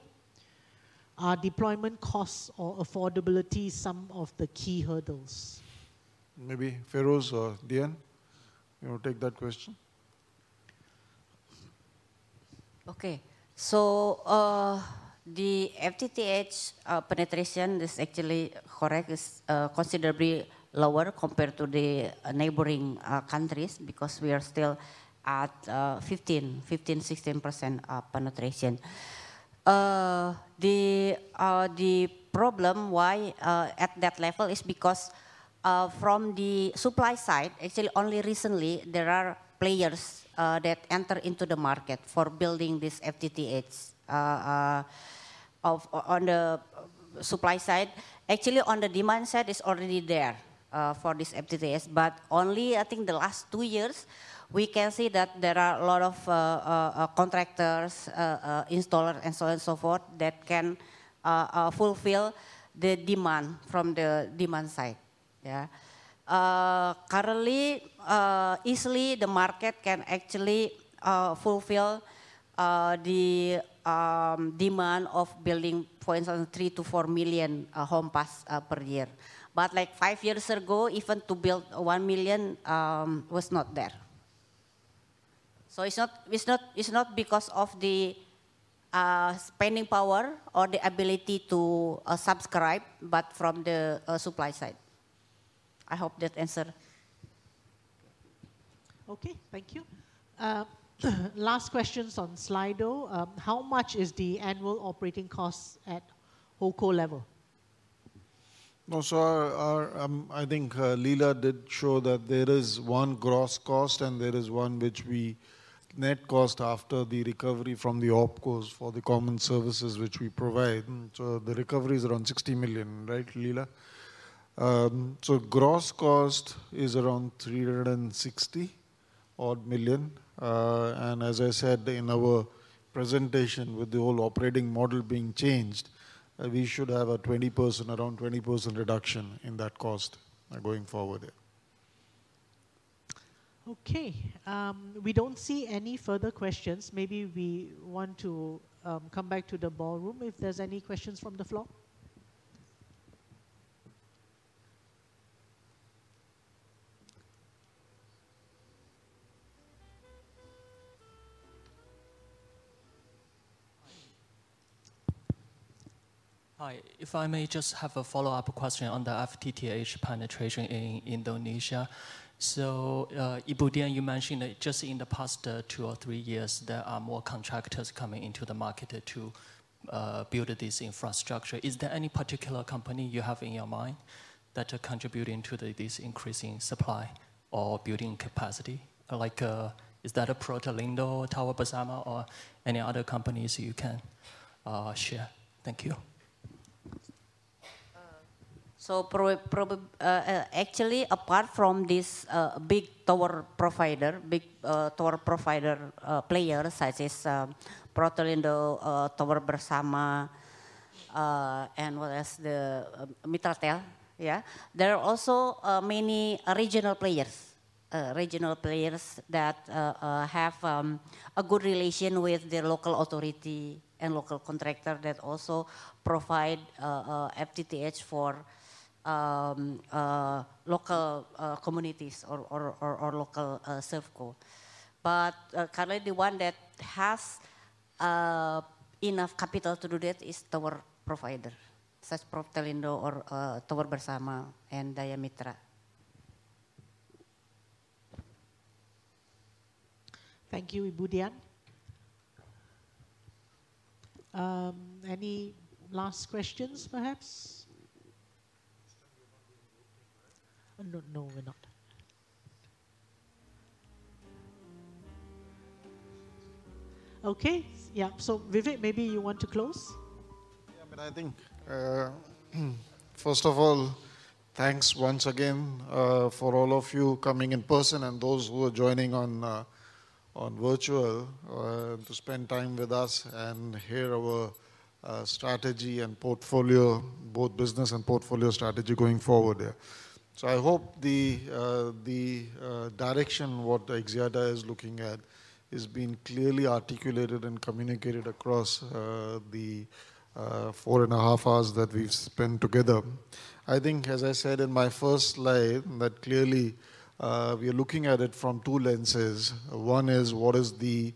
Are deployment costs or affordability some of the key hurdles? Maybe Feiruz or Dian, you want to take that question? Okay, so the FTTH penetration is actually correct, is considerably lower compared to the neighboring countries because we are still at 15%-16% penetration. The problem why at that level is because from the supply side, actually only recently there are players that enter into the market for building this FTTH on the supply side. Actually, on the demand side is already there for this FTTH, but only I think the last two years we can see that there are a lot of contractors, installers, and so on and so forth that can fulfill the demand from the demand side. Currently, easily the market can actually fulfill the demand of building for instance, three to four million home passes per year. But like five years ago, even to build one million was not there. So it's not because of the spending power or the ability to subscribe, but from the supply side. I hope that answers. Okay, thank you. Last question on Slido. How much is the annual operating costs at HoldCo level? So I think Lila did show that there is one gross cost and there is one which we net cost after the recovery from the OpCos for the common services which we provide. So the recoveries are around 60 million, right, Lila? So gross cost is around 360 million. And as I said in our presentation with the whole operating model being changed, we should have a 20% reduction in that cost going forward. Okay, we don't see any further questions. Maybe we want to come back to the ballroom if there's any questions from the floor. Hi, if I may just have a follow-up question on the FTTH penetration in Indonesia. So Ibu Dian, you mentioned that just in the past two or three years, there are more contractors coming into the market to build this infrastructure. Is there any particular company you have in your mind that are contributing to this increasing supply or building capacity? Like is that a Protelindo, Tower Bersama, or any other companies you can share? Thank you. So actually, apart from this big tower provider players such as Protelindo, Tower Bersama, and what else? The Mitratel, yeah. There are also many regional players that have a good relation with the local authority and local contractor that also provide FTTH for local communities or local server. But currently, the one that has enough capital to do that is tower provider, such as Protelindo or Tower Bersama and Daya Mitra. Thank you, Ibu Dian. Any last questions perhaps? I don't know, we're not. Okay, yeah, so Vivek, maybe you want to close? Yeah, but I think first of all, thanks once again for all of you coming in person and those who are joining on virtual to spend time with us and hear our strategy and portfolio, both business and portfolio strategy going forward here. So I hope the direction what Axiata is looking at is being clearly articulated and communicated across the four and a half hours that we've spent together. I think, as I said in my first slide, that clearly we are looking at it from two lenses. One is what is the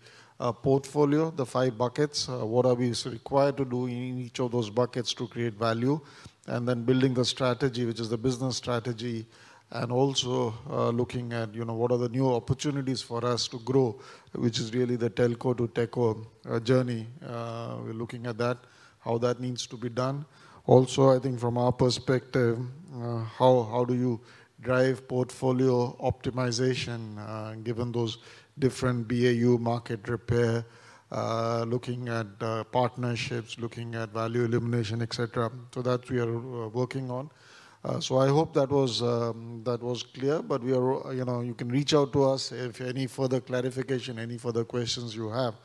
portfolio, the five buckets, what are we required to do in each of those buckets to create value, and then building the strategy, which is the business strategy, and also looking at what are the new opportunities for us to grow, which is really the telco to techco journey. We're looking at that, how that needs to be done. Also, I think from our perspective, how do you drive portfolio optimization given those different BAU market repair, looking at partnerships, looking at value elimination, etc. So that's what we are working on. So I hope that was clear, but you can reach out to us if any further clarification, any further questions you have.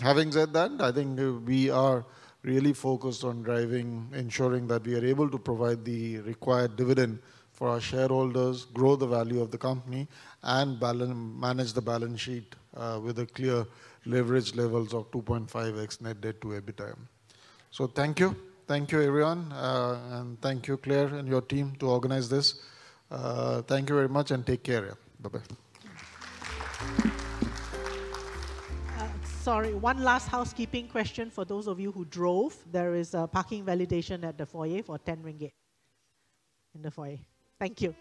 Having said that, I think we are really focused on driving, ensuring that we are able to provide the required dividend for our shareholders, grow the value of the company, and manage the balance sheet with a clear leverage levels of 2.5x net debt to EBITDA. So thank you. Thank you, everyone. And thank you, Claire and your team to organize this. Thank you very much and take care. Bye-bye. Sorry, one last housekeeping question for those of you who drove. There is a parking validation at the foyer for 10 ringgit in the foyer. Thank you.